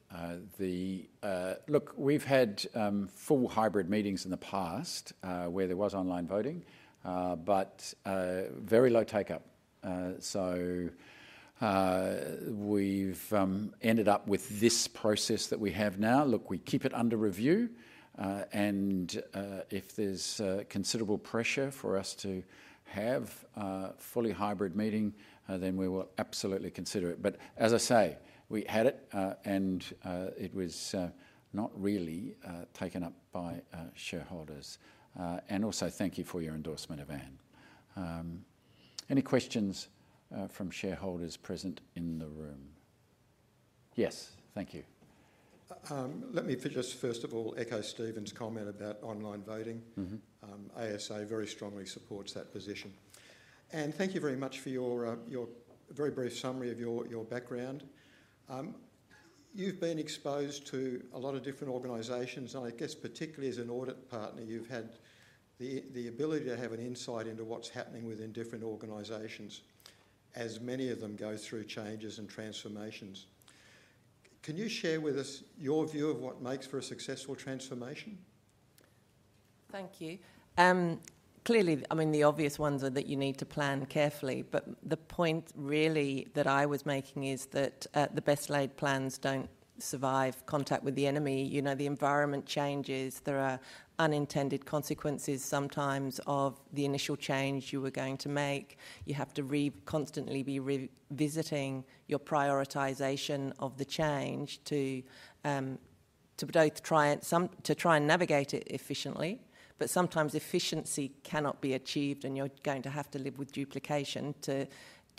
We've had full hybrid meetings in the past where there was online voting, but very low take-up, so we've ended up with this process that we have now. We keep it under review, and if there's considerable pressure for us to have a fully hybrid meeting, then we will absolutely consider it. As I say, we had it, and it was not really taken up by shareholders. Also, thank you for your endorsement of Anne. Any questions from shareholders present in the room? Yes, thank you. Let me just first of all echo Stephen's comment about online voting. ASA very strongly supports that position. Anne, thank you very much for your very brief summary of your background. You've been exposed to a lot of different organizations, and I guess particularly as an audit partner, you've had the ability to have an insight into what's happening within different organizations as many of them go through changes and transformations. Can you share with us your view of what makes for a successful transformation? Thank you. Clearly, the obvious ones are that you need to plan carefully, but the point really that I was making is that the best-laid plans don't survive contact with the enemy. You know, the environment changes. There are unintended consequences sometimes of the initial change you were going to make. You have to constantly be revisiting your prioritization of the change to both try and navigate it efficiently, but sometimes efficiency cannot be achieved, and you're going to have to live with duplication to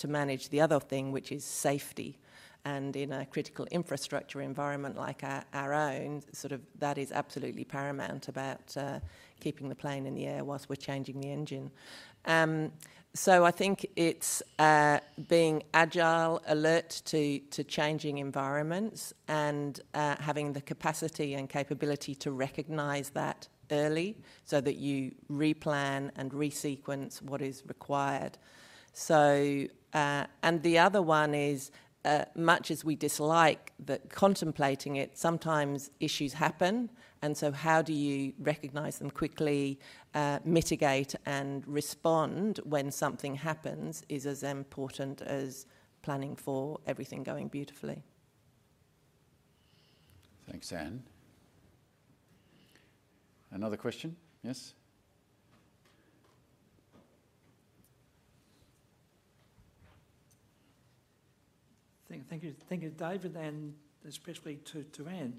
manage the other thing, which is safety. In a critical infrastructure environment like our own, that is absolutely paramount about keeping the plane in the air whilst we're changing the engine. I think it's being agile, alert to changing environments, and having the capacity and capability to recognize that early so that you replan and resequence what is required. The other one is, much as we dislike contemplating it, sometimes issues happen, and how do you recognize them quickly, mitigate, and respond when something happens is as important as planning for everything going beautifully. Thanks, Anne. Another question? Yes. Thank you, David, and especially to Anne.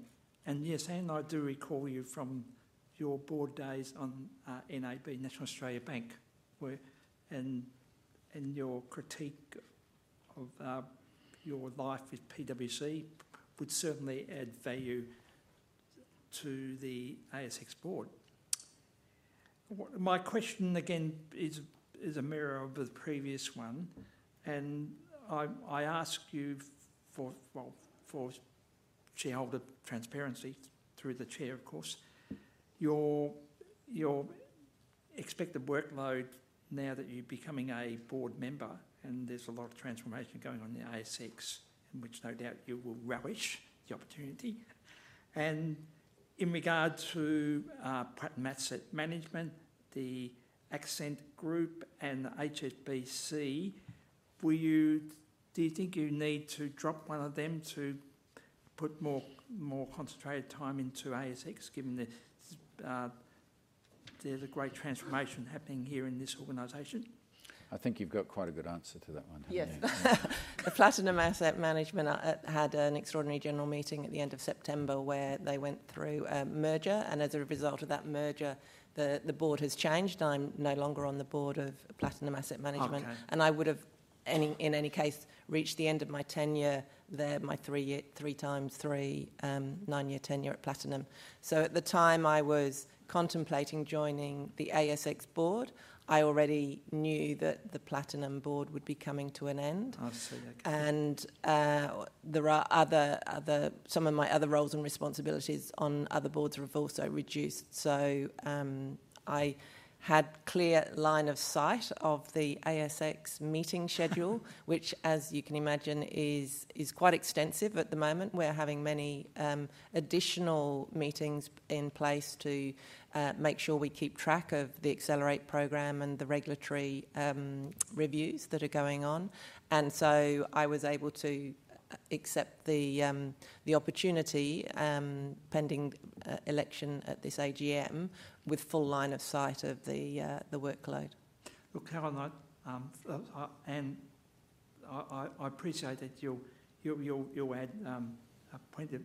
Yes, Anne, I do recall you from your board days on NAB, National Australia Bank, where your critique of your life with PwC would certainly add value to the ASX board. My question again is a mirror of the previous one, and I ask you for shareholder transparency through the Chair, of course. Your expected workload now that you're becoming a board member, and there's a lot of transformation going on in the ASX, in which no doubt you will relish the opportunity. In regard to Platinum Asset Management, the Accent Group, and HSBC, do you think you need to drop one of them to put more concentrated time into ASX, given there's a great transformation happening here in this organization? I think you've got quite a good answer to that one, haven't you? Yes. Platinum Asset Management had an extraordinary general meeting at the end of September where they went through a merger, and as a result of that merger, the board has changed. I'm no longer on the board of Platinum Asset Management, and I would have, in any case, reached the end of my tenure there, my three times three, nine-year tenure at Platinum. At the time I was contemplating joining the ASX board, I already knew that the Platinum board would be coming to an end. Some of my other roles and responsibilities on other boards were also reduced. I had a clear line of sight of the ASX meeting schedule, which, as you can imagine, is quite extensive at the moment. We're having many additional meetings in place to make sure we keep track of the Accelerate program and the regulatory reviews that are going on. I was able to accept the opportunity pending election at this AGM with a full line of sight of the workload. Look, Anne, I appreciate that you'll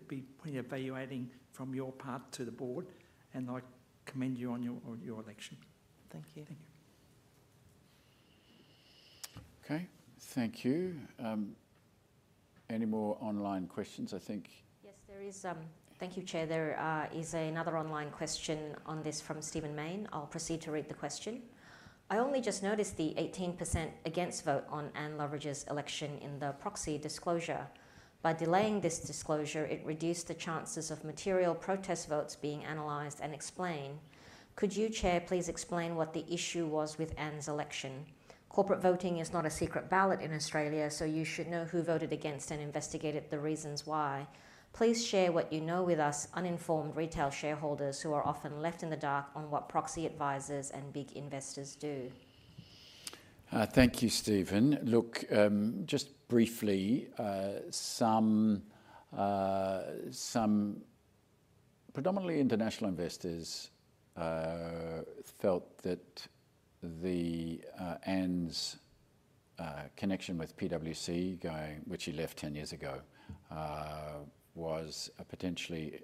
be pretty value-adding from your part to the board, and I commend you on your election. Thank you. Okay, thank you. Any more online questions? I think. Yes, there is. Thank you, Chair. There is another online question on this from Stephen Mayne. I'll proceed to read the question. I only just noticed the 18% against vote on Anne Loveridge's election in the proxy disclosure. By delaying this disclosure, it reduced the chances of material protest votes being analyzed and explained. Could you, Chair, please explain what the issue was with Anne's election? Corporate voting is not a secret ballot in Australia, so you should know who voted against and investigated the reasons why. Please share what you know with us uninformed retail shareholders who are often left in the dark on what proxy advisors and big investors do. Thank you, Stephen. Just briefly, some predominantly international investors felt that Anne's connection with PwC, which she left 10 years ago, was potentially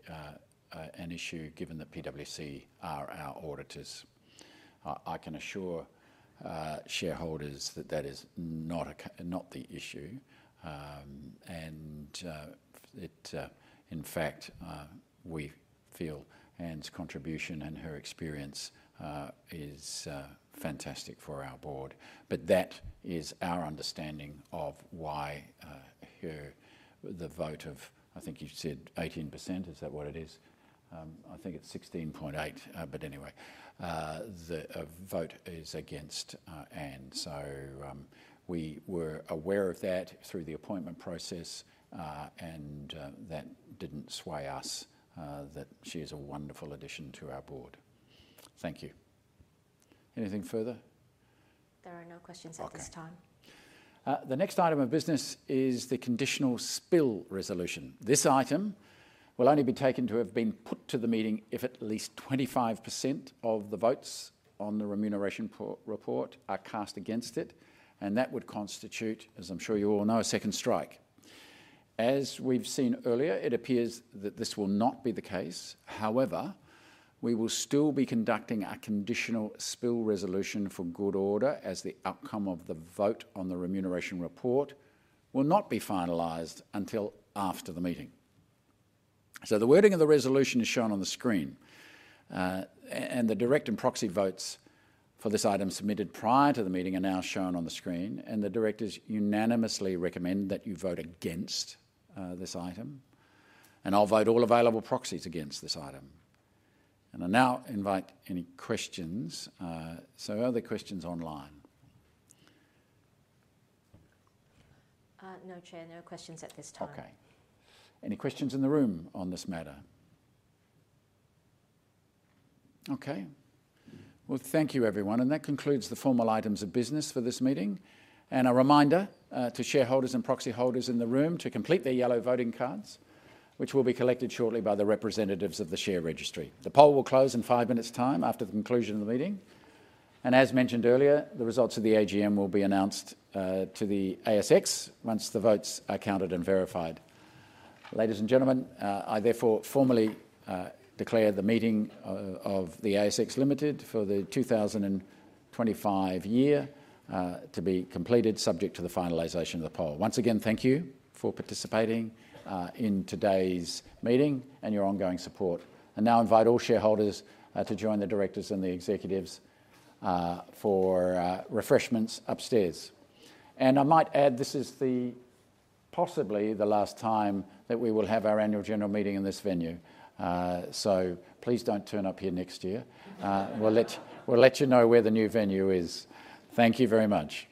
an issue given that PwC are our auditors. I can assure shareholders that that is not the issue. In fact, we feel Anne's contribution and her experience is fantastic for our board. That is our understanding of why the vote of, I think you said 18%, is that what it is? I think it's 16.8%, but anyway, the vote is against Anne. We were aware of that through the appointment process, and that didn't sway us that she is a wonderful addition to our board. Thank you. Anything further? There are no questions at this time. The next item of business is the conditional spill resolution. This item will only be taken to have been put to the meeting if at least 25% of the votes on the Remuneration Report are cast against it, and that would constitute, as I'm sure you all know, a second strike. As we've seen earlier, it appears that this will not be the case. However, we will still be conducting a conditional spill resolution for good order as the outcome of the vote on the Remuneration Report will not be finalized until after the meeting. The wording of the resolution is shown on the screen, and the direct and proxy votes for this item submitted prior to the meeting are now shown on the screen. The directors unanimously recommend that you vote against this item. I'll vote all available proxies against this item. I now invite any questions. Are there questions online? No, Chair, no questions at this time. Okay. Any questions in the room on this matter? Okay. Thank you, everyone. That concludes the formal items of business for this meeting. A reminder to shareholders and proxy holders in the room to complete their yellow voting cards, which will be collected shortly by the representatives of the share registry. The poll will close in five minutes' time after the conclusion of the meeting. As mentioned earlier, the results of the AGM will be announced to the ASX once the votes are counted and verified. Ladies and gentlemen, I therefore formally declare the meeting of ASX Limited for the 2025 year to be completed subject to the finalization of the poll. Once again, thank you for participating in today's meeting and your ongoing support. I now invite all shareholders to join the directors and the executives for refreshments upstairs. I might add this is possibly the last time that we will have our annual general meeting in this venue. Please don't turn up here next year. We'll let you know where the new venue is. Thank you very much.